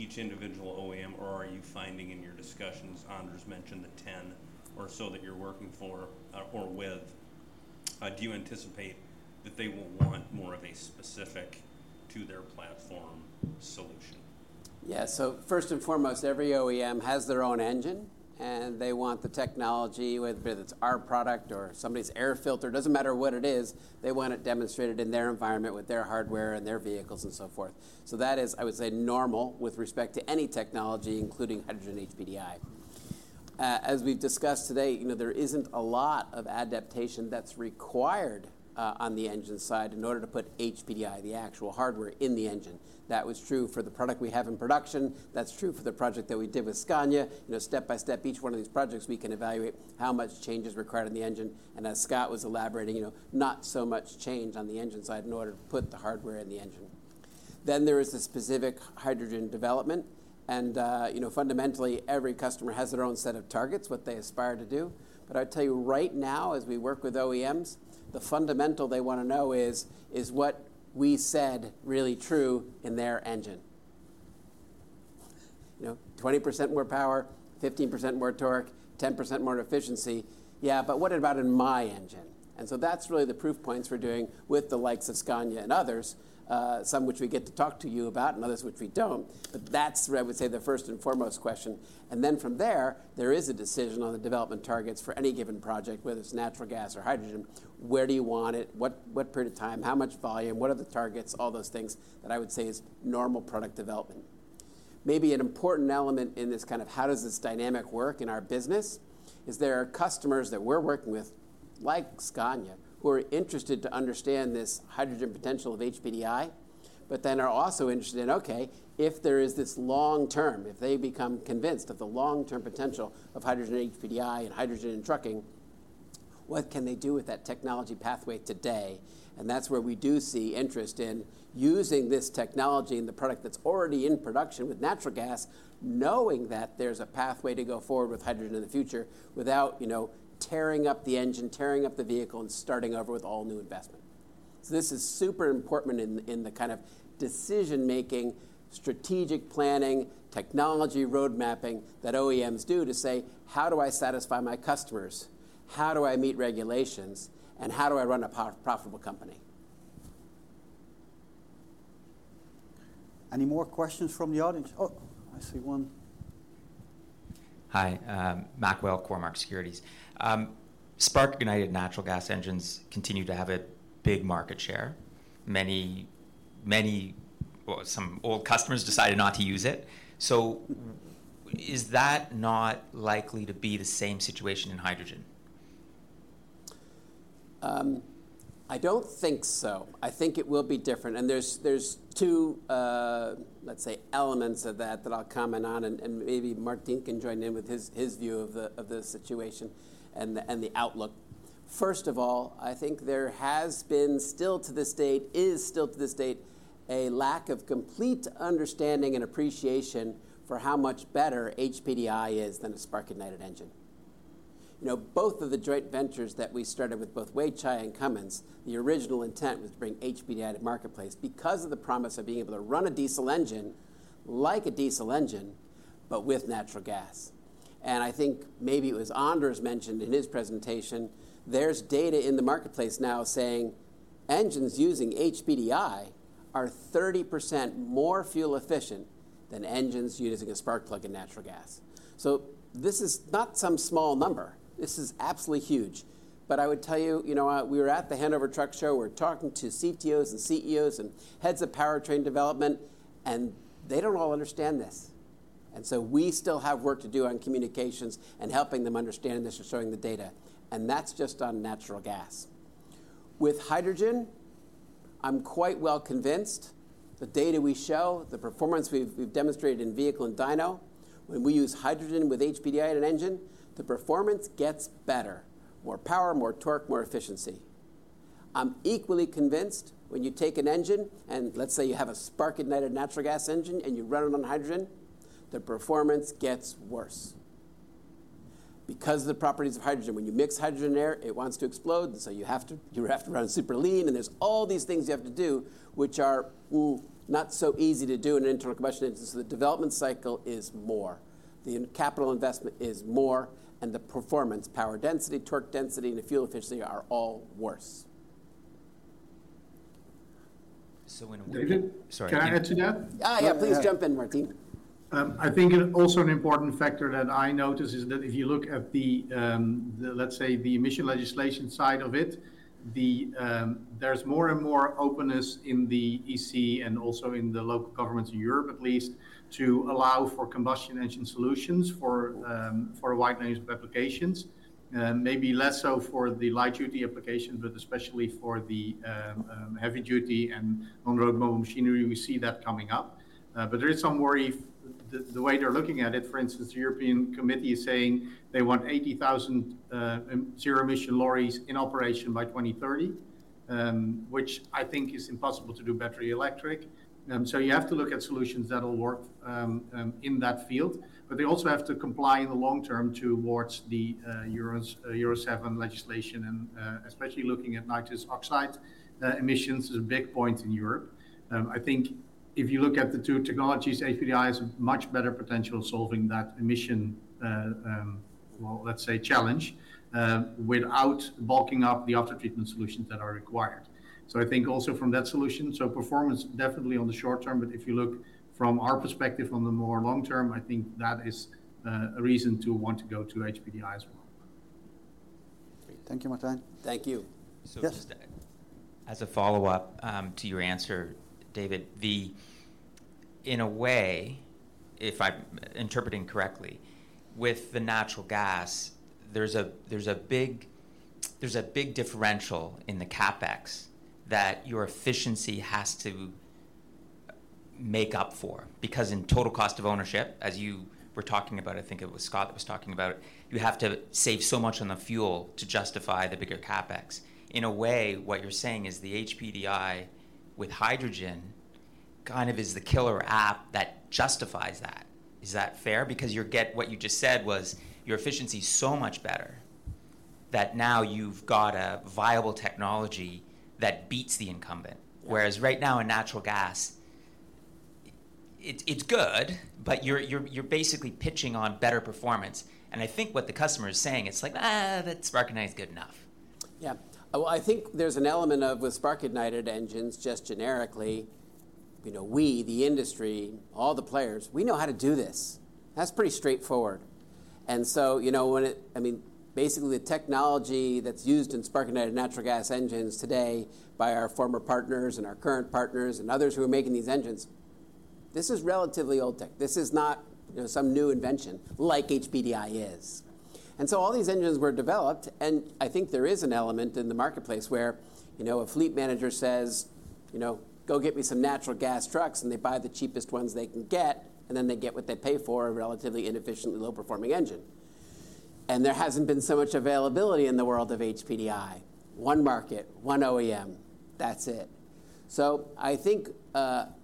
each individual OEM, or are you finding in your discussions, Anders mentioned the 10 or so that you're working for or with, do you anticipate that they will want more of a specific to their platform solution? Yeah. First and foremost, every OEM has their own engine, and they want the technology, whether it's our product or somebody's air filter, doesn't matter what it is. They want it demonstrated in their environment with their hardware and their vehicles and so forth. That is, I would say, normal with respect to any technology, including hydrogen HPDI. As we've discussed today, there isn't a lot of adaptation that's required on the engine side in order to put HPDI, the actual hardware, in the engine. That was true for the product we have in production. That's true for the project that we did with Scania. Step by step, each one of these projects, we can evaluate how much change is required in the engine. As Scott was elaborating, not so much change on the engine side in order to put the hardware in the engine. There is the specific hydrogen development. Fundamentally, every customer has their own set of targets, what they aspire to do. I would tell you right now, as we work with OEMs, the fundamental they want to know is what we said really true in their engine. 20% more power, 15% more torque, 10% more efficiency. Yeah, but what about in my engine? That's really the proof points we're doing with the likes of Scania and others, some which we get to talk to you about and others which we don't. That's where I would say the first and foremost question. From there is a decision on the development targets for any given project, whether it's natural gas or hydrogen. Where do you want it? What period of time? How much volume? What are the targets? All those things that I would say is normal product development. Maybe an important element in this kind of how does this dynamic work in our business is there are customers that we're working with, like Scania, who are interested to understand this hydrogen potential of HPDI, but then are also interested in, okay, if there is this long term, if they become convinced of the long-term potential of hydrogen HPDI and hydrogen in trucking, what can they do with that technology pathway today? That's where we do see interest in using this technology in the product that's already in production with natural gas, knowing that there's a pathway to go forward with hydrogen in the future without tearing up the engine, tearing up the vehicle, and starting over with all new investment. This is super important in the kind of decision-making, strategic planning, technology roadmapping that OEMs do to say, how do I satisfy my customers? How do I meet regulations? And how do I run a profitable company? Any more questions from the audience? I see one. Hi. Mac Whale, Cormark Securities. Spark-ignited natural gas engines continue to have a big market share. Some old customers decided not to use it. Is that not likely to be the same situation in hydrogen? I don't think so. I think it will be different. There's two, let's say, elements of that that I'll comment on. Maybe Martijn can join in with his view of the situation and the outlook. First of all, I think there is still to this date a lack of complete understanding and appreciation for how much better HPDI is than a spark-ignited engine. Both of the joint ventures that we started with, both Weichai and Cummins, the original intent was to bring HPDI to the marketplace because of the promise of being able to run a diesel engine like a diesel engine, but with natural gas. I think maybe it was Anders mentioned in his presentation. There's data in the marketplace now saying engines using HPDI are 30% more fuel efficient than engines using a spark plug and natural gas. This is not some small number. This is absolutely huge. I would tell you, we were at the Hanover Truck Show. We were talking to CTOs and CEOs and heads of powertrain development. They don't all understand this. We still have work to do on communications and helping them understand this or showing the data. That's just on natural gas. With hydrogen, I'm quite well convinced the data we show, the performance we've demonstrated in vehicle and dyno, when we use hydrogen with HPDI in an engine, the performance gets better: more power, more torque, more efficiency. I'm equally convinced when you take an engine, and let's say you have a spark-ignited natural gas engine and you run it on hydrogen, the performance gets worse because of the properties of hydrogen. When you mix hydrogen and air, it wants to explode. You have to run super lean. There's all these things you have to do which are not so easy to do in an internal combustion engine. The development cycle is more. The capital investment is more. The performance, power density, torque density, and fuel efficiency are all worse. David? Sorry. Can I add to that? Yeah, please jump in, Martijn. I think also an important factor that I notice is that if you look at the, let's say, the emission legislation side of it, there's more and more openness in the EC and also in the local governments in Europe, at least, to allow for combustion engine solutions for a wide range of applications, maybe less so for the light-duty applications, but especially for the heavy-duty and on-road mobile machinery. We see that coming up. There is some worry. The way they're looking at it, for instance, the European Committee is saying they want 80,000 zero-emission lorries in operation by 2030, which I think is impossible to do battery electric. You have to look at solutions that will work in that field. They also have to comply in the long term towards the Euro 7 legislation. Especially looking at nitrous oxide emissions is a big point in Europe. I think if you look at the two technologies, HPDI has a much better potential of solving that emission, well, let's say, challenge without bulking up the aftertreatment solutions that are required. I think also from that solution, performance definitely on the short term. If you look from our perspective on the more long term, I think that is a reason to want to go to HPDI as well. Great. Thank you, Martijn. Thank you. Just as a follow-up to your answer, David, in a way, if I'm interpreting correctly, with the natural gas, there's a big differential in the CapEx that your efficiency has to make up for because in total cost of ownership, as you were talking about, I think it was Scott that was talking about it, you have to save so much on the fuel to justify the bigger CapEx. In a way, what you're saying is the HPDI with hydrogen kind of is the killer app that justifies that. Is that fair? What you just said was your efficiency is so much better that now you've got a viable technology that beats the incumbent. Right now, in natural gas, it's good, but you're basically pitching on better performance. I think what the customer is saying, it's like, that spark-ignited is good enough." Yeah. I think there's an element of with spark-ignited engines, just generically, we, the industry, all the players, we know how to do this. That's pretty straightforward. When it, I mean, basically, the technology that's used in spark-ignited natural gas engines today by our former partners and our current partners and others who are making these engines, this is relatively old tech. This is not some new invention like HPDI is. All these engines were developed. I think there is an element in the marketplace where a fleet manager says, "Go get me some natural gas trucks," and they buy the cheapest ones they can get. They get what they pay for, a relatively inefficiently low-performing engine. There hasn't been so much availability in the world of HPDI: one market, one OEM. That's it. I think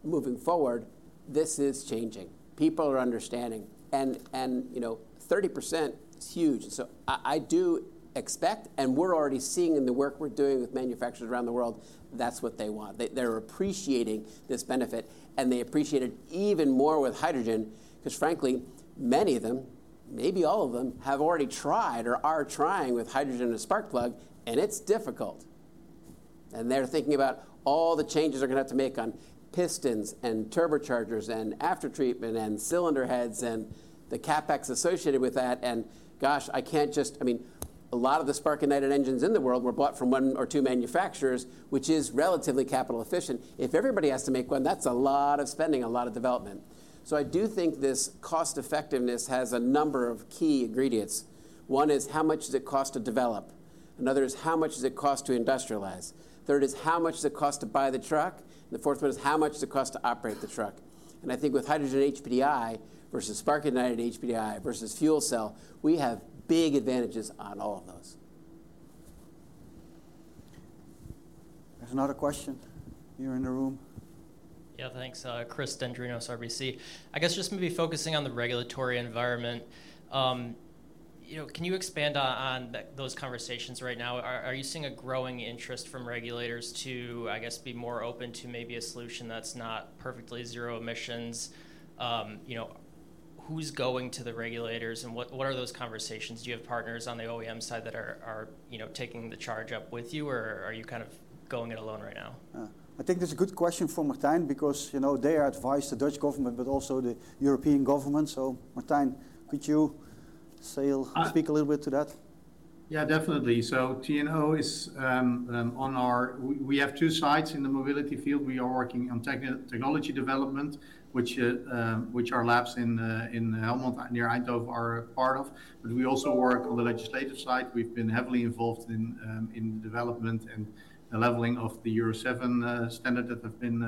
moving forward, this is changing. People are understanding. 30% is huge. I do expect, and we're already seeing in the work we're doing with manufacturers around the world, that's what they want. They're appreciating this benefit. They appreciate it even more with hydrogen because, frankly, many of them, maybe all of them, have already tried or are trying with hydrogen and a spark plug. It's difficult. They're thinking about all the changes they're going to have to make on pistons and turbochargers and aftertreatment and cylinder heads and the CapEx associated with that. Gosh, I can't just, I mean, a lot of the spark-ignited engines in the world were bought from one or two manufacturers, which is relatively capital efficient. If everybody has to make one, that's a lot of spending, a lot of development. I do think this cost-effectiveness has a number of key ingredients. One is how much does it cost to develop? Another is how much does it cost to industrialize? Third is how much does it cost to buy the truck? The fourth one is how much does it cost to operate the truck? I think with hydrogen HPDI versus spark-ignited HPDI versus fuel cell, we have big advantages on all of those. There's another question here in the room. Thanks. Chris Dendrinos, RBC. I guess just maybe focusing on the regulatory environment, can you expand on those conversations right now? Are you seeing a growing interest from regulators to, I guess, be more open to maybe a solution that's not perfectly zero emissions? Who's going to the regulators? What are those conversations? Do you have partners on the OEM side that are taking the charge up with you, or are you kind of going it alone right now? I think there's a good question for Martijn Stamm because they are advised, the Dutch government, but also the European government. Martijn Stamm, could you speak a little bit to that? Yeah, definitely. We have two sides in the mobility field. We are working on technology development, which our labs in Helmond near Eindhoven are part of. We also work on the legislative side. We've been heavily involved in the development and the leveling of the Euro 7 standard that have been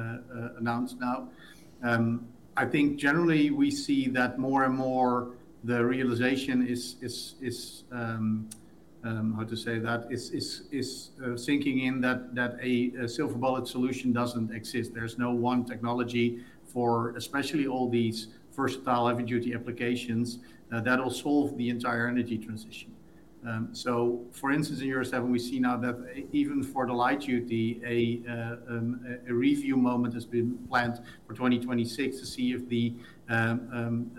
announced now. I think generally, we see that more and more the realization is sinking in that a silver bullet solution doesn't exist. There's no one technology for especially all these versatile heavy-duty applications that will solve the entire energy transition. For instance, in Euro 7, we see now that even for the light duty, a review moment has been planned for 2026 to see if the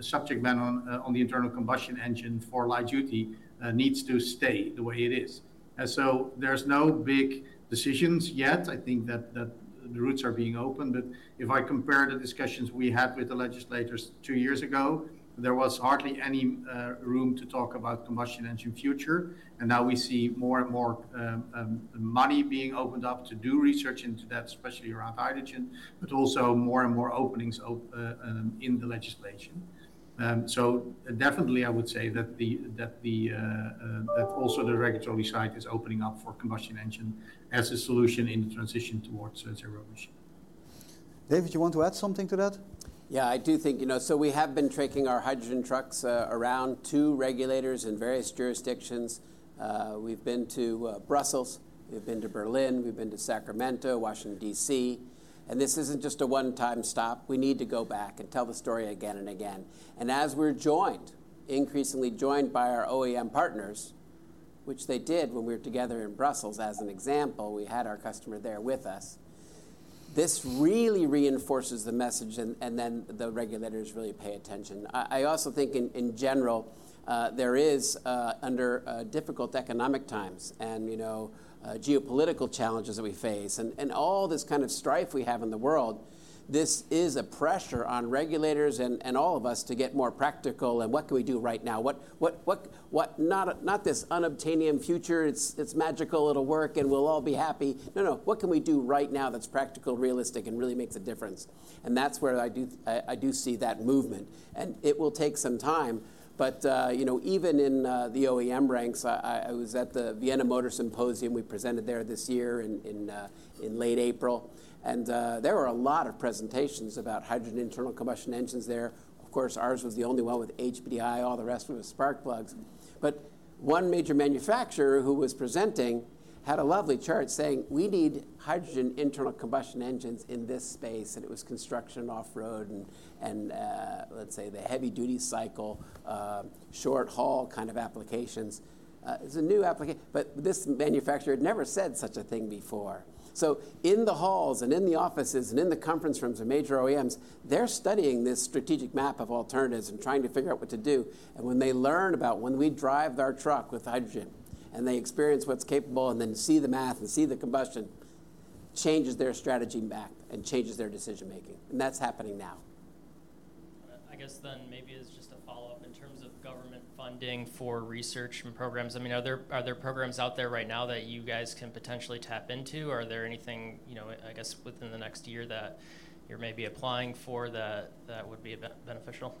subject matter on the internal combustion engine for light duty needs to stay the way it is. There's no big decisions yet. I think that the roots are being opened. If I compare the discussions we had with the legislators two years ago, there was hardly any room to talk about combustion engine future. Now we see more and more money being opened up to do research into that, especially around hydrogen, but also more and more openings in the legislation. Definitely, I would say that also the regulatory side is opening up for combustion engine as a solution in the transition towards zero emission. David, do you want to add something to that? I do think, we have been tracking our hydrogen trucks around two regulators in various jurisdictions. We've been to Brussels. We've been to Berlin. We've been to Sacramento, Washington, D.C. This isn't just a one-time stop. We need to go back and tell the story again and again. As we're joined, increasingly joined by our OEM partners, which they did when we were together in Brussels as an example, we had our customer there with us, this really reinforces the message. Then the regulators really pay attention. I also think in general, there is, under difficult economic times and geopolitical challenges that we face and all this kind of strife we have in the world, this is a pressure on regulators and all of us to get more practical. What can we do right now? Not this unobtainable future. It's magical. It'll work. We'll all be happy. No, no. What can we do right now that's practical, realistic, and really makes a difference? That's where I do see that movement. It will take some time. Even in the OEM ranks, I was at the Vienna Motor Symposium. We presented there this year in late April. There were a lot of presentations about hydrogen internal combustion engines there. Of course, ours was the only one with HPDI. All the rest were with spark plugs. One major manufacturer who was presenting had a lovely chart saying, "We need hydrogen internal combustion engines in this space." It was construction, off-road, and let's say the heavy-duty cycle, short haul kind of applications. It's a new application. This manufacturer had never said such a thing before. In the halls and in the offices and in the conference rooms of major OEMs, they're studying this strategic map of alternatives and trying to figure out what to do. When they learn about when we drive our truck with hydrogen and they experience what's capable and then see the math and see the combustion, it changes their strategy back and changes their decision-making. That's happening now. I guess then maybe as just a follow-up, in terms of government funding for research and programs, I mean, are there programs out there right now that you guys can potentially tap into? Are there anything, I guess, within the next year that you're maybe applying for that would be beneficial?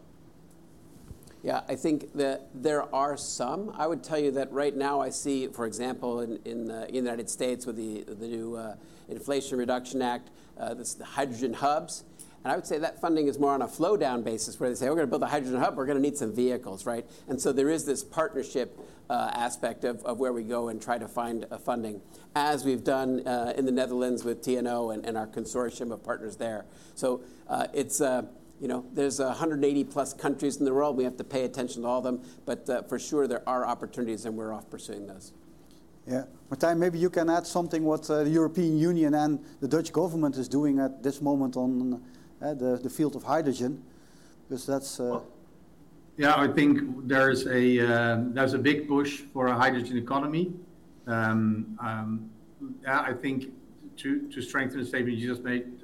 Yeah, I think that there are some. I would tell you that right now, I see, for example, in the United States with the new Inflation Reduction Act, there's the hydrogen hubs. I would say that funding is more on a flow-down basis where they say, "We're going to build a hydrogen hub. We're going to need some vehicles," right? There is this partnership aspect of where we go and try to find funding as we've done in the Netherlands with TNO and our consortium of partners there. There's 180-plus countries in the world. We have to pay attention to all them. For sure, there are opportunities. We're off pursuing those. Yeah. Martijn, maybe you can add something, what the European Union and the Dutch government is doing at this moment on the field of hydrogen because that's. Yeah, I think there's a big push for a hydrogen economy. Yeah, I think to strengthen the statement you just made,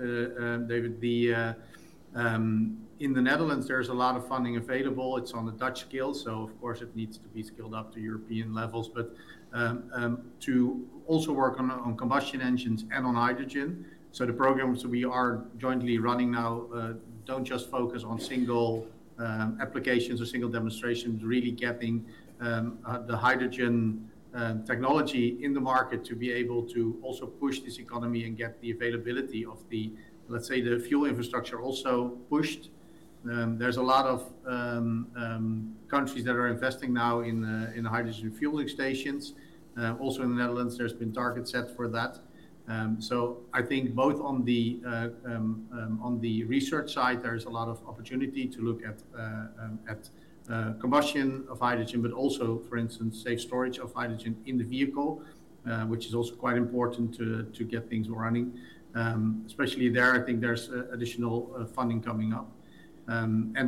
David, in the Netherlands, there's a lot of funding available. It's on the Dutch scale. Of course, it needs to be scaled up to European levels. To also work on combustion engines and on hydrogen, the programs that we are jointly running now don't just focus on single applications or single demonstrations, really getting the hydrogen technology in the market to be able to also push this economy and get the availability of the, let's say, the fuel infrastructure also pushed. There's a lot of countries that are investing now in hydrogen fueling stations. Also in the Netherlands, there's been targets set for that. I think both on the research side, there's a lot of opportunity to look at combustion of hydrogen, but also, for instance, safe storage of hydrogen in the vehicle, which is also quite important to get things running. Especially there, I think there's additional funding coming up.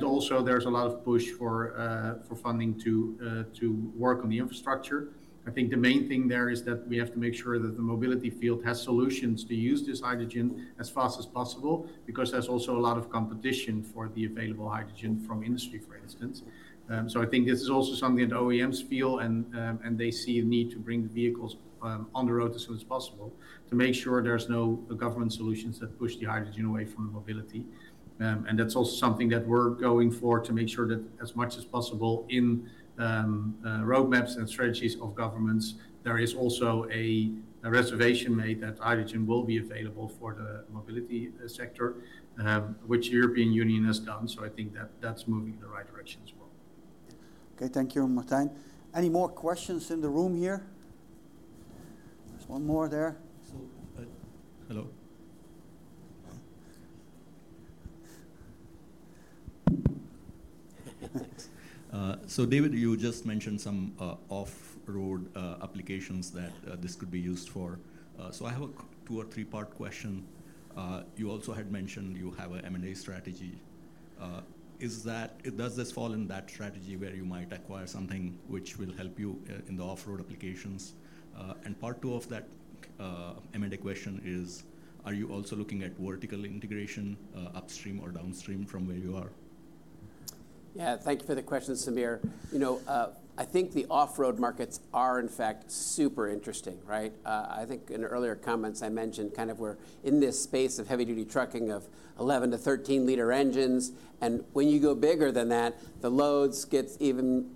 Also, there's a lot of push for funding to work on the infrastructure. I think the main thing there is that we have to make sure that the mobility field has solutions to use this hydrogen as fast as possible because there's also a lot of competition for the available hydrogen from industry, for instance. I think this is also something that OEMs feel. They see the need to bring the vehicles on the road as soon as possible to make sure there's no government solutions that push the hydrogen away from the mobility. That's also something that we're going for to make sure that as much as possible in roadmaps and strategies of governments, there is also a reservation made that hydrogen will be available for the mobility sector, which the European Union has done. I think that that's moving in the right direction as well. Okay. Thank you, Martijn. Any more questions in the room here? There's one more there. David, you just mentioned some off-road applications that this could be used for. I have a two or three-part question. You also had mentioned you have an M&A strategy. Does this fall in that strategy where you might acquire something which will help you in the off-road applications? Part two of that M&A question is, are you also looking at vertical integration upstream or downstream from where you are? Thank you for the question, Sameer. I think the off-road markets are, in fact, super interesting, right? I think in earlier comments, I mentioned kind of we're in this space of heavy-duty trucking of 11L to 13L engines. When you go bigger than that, the loads get even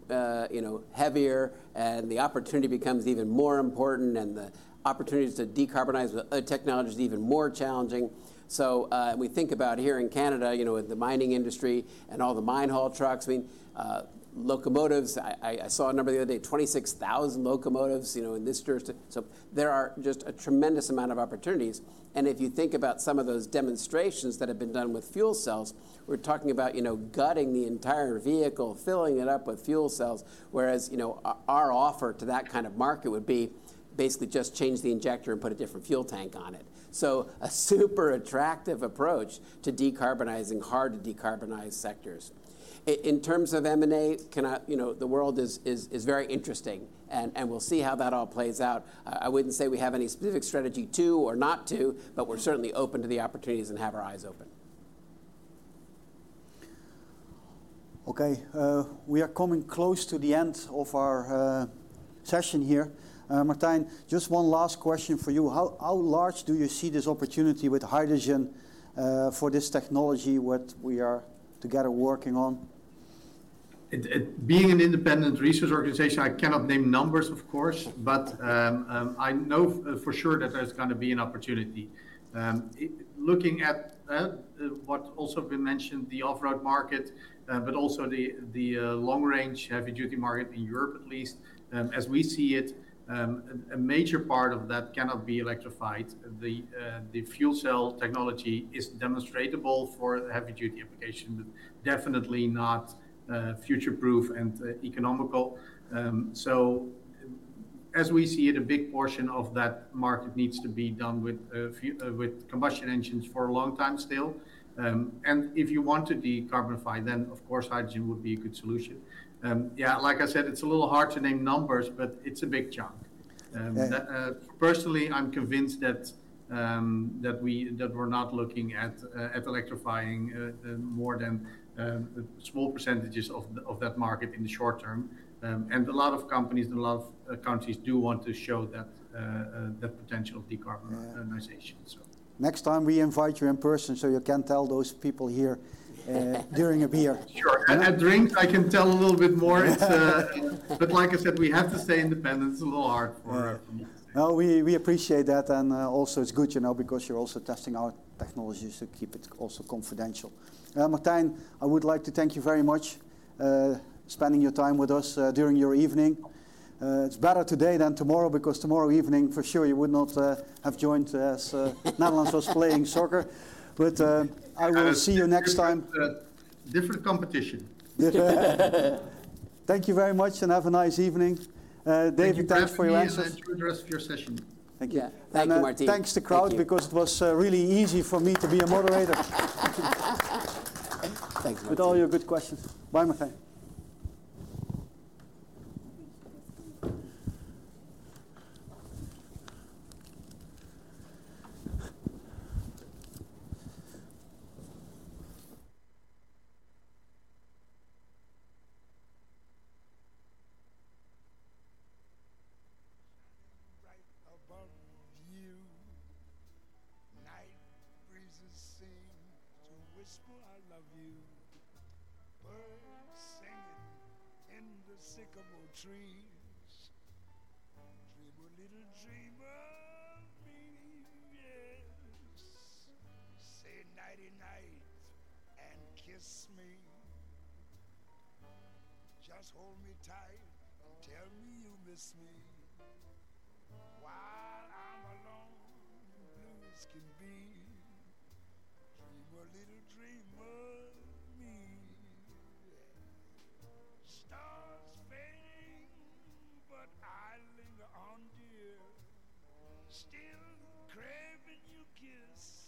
heavier. The opportunity becomes even more important. The opportunities to decarbonize technology is even more challenging. We think about here in Canada with the mining industry and all the mine haul trucks, I mean, locomotives. I saw a number the other day, 26,000 locomotives in this jurisdiction. There are just a tremendous amount of opportunities. If you think about some of those demonstrations that have been done with fuel cells, we're talking about gutting the entire vehicle, filling it up with fuel cells, whereas our offer to that kind of market would be basically just change the injector and put a different fuel tank on it. A super attractive approach to decarbonizing hard-to-decarbonize sectors. In terms of M&A, the world is very interesting. We'll see how that all plays out. I wouldn't say we have any specific strategy to or not to. We're certainly open to the opportunities and have our eyes open. Okay. We are coming close to the end of our session here. Martijn, just one last question for you. How large do you see this opportunity with hydrogen for this technology what we are together working on? Being an independent research organization, I cannot name numbers, of course. I know for sure that there's going to be an opportunity. Looking at what also has been mentioned, the off-road market, but also the long-range heavy-duty market in Europe at least, as we see it, a major part of that cannot be electrified. The fuel cell technology is demonstrable for heavy-duty application, but definitely not future-proof and economical. As we see it, a big portion of that market needs to be done with combustion engines for a long time still. If you want to decarbonize, then, of course, hydrogen would be a good solution. Yeah, like I said, it's a little hard to name numbers. It's a big chunk. Personally, I'm convinced that we're not looking at electrifying more than small percentages of that market in the short term. A lot of companies and a lot of countries do want to show that potential of decarbonization. Next time, we invite you in person so you can tell those people here during a beer. Sure. At drinks, I can tell a little bit more. Like I said, we have to stay independent. It's a little hard for me to say. We appreciate that. Also, it's good because you're also testing our technologies to keep it also confidential. Martijn, I would like to thank you very much for spending your time with us during your evening. It's better today than tomorrow because tomorrow evening, for sure, you would not have joined us. The Netherlands was playing soccer. I will see you next time. Different competition. Thank you very much. Have a nice evening. David, thanks for your answers. Thank you for having me and enjoy the rest of your session. Thank you, Martijn. Thanks to the crowd because it was really easy for me to be a moderator, with all your good questions. Bye, Martijn. Okay. We are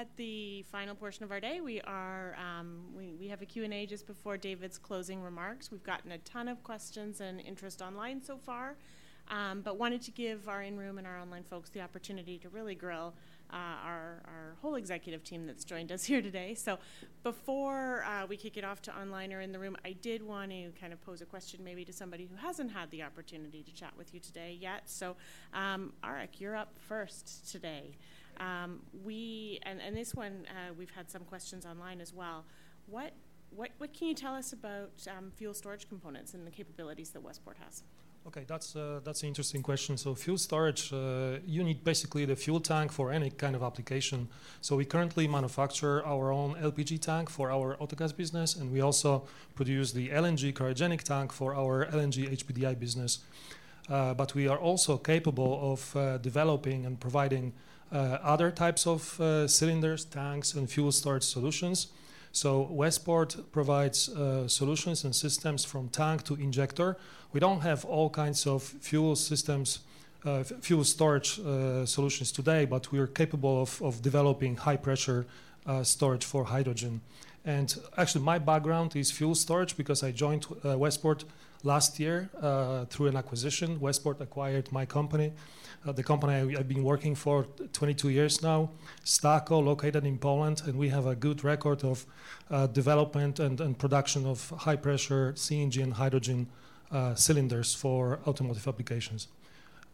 at the final portion of our day. We have a Q&A just before David's closing remarks. We've gotten a ton of questions and interest online so far. Wanted to give our in-room and our online folks the opportunity to really grill our whole executive team that's joined us here today. Before we kick it off to online or in the room, I did want to kind of pose a question maybe to somebody who hasn't had the opportunity to chat with you today yet. Arek, you're up first today. This one, we've had some questions online as well. What can you tell us about fuel storage components and the capabilities that Westport has? Okay. That's an interesting question. Fuel storage, you need basically the fuel tank for any kind of application. We currently manufacture our own LPG tank for our autogas business. We also produce the LNG cryogenic tank for our LNG HPDI business. We are also capable of developing and providing other types of cylinders, tanks, and fuel storage solutions. Westport provides solutions and systems from tank to injector. We don't have all kinds of fuel storage solutions today. We are capable of developing high-pressure storage for hydrogen. Actually, my background is fuel storage because I joined Westport last year through an acquisition. Westport acquired my company, the company I've been working for 22 years now, Stako, located in Poland. We have a good record of development and production of high-pressure CNG and hydrogen cylinders for automotive applications.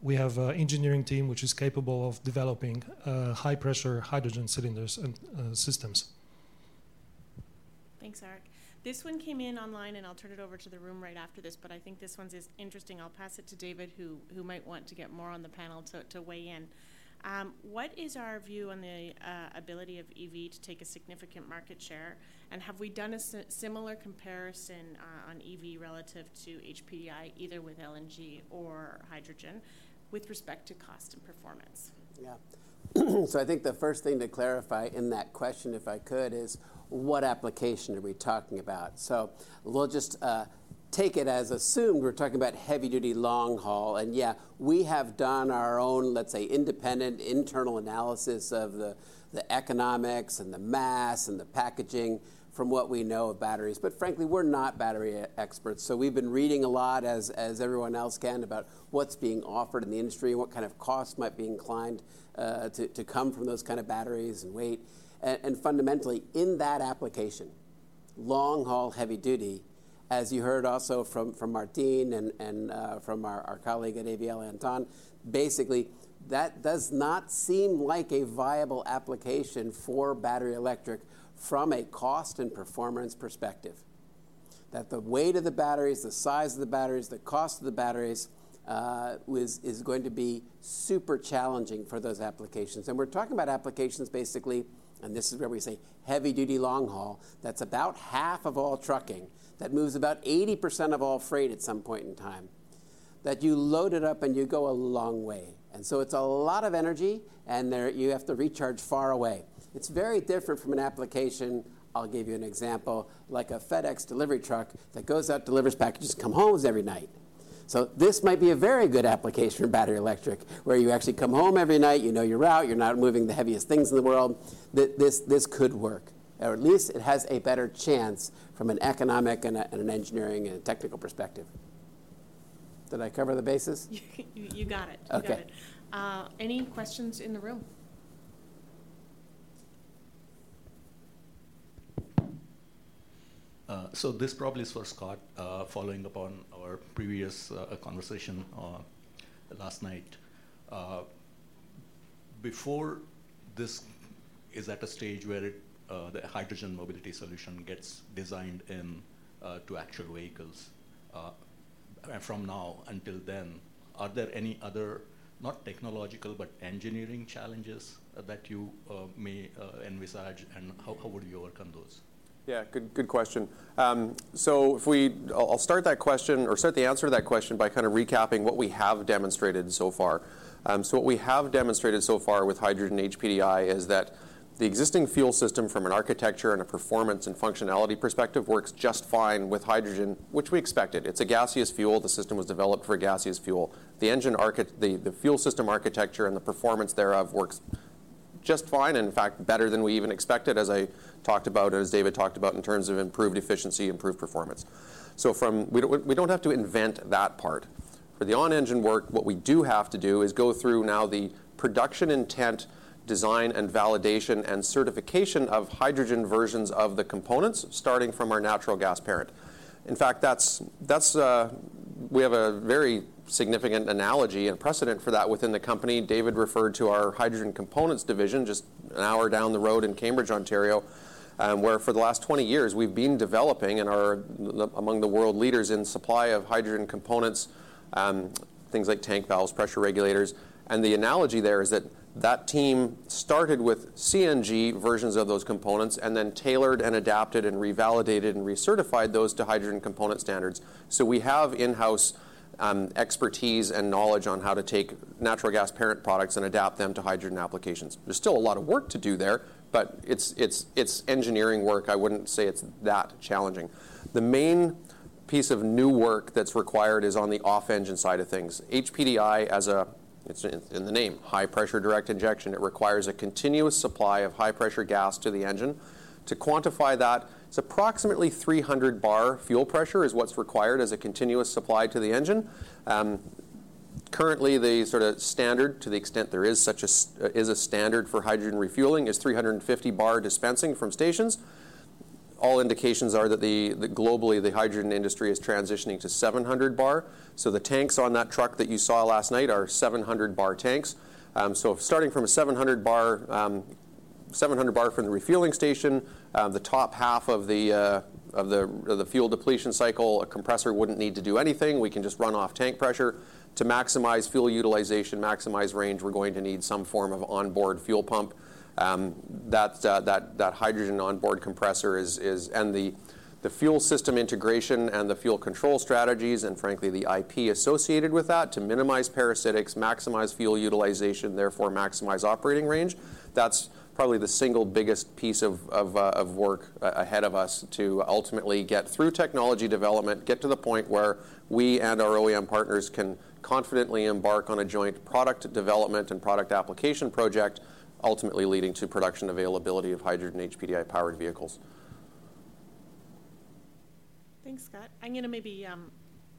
We have an engineering team which is capable of developing high-pressure hydrogen cylinders and systems. Thanks, Arek. This one came in online. I'll turn it over to the room right after this. I think this one is interesting. I'll pass it to David, who might want to get more on the panel to weigh in. What is our view on the ability of EV to take a significant market share? Have we done a similar comparison on EV relative to HPDI, either with LNG or hydrogen, with respect to cost and performance? Yeah. I think the first thing to clarify in that question, if I could, is what application are we talking about? We'll just take it as assumed we're talking about heavy-duty long haul. Yeah, we have done our own, let's say, independent internal analysis of the economics and the mass and the packaging from what we know of batteries. Frankly, we're not battery experts. We've been reading a lot, as everyone else can, about what's being offered in the industry and what kind of costs might be inclined to come from those kind of batteries and weight. Fundamentally, in that application, long haul heavy-duty, as you heard also from Martijn and from our colleague at AVL, Anton, basically, that does not seem like a viable application for battery electric from a cost and performance perspective. That the weight of the batteries, the size of the batteries, the cost of the batteries is going to be super challenging for those applications. We're talking about applications, basically, and this is where we say heavy-duty long haul, that's about half of all trucking, that moves about 80% of all freight at some point in time, that you load it up, and you go a long way. It's a lot of energy. You have to recharge far away. It's very different from an application, I'll give you an example, like a FedEx delivery truck that goes out, delivers packages, and comes home every night. This might be a very good application for battery electric, where you actually come home every night. You know you're out. You're not moving the heaviest things in the world. This could work. At least it has a better chance from an economic and an engineering and a technical perspective. Did I cover the basis? You got it. You got it. Any questions in the room? This probably is for Scott, following up on our previous conversation last night. Before this is at a stage where the hydrogen mobility solution gets designed into actual vehicles, from now until then, are there any other, not technological, but engineering challenges that you may envisage? How would you overcome those? Yeah. Good question. I'll start that question or start the answer to that question by kind of recapping what we have demonstrated so far. What we have demonstrated so far with hydrogen HPDI is that the existing fuel system, from an architecture and a performance and functionality perspective, works just fine with hydrogen, which we expected. It's a gaseous fuel. The system was developed for a gaseous fuel. The fuel system architecture and the performance thereof works just fine and, in fact, better than we even expected, as I talked about, as David talked about, in terms of improved efficiency, improved performance. We don't have to invent that part. For the on-engine work, what we do have to do is go through now the production intent, design, and validation and certification of hydrogen versions of the components, starting from our natural gas parent. In fact, we have a very significant analogy and precedent for that within the company. David referred to our hydrogen components division just an hour down the road in Cambridge, Ontario, where for the last 20 years, we've been developing and are among the world leaders in supply of hydrogen components, things like tank valves, pressure regulators. The analogy there is that that team started with CNG versions of those components and then tailored and adapted and revalidated and recertified those to hydrogen component standards. We have in-house expertise and knowledge on how to take natural gas parent products and adapt them to hydrogen applications. There's still a lot of work to do there. It's engineering work. I wouldn't say it's that challenging. The main piece of new work that's required is on the off-engine side of things. HPDI, as in the name, High Pressure Direct Injection, it requires a continuous supply of high-pressure gas to the engine. To quantify that, it's approximately 300 bar fuel pressure is what's required as a continuous supply to the engine. Currently, the sort of standard, to the extent there is a standard for hydrogen refueling, is 350 bar dispensing from stations. All indications are that globally, the hydrogen industry is transitioning to 700 bar. The tanks on that truck that you saw last night are 700 bar tanks. Starting from a 700 bar from the refueling station, the top half of the fuel depletion cycle, a compressor wouldn't need to do anything. We can just run off tank pressure. To maximize fuel utilization, maximize range, we're going to need some form of onboard fuel pump. That hydrogen onboard compressor is and the fuel system integration and the fuel control strategies and, frankly, the IP associated with that to minimize parasitics, maximize fuel utilization, therefore, maximize operating range, that's probably the single biggest piece of work ahead of us to ultimately get through technology development, get to the point where we and our OEM partners can confidently embark on a joint product development and product application project, ultimately leading to production availability of hydrogen HPDI-powered vehicles. Thanks, Scott. I'm going to maybe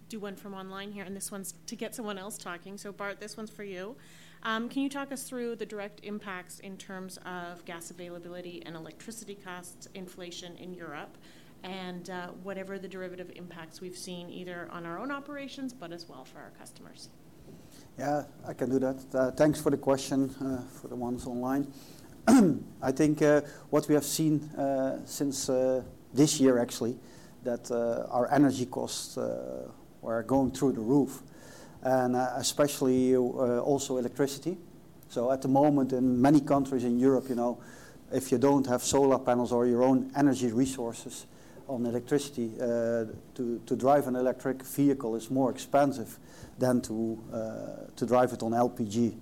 do one from online here. This one's to get someone else talking. Bart, this one's for you. Can you talk us through the direct impacts in terms of gas availability and electricity costs, inflation in Europe, and whatever the derivative impacts we've seen either on our own operations but as well for our customers? Yeah. I can do that. Thanks for the question, for the ones online. I think what we have seen since this year, actually, that our energy costs were going through the roof, and especially also electricity. At the moment, in many countries in Europe, if you don't have solar panels or your own energy resources on electricity, to drive an electric vehicle is more expensive than to drive it on LPG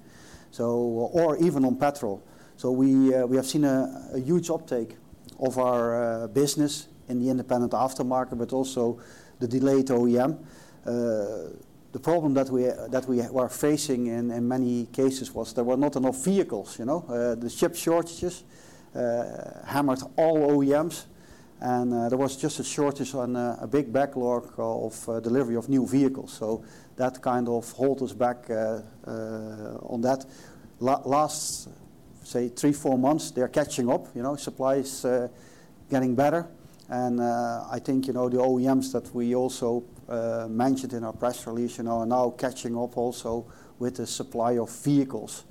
or even on petrol. We have seen a huge uptake of our business in the independent aftermarket but also the delayed OEM. The problem that we were facing in many cases was there were not enough vehicles. The chip shortages hammered all OEMs. There was just a shortage on a big backlog of delivery of new vehicles. That kind of holds us back on that. Last, say, three to four months, they're catching up. Supply is getting better. I think the OEMs that we also mentioned in our press release are now catching up also with the supply of vehicles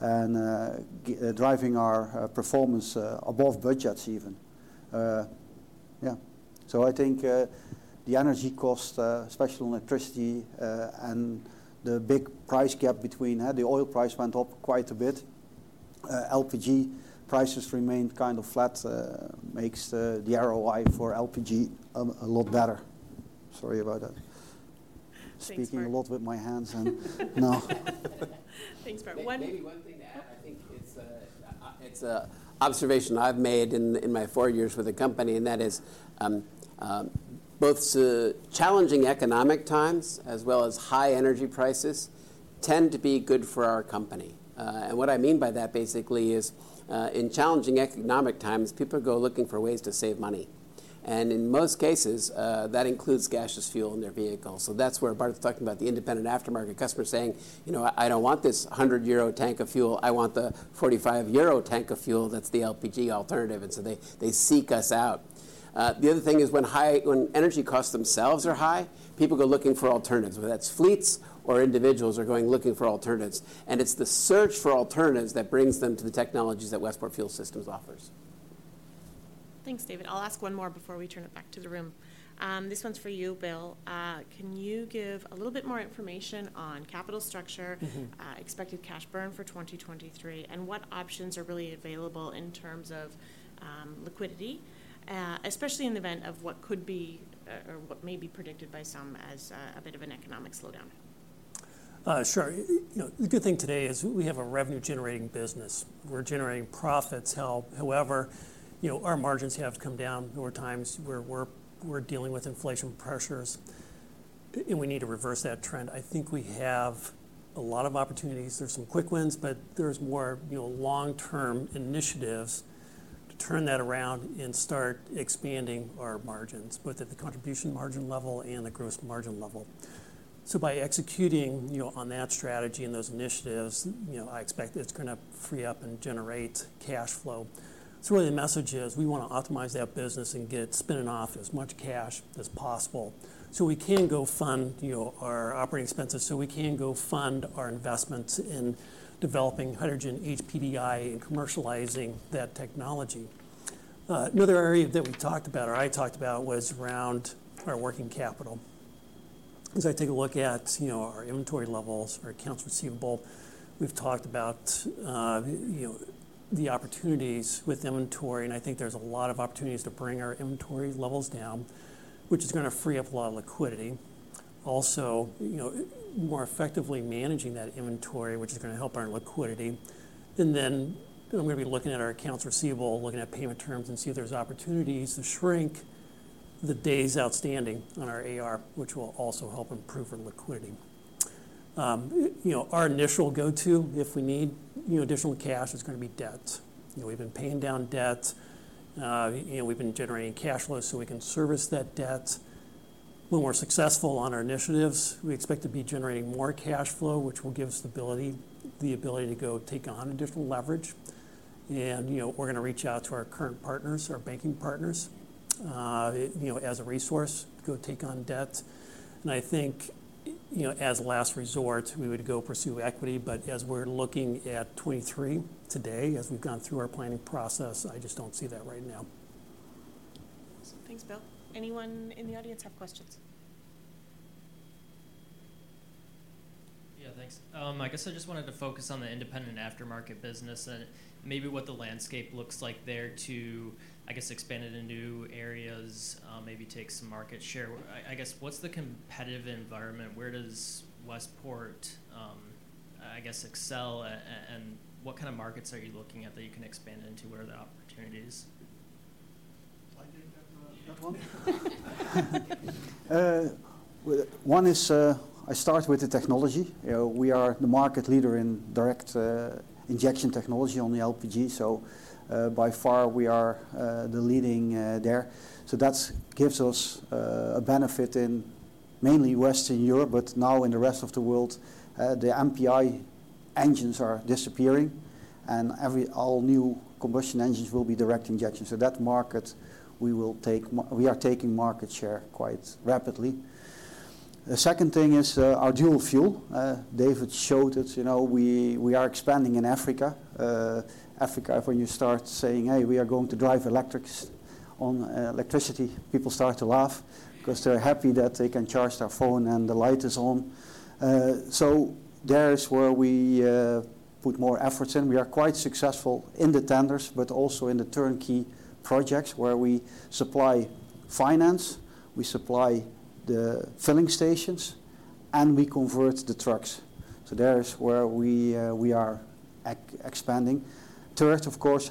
and driving our performance above budgets even. Yeah. I think the energy cost, especially electricity, and the big price gap between the oil price went up quite a bit. LPG prices remained kind of flat, makes the ROI for LPG a lot better. Sorry about that. Speaking a lot with my hands. Thanks, Bart. Maybe one thing to add. I think it's an observation I've made in my four years with the company. That is both challenging economic times as well as high energy prices tend to be good for our company. What I mean by that, basically, is in challenging economic times, people go looking for ways to save money. In most cases, that includes gaseous fuel in their vehicles. That's where Bart was talking about the independent aftermarket customer saying, "I don't want this 100 euro tank of fuel. I want the 45 euro tank of fuel that's the LPG alternative." They seek us out. The other thing is when energy costs themselves are high, people go looking for alternatives, whether that's fleets or individuals are going looking for alternatives. And it's the search for alternatives that brings them to the technologies that Westport Fuel Systems offers. Thanks, David. I'll ask one more before we turn it back to the room. This one's for you, Bill. Can you give a little bit more information on capital structure, expected cash burn for 2023, and what options are really available in terms of liquidity, especially in the event of what could be or what may be predicted by some as a bit of an economic slowdown? Sure. The good thing today is we have a revenue-generating business. We're generating profits. Our margins have come down. There were times where we're dealing with inflation pressures. We need to reverse that trend. I think we have a lot of opportunities. There's some quick wins. There's more long-term initiatives to turn that around and start expanding our margins, both at the contribution margin level and the gross margin level. By executing on that strategy and those initiatives, I expect it's going to free up and generate cash flow. Really, the message is we want to optimize that business and get it spinning off as much cash as possible so we can go fund our operating expenses. We can go fund our investments in developing hydrogen HPDI and commercializing that technology. Another area that we talked about or I talked about was around our working capital. As I take a look at our inventory levels, our accounts receivable, we've talked about the opportunities with inventory. I think there's a lot of opportunities to bring our inventory levels down, which is going to free up a lot of liquidity, also more effectively managing that inventory, which is going to help our liquidity. I'm going to be looking at our accounts receivable, looking at payment terms, and see if there's opportunities to shrink the days outstanding on our AR, which will also help improve our liquidity. Our initial go-to if we need additional cash is going to be debt. We've been paying down debt. We've been generating cash flow so we can service that debt. When we're successful on our initiatives, we expect to be generating more cash flow, which will give us the ability to go take on additional leverage. We're going to reach out to our current partners, our banking partners, as a resource, go take on debt. I think as last resort, we would go pursue equity. As we're looking at 2023 today, as we've gone through our planning process, I just don't see that right now. Awesome. Thanks, Bill. Anyone in the audience have questions? Yeah. Thanks. I guess I just wanted to focus on the independent aftermarket business and maybe what the landscape looks like there to, I guess, expand it into new areas, maybe take some market share. I guess what's the competitive environment? Where does Westport, I guess, excel? What kind of markets are you looking at that you can expand it into? Where are the opportunities? I take that one. One is I start with the technology. We are the market leader in direct injection technology on the LPG. By far, we are the leading there. That gives us a benefit in mainly Western Europe but now in the rest of the world. The MPI engines are disappearing. All new combustion engines will be direct injection. That market, we are taking market share quite rapidly. The second thing is our Dual Fuel. David showed it. We are expanding in Africa. Africa, when you start saying, "Hey, we are going to drive electric on electricity," people start to laugh because they're happy that they can charge their phone and the light is on. There's where we put more efforts in. We are quite successful in the tenders but also in the turnkey projects where we supply finance, we supply the filling stations, and we convert the trucks. There's where we are expanding. Third, of course,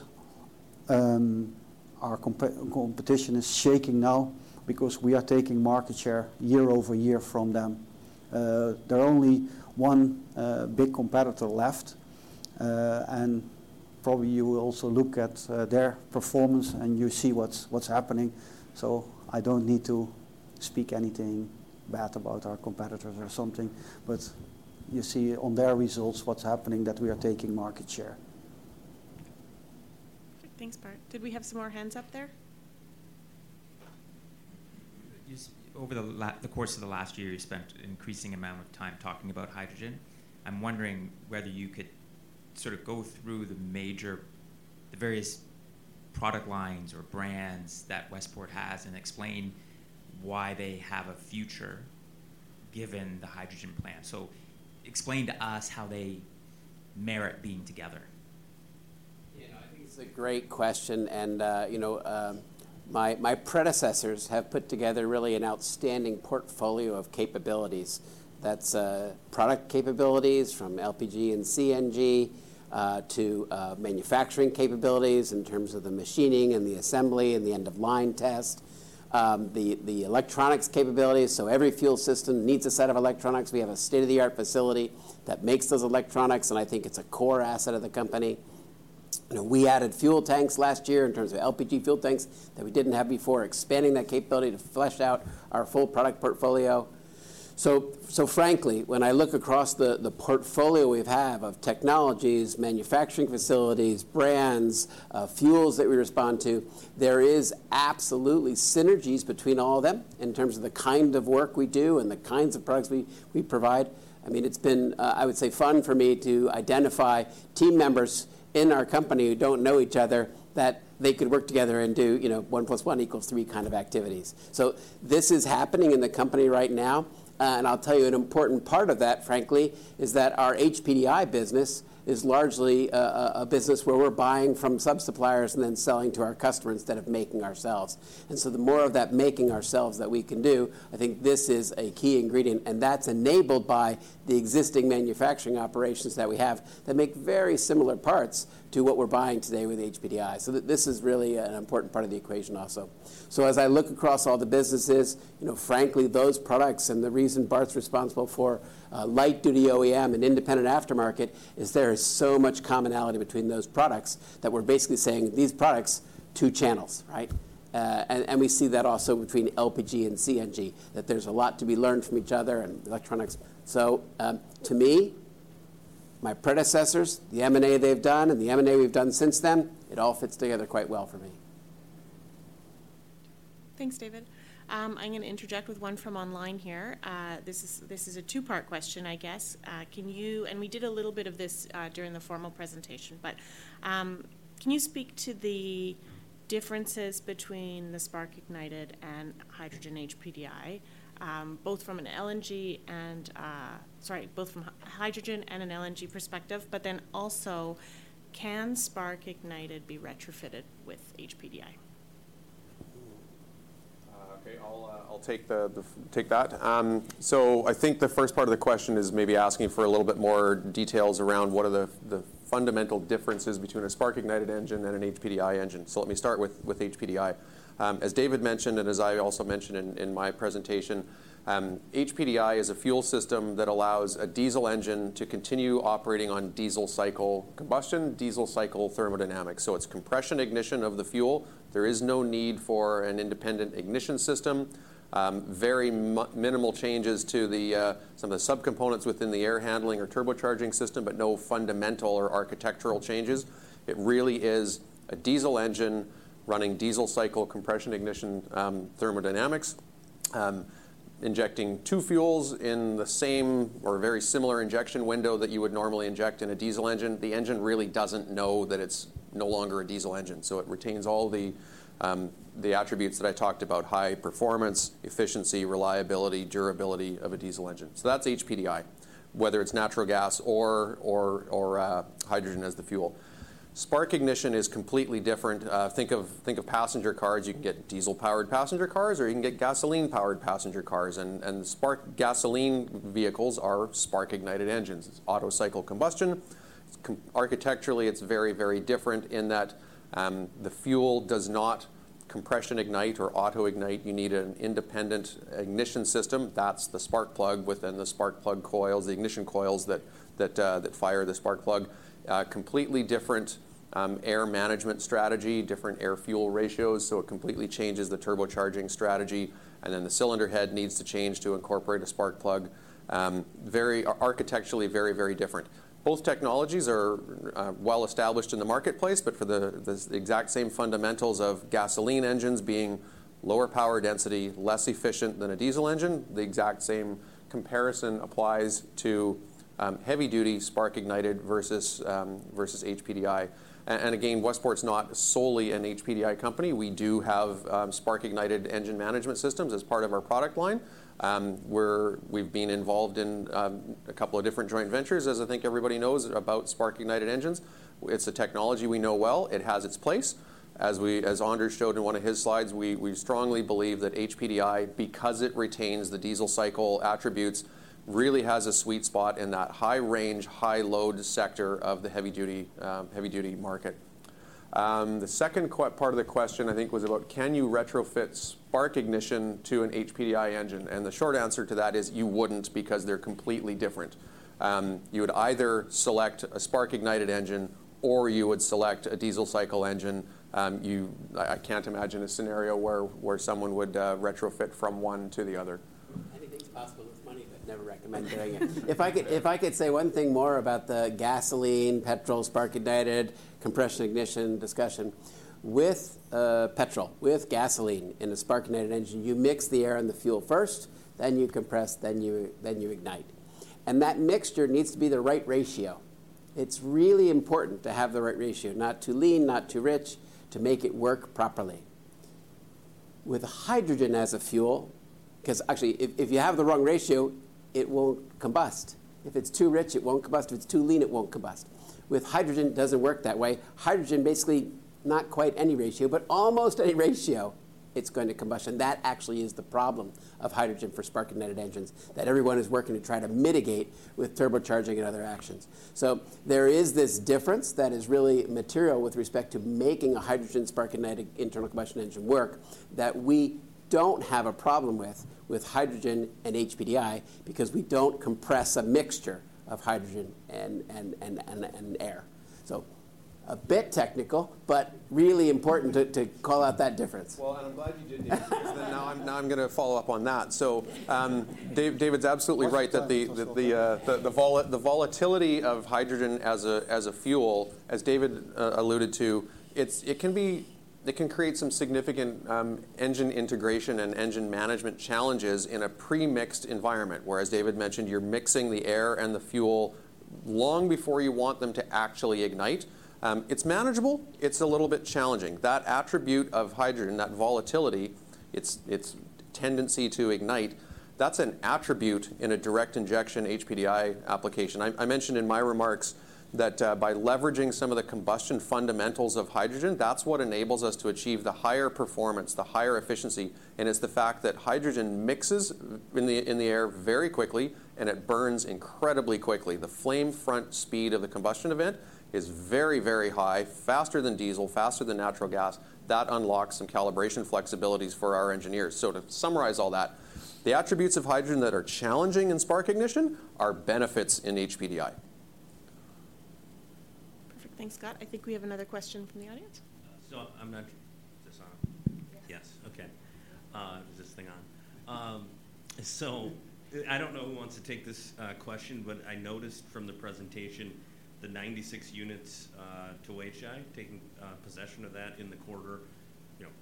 our competition is shaking now because we are taking market share year-over-year from them. There are only one big competitor left. Probably you will also look at their performance and you see what's happening. I don't need to speak anything bad about our competitors or something. You see on their results what's happening that we are taking market share. Perfect. Thanks, Bart. Did we have some more hands up there? Over the course of the last year, you spent an increasing amount of time talking about hydrogen. I'm wondering whether you could sort of go through the various product lines or brands that Westport has and explain why they have a future given the hydrogen plant. Explain to us how they merit being together. Yeah. I think it's a great question. My predecessors have put together really an outstanding portfolio of capabilities. That's product capabilities from LPG and CNG to manufacturing capabilities in terms of the machining and the assembly and the end-of-line test, the electronics capabilities. Every fuel system needs a set of electronics. We have a state-of-the-art facility that makes those electronics. I think it's a core asset of the company. We added fuel tanks last year in terms of LPG fuel tanks that we didn't have before, expanding that capability to flesh out our full product portfolio. Frankly, when I look across the portfolio we have of technologies, manufacturing facilities, brands, fuels that we respond to, there is absolutely synergies between all of them in terms of the kind of work we do and the kinds of products we provide. I mean, it's been, I would say, fun for me to identify team members in our company who don't know each other that they could work together and do one plus one equals three kind of activities. This is happening in the company right now. I'll tell you, an important part of that, frankly, is that our HPDI business is largely a business where we're buying from subsuppliers and then selling to our customers instead of making ourselves. The more of that making ourselves that we can do, I think this is a key ingredient. That's enabled by the existing manufacturing operations that we have that make very similar parts to what we're buying today with HPDI. This is really an important part of the equation also. As I look across all the businesses, frankly, those products and the reason Bart's responsible for light-duty OEM and independent aftermarket is there is so much commonality between those products that we're basically saying, "These products, two channels," right? We see that also between LPG and CNG, that there's a lot to be learned from each other and electronics. To me, my predecessors, the M&A they've done and the M&A we've done since them, it all fits together quite well for me. Thanks, David. I'm going to interject with one from online here. This is a two-part question, I guess. We did a little bit of this during the formal presentation. Can you speak to the differences between the spark-ignited and hydrogen HPDI, both from an LNG and sorry, both from hydrogen and an LNG perspective? Also, can spark-ignited be retrofitted with HPDI? Okay. I'll take that. I think the first part of the question is maybe asking for a little bit more details around what are the fundamental differences between a spark-ignited engine and an HPDI engine. Let me start with HPDI. As David mentioned and as I also mentioned in my presentation, HPDI is a fuel system that allows a diesel engine to continue operating on diesel cycle combustion, diesel cycle thermodynamics. It's compression ignition of the fuel. There is no need for an independent ignition system. Very minimal changes to some of the subcomponents within the air handling or turbocharging system but no fundamental or architectural changes. It really is a diesel engine running diesel cycle compression ignition thermodynamics, injecting two fuels in the same or very similar injection window that you would normally inject in a diesel engine. The engine really doesn't know that it's no longer a diesel engine. It retains all the attributes that I talked about: high performance, efficiency, reliability, durability of a diesel engine. That's HPDI, whether it's natural gas or hydrogen as the fuel. Spark ignition is completely different. Think of passenger cars. You can get diesel-powered passenger cars or you can get gasoline-powered passenger cars. Gasoline vehicles are spark-ignited engines. It's Otto cycle combustion. Architecturally, it's very, very different in that the fuel does not compression ignite or auto-ignite. You need an independent ignition system. That's the spark plug within the spark plug coils, the ignition coils that fire the spark plug. Completely different air management strategy, different air-fuel ratios. It completely changes the turbocharging strategy. Then the cylinder head needs to change to incorporate a spark plug. Architecturally, very, very different. Both technologies are well-established in the marketplace. For the exact same fundamentals of gasoline engines being lower power density, less efficient than a diesel engine, the exact same comparison applies to heavy-duty spark-ignited versus HPDI. Again, Westport's not solely an HPDI company. We do have spark-ignited engine management systems as part of our product line. We've been involved in a couple of different joint ventures, as I think everybody knows, about spark-ignited engines. It's a technology we know well. It has its place. As Anders showed in one of his slides, we strongly believe that HPDI, because it retains the diesel cycle attributes, really has a sweet spot in that high-range, high-load sector of the heavy-duty market. The second part of the question, I think, was about, can you retrofit spark-ignition to an HPDI engine? The short answer to that is you wouldn't because they're completely different. You would either select a spark-ignited engine or you would select a diesel cycle engine. I can't imagine a scenario where someone would retrofit from one to the other. I think things are possible with money, but never recommend doing it. If I could say one thing more about the gasoline, petrol, spark-ignited, compression ignition discussion. With petrol, with gasoline in a spark-ignited engine, you mix the air and the fuel first, then you compress, then you ignite. That mixture needs to be the right ratio. It's really important to have the right ratio, not too lean, not too rich, to make it work properly. With hydrogen as a fuel because actually, if you have the wrong ratio, it won't combust. If it's too rich, it won't combust. If it's too lean, it won't combust. With hydrogen, it doesn't work that way. Hydrogen, basically, not quite any ratio but almost any ratio, it's going to combust. That actually is the problem of hydrogen for spark-ignited engines that everyone is working to try to mitigate with turbocharging and other actions. There is this difference that is really material with respect to making a hydrogen spark-ignited internal combustion engine work that we don't have a problem with with hydrogen and HPDI because we don't compress a mixture of hydrogen and air. A bit technical but really important to call out that difference. I'm glad you did, David, because now I'm going to follow up on that. David's absolutely right that the volatility of hydrogen as a fuel, as David alluded to, it can create some significant engine integration and engine management challenges in a premixed environment. Whereas, David mentioned, you're mixing the air and the fuel long before you want them to actually ignite. It's manageable. It's a little bit challenging. That attribute of hydrogen, that volatility, its tendency to ignite, that's an attribute in a direct injection HPDI application. I mentioned in my remarks that by leveraging some of the combustion fundamentals of hydrogen, that's what enables us to achieve the higher performance, the higher efficiency. It's the fact that hydrogen mixes in the air very quickly and it burns incredibly quickly. The flame front speed of the combustion event is very, very high, faster than diesel, faster than natural gas. That unlocks some calibration flexibilities for our engineers. To summarize all that, the attributes of hydrogen that are challenging in Spark ignition are benefits in HPDI. Perfect. Thanks, Scott. I think we have another question from the audience. I'm not. This on? Yes. Okay. Is this thing on? I don't know who wants to take this question. I noticed from the presentation the 96 units to Weichai, taking possession of that in the quarter,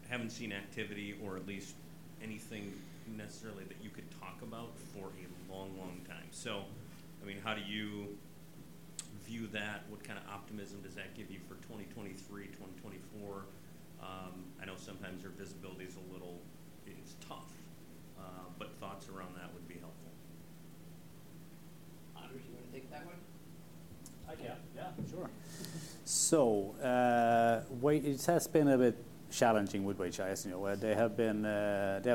haven't seen activity or at least anything necessarily that you could talk about for a long, long time. I mean, how do you view that? What kind of optimism does that give you for 2023, 2024? I know sometimes your visibility is a little it's tough. Thoughts around that would be helpful. Anders, you want to take that one? I can. Yeah. Sure. It has been a bit challenging with Weichai. They have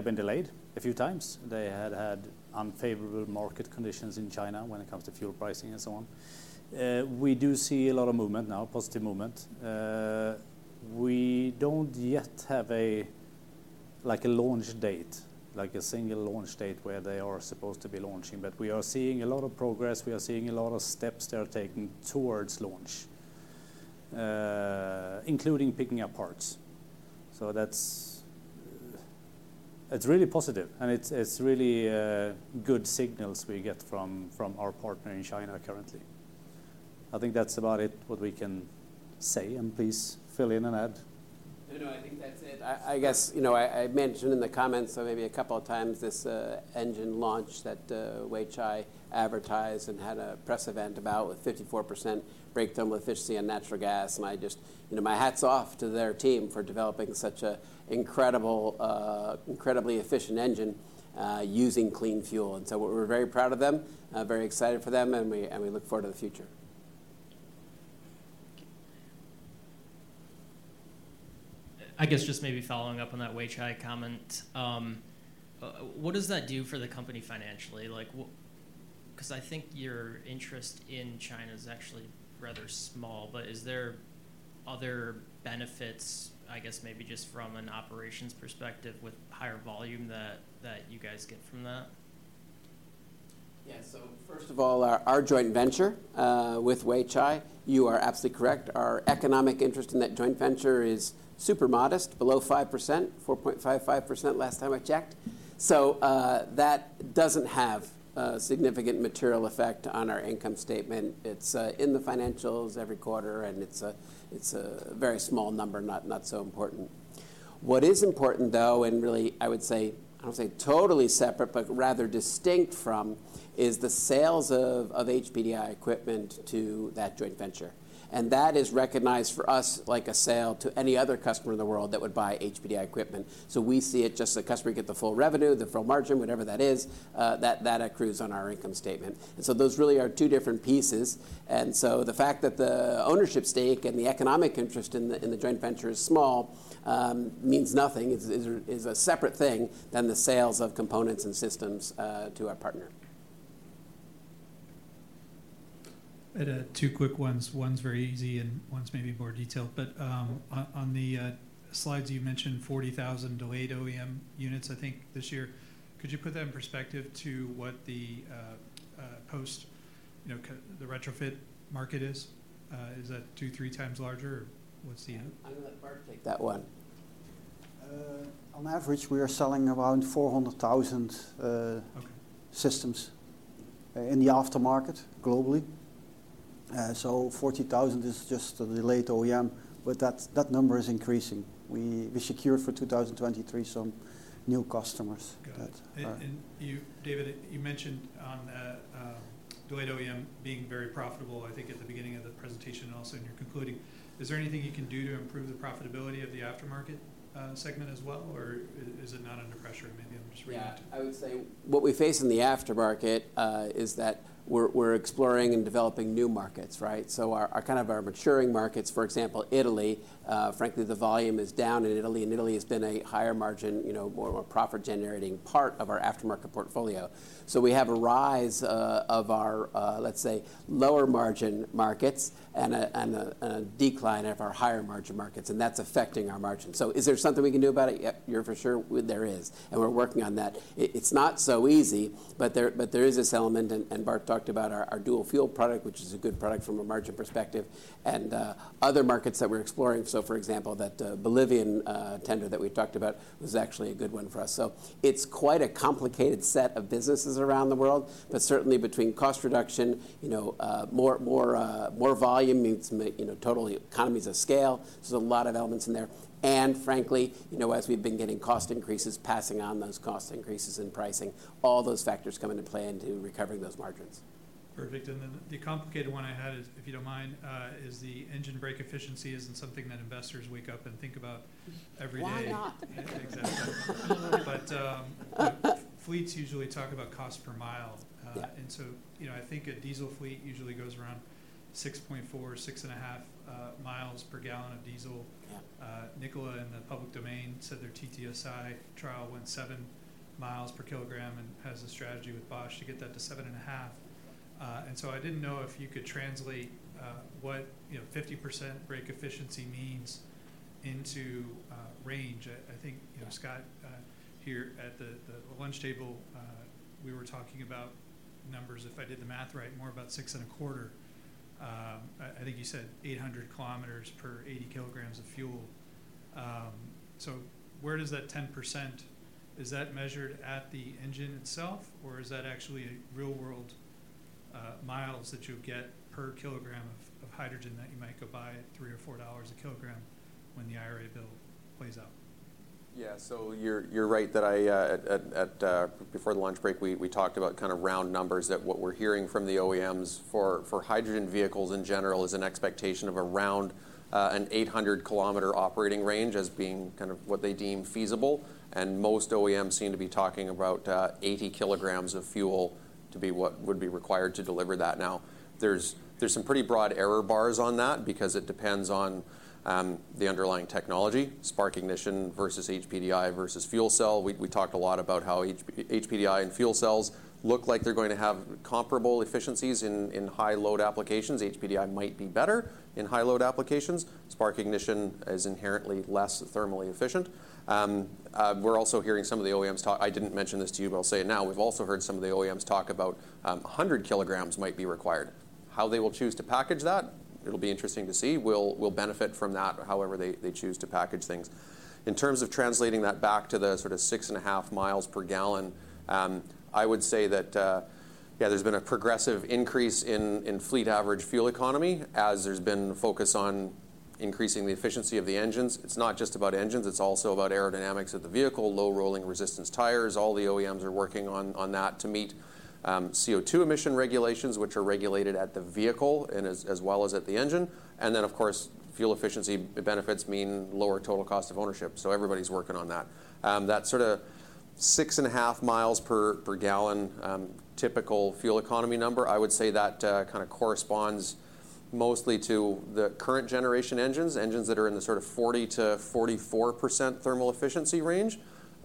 been delayed a few times. They had had unfavorable market conditions in China when it comes to fuel pricing and so on. We do see a lot of movement now, positive movement. We don't yet have a launch date, a single launch date where they are supposed to be launching. We are seeing a lot of progress. We are seeing a lot of steps they are taking towards launch, including picking up parts. It's really positive. It's really good signals we get from our partner in China currently. I think that's about it, what we can say. Please fill in and add. No, no. I think that's it. I guess I mentioned in the comments maybe a couple of times this engine launch that Weichai advertised and had a press event about with 54% breakthrough efficiency in natural gas. My hats off to their team for developing such an incredibly efficient engine using clean fuel. We're very proud of them, very excited for them. We look forward to the future. Thank you. I guess just maybe following up on that Weichai comment, what does that do for the company financially? I think your interest in China is actually rather small. Is there other benefits, I guess maybe just from an operations perspective, with higher volume that you guys get from that? Yeah. First of all, our joint venture with Weichai, you are absolutely correct, our economic interest in that joint venture is super modest, below 5%, 4.55% last time I checked. That doesn't have a significant material effect on our income statement. It's in the financials every quarter. It's a very small number, not so important. What is important, though, and really I would say I don't want to say totally separate but rather distinct from, is the sales of HPDI equipment to that joint venture. That is recognized for us like a sale to any other customer in the world that would buy HPDI equipment. We see it just as a customer gets the full revenue, the full margin, whatever that is, that accrues on our income statement. Those really are two different pieces. The fact that the ownership stake and the economic interest in the joint venture is small means nothing, is a separate thing than the sales of components and systems to our partner. I had two quick ones. One's very easy and one's maybe more detailed. On the slides, you mentioned 40,000 delayed OEM units, I think, this year. Could you put that in perspective to what the retrofit market is? Is that 2, 3 times larger? What's the? I'm going to let Bart take that one. On average, we are selling around 400,000 systems in the aftermarket globally. 40,000 is just the delayed OEM. That number is increasing. We secured for 2023 some new customers that are. Got it. David, you mentioned on delayed OEM being very profitable, I think, at the beginning of the presentation and also in your concluding. Is there anything you can do to improve the profitability of the aftermarket segment as well? Is it not under pressure? Maybe I'm just reading it too. Yeah. I would say what we face in the aftermarket is that we're exploring and developing new markets, right? Kind of our maturing markets, for example, Italy, frankly, the volume is down in Italy. Italy has been a higher margin, more profit-generating part of our aftermarket portfolio. We have a rise of our, let's say, lower margin markets and a decline of our higher margin markets. That's affecting our margin. Is there something we can do about it? Yep. You're for sure there is. We're working on that. It's not so easy. There is this element. Bart talked about our Dual Fuel product, which is a good product from a margin perspective, and other markets that we're exploring. For example, that Bolivian tender that we talked about was actually a good one for us. It's quite a complicated set of businesses around the world. Certainly, between cost reduction, more volume, totally economies of scale, there's a lot of elements in there. Frankly, as we've been getting cost increases, passing on those cost increases in pricing, all those factors come into play into recovering those margins. Perfect. Then the complicated one I had, if you don't mind, is the engine brake efficiency isn't something that investors wake up and think about every day. Why not? Exactly. Fleets usually talk about cost per mile. I think a diesel fleet usually goes around 6.4, 6.5 miles per gallon of diesel. Nikola in the public domain said their TTSI trial went 7 miles per kilogram and has a strategy with Bosch to get that to 7.5. I didn't know if you could translate what 50% brake efficiency means into range. I think, Scott, here at the lunch table, we were talking about numbers, if I did the math right, more about 6 and a quarter. I think you said 800 kilometers per 80 kilograms of fuel. Where does that 10% is that measured at the engine itself? Or is that actually real-world miles that you get per kilogram of hydrogen that you might go buy at $3 or $4 a kilogram when the IRA bill plays out? Yeah. You're right that before the lunch break, we talked about kind of round numbers. What we're hearing from the OEMs for hydrogen vehicles in general is an expectation of around an 800-kilometer operating range as being kind of what they deem feasible. Most OEMs seem to be talking about 80 kilograms of fuel to be what would be required to deliver that. Now, there's some pretty broad error bars on that because it depends on the underlying technology, Spark Ignition versus HPDI versus fuel cell. We talked a lot about how HPDI and fuel cells look like they're going to have comparable efficiencies in high-load applications. HPDI might be better in high-load applications. Spark Ignition is inherently less thermally efficient. We're also hearing some of the OEMs talk, I didn't mention this to you, but I'll say it now. We've also heard some of the OEMs talk about 100 kilograms might be required. How they will choose to package that, it'll be interesting to see. We'll benefit from that, however they choose to package things. In terms of translating that back to the sort of 6.5 miles per gallon, I would say that, yeah, there's been a progressive increase in fleet average fuel economy as there's been focus on increasing the efficiency of the engines. It's not just about engines. It's also about aerodynamics of the vehicle, low rolling resistance tires. All the OEMs are working on that to meet CO2 emission regulations, which are regulated at the vehicle as well as at the engine. Then, of course, fuel efficiency benefits mean lower total cost of ownership. Everybody's working on that. That sort of 6.5 miles per gallon typical fuel economy number, I would say that kind of corresponds mostly to the current generation engines that are in the sort of 40%-44% thermal efficiency range.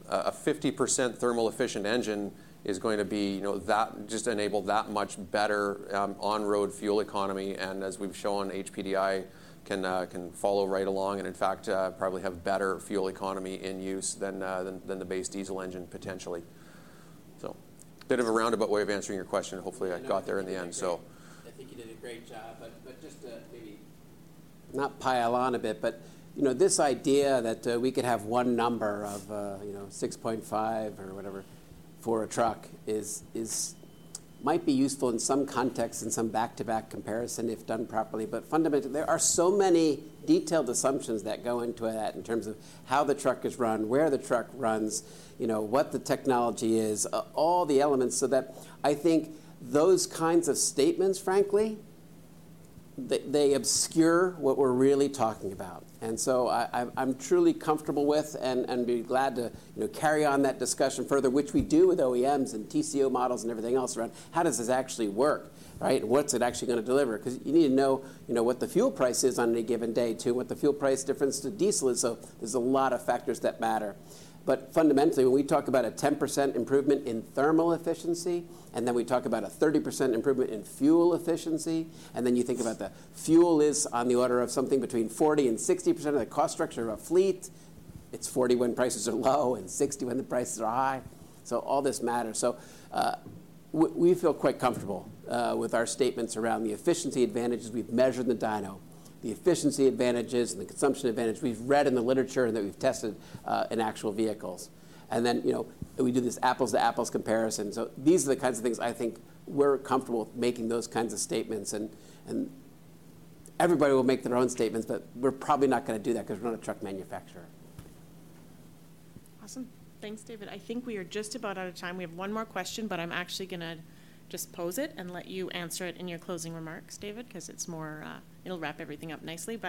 A 50% thermal efficient engine is going to just enable that much better on-road fuel economy. as we've shown, HPDI can follow right along and, in fact, probably have better fuel economy in use than the base diesel engine, potentially. bit of a roundabout way of answering your question. Hopefully, I got there in the end. I think you did a great job. just to maybe. Not pile on a bit. this idea that we could have one number of 6.5 or whatever for a truck might be useful in some context, in some back-to-back comparison if done properly. fundamentally, there are so many detailed assumptions that go into that in terms of how the truck is run, where the truck runs, what the technology is, all the elements. That I think those kinds of statements, frankly, they obscure what we're really talking about. I'm truly comfortable with and be glad to carry on that discussion further, which we do with OEMs and TCO models and everything else around how does this actually work, right? What's it actually going to deliver? Because you need to know what the fuel price is on any given day, too, what the fuel price difference to diesel is. There's a lot of factors that matter. Fundamentally, when we talk about a 10% improvement in thermal efficiency and then we talk about a 30% improvement in fuel efficiency, and then you think about the fuel is on the order of something between 40% and 60% of the cost structure of a fleet, it's 40 when prices are low and 60 when the prices are high. All this matters. We feel quite comfortable with our statements around the efficiency advantages. We've measured the dyno, the efficiency advantages, and the consumption advantages we've read in the literature and that we've tested in actual vehicles. We do this apples to apples comparison. These are the kinds of things I think we're comfortable making those kinds of statements. Everybody will make their own statements. We're probably not going to do that because we're not a truck manufacturer. Awesome. Thanks, David. I think we are just about out of time. We have one more question. I'm actually going to just pose it and let you answer it in your closing remarks, David, because it'll wrap everything up nicely.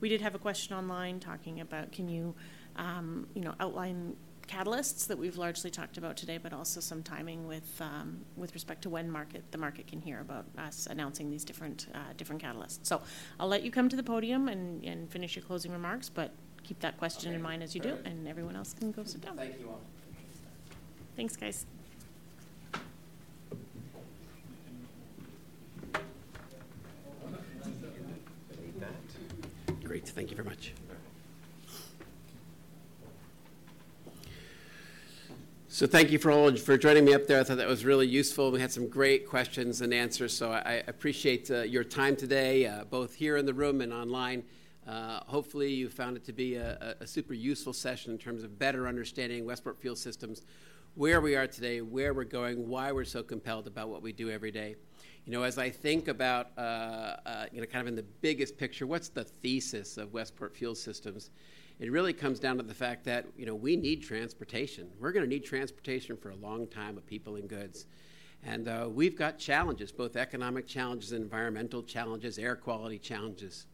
We did have a question online talking about can you outline catalysts that we've largely talked about today but also some timing with respect to when the market can hear about us announcing these different catalysts. I'll let you come to the podium and finish your closing remarks. Keep that question in mind as you do. Everyone else can go sit down. Thank you all. Thanks, guys. I need that. Great. Thank you very much. Thank you for joining me up there. I thought that was really useful. We had some great questions and answers. I appreciate your time today, both here in the room and online. Hopefully, you found it to be a super useful session in terms of better understanding Westport Fuel Systems, where we are today, where we're going, why we're so compelled about what we do every day. As I think about kind of in the biggest picture, what's the thesis of Westport Fuel Systems, it really comes down to the fact that we need transportation. We're going to need transportation for a long time of people and goods. We've got challenges, both economic challenges and environmental challenges, air quality challenges.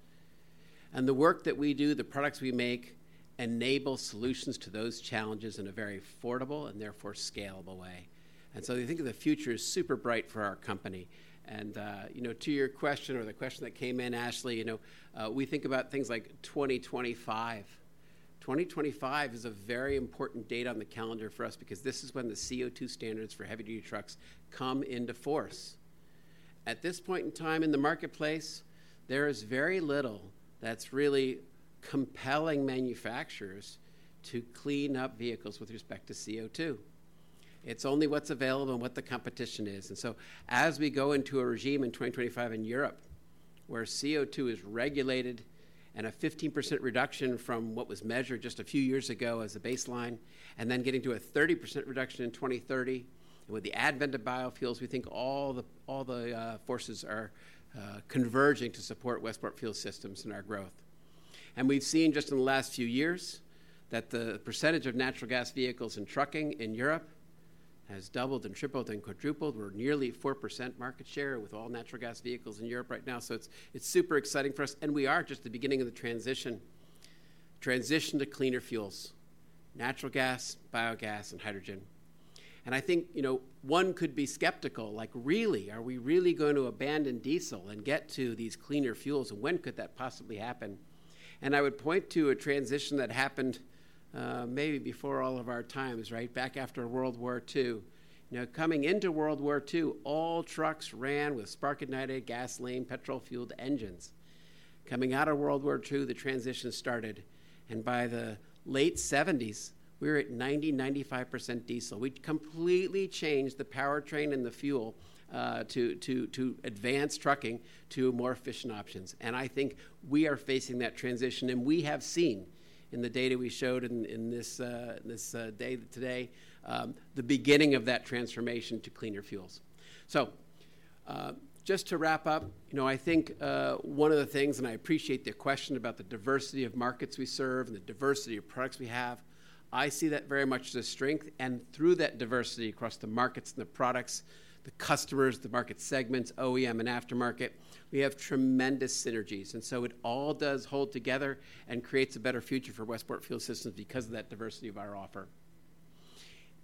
The work that we do, the products we make, enable solutions to those challenges in a very affordable and therefore scalable way. I think the future is super bright for our company. To your question or the question that came in, Ashley, we think about things like 2025. 2025 is a very important date on the calendar for us because this is when the CO2 standards for heavy-duty trucks come into force. At this point in time in the marketplace, there is very little that's really compelling manufacturers to clean up vehicles with respect to CO2. It's only what's available and what the competition is. As we go into a regime in 2025 in Europe where CO2 is regulated and a 15% reduction from what was measured just a few years ago as a baseline and then getting to a 30% reduction in 2030, and with the advent of biofuels, we think all the forces are converging to support Westport Fuel Systems and our growth. We've seen just in the last few years that the percentage of natural gas vehicles and trucking in Europe has doubled and tripled and quadrupled. We're nearly 4% market share with all natural gas vehicles in Europe right now. It's super exciting for us. We are just at the beginning of the transition to cleaner fuels: natural gas, biogas, and hydrogen. I think one could be skeptical. Like, really? Are we really going to abandon diesel and get to these cleaner fuels? When could that possibly happen? I would point to a transition that happened maybe before all of our times, right, back after World War II. Coming into World War II, all trucks ran with spark-ignited, gasoline, petrol-fueled engines. Coming out of World War II, the transition started. By the late '70s, we were at 90%, 95% diesel. We completely changed the powertrain and the fuel to advance trucking to more efficient options. I think we are facing that transition. We have seen in the data we showed in this day today the beginning of that transformation to cleaner fuels. Just to wrap up, I think one of the things and I appreciate the question about the diversity of markets we serve and the diversity of products we have, I see that very much as a strength. Through that diversity across the markets and the products, the customers, the market segments, OEM and aftermarket, we have tremendous synergies. It all does hold together and creates a better future for Westport Fuel Systems because of that diversity of our offer.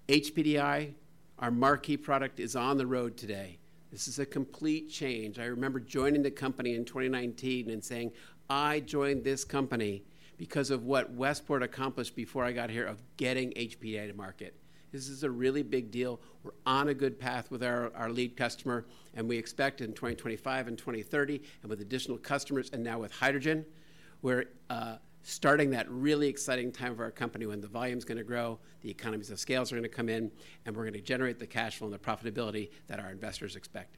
HPDI, our marquee product, is on the road today. This is a complete change. I remember joining the company in 2019 and saying, "I joined this company because of what Westport accomplished before I got here, of getting HPDI to market." This is a really big deal. We're on a good path with our lead customer. We expect in 2025 and 2030, and with additional customers and now with hydrogen, we're starting that really exciting time for our company when the volume is going to grow, the economies of scales are going to come in, and we're going to generate the cash flow and the profitability that our investors expect.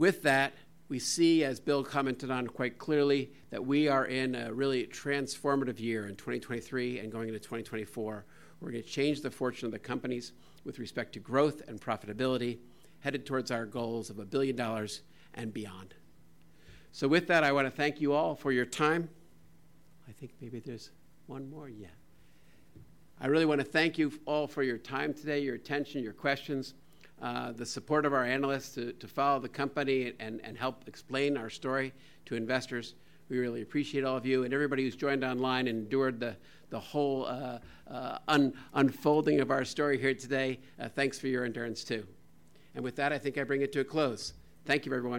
With that, we see, as Bill commented on quite clearly, that we are in a really transformative year in 2023 and going into 2024. We're going to change the fortune of the companies with respect to growth and profitability, headed towards our goals of a billion dollars and beyond. With that, I want to thank you all for your time. I think maybe there's one more. Yeah. I really want to thank you all for your time today, your attention, your questions, the support of our analysts to follow the company and help explain our story to investors. We really appreciate all of you. Everybody who's joined online and endured the whole unfolding of our story here today. Thanks for your endurance, too. With that, I think I bring it to a close. Thank you, everybody.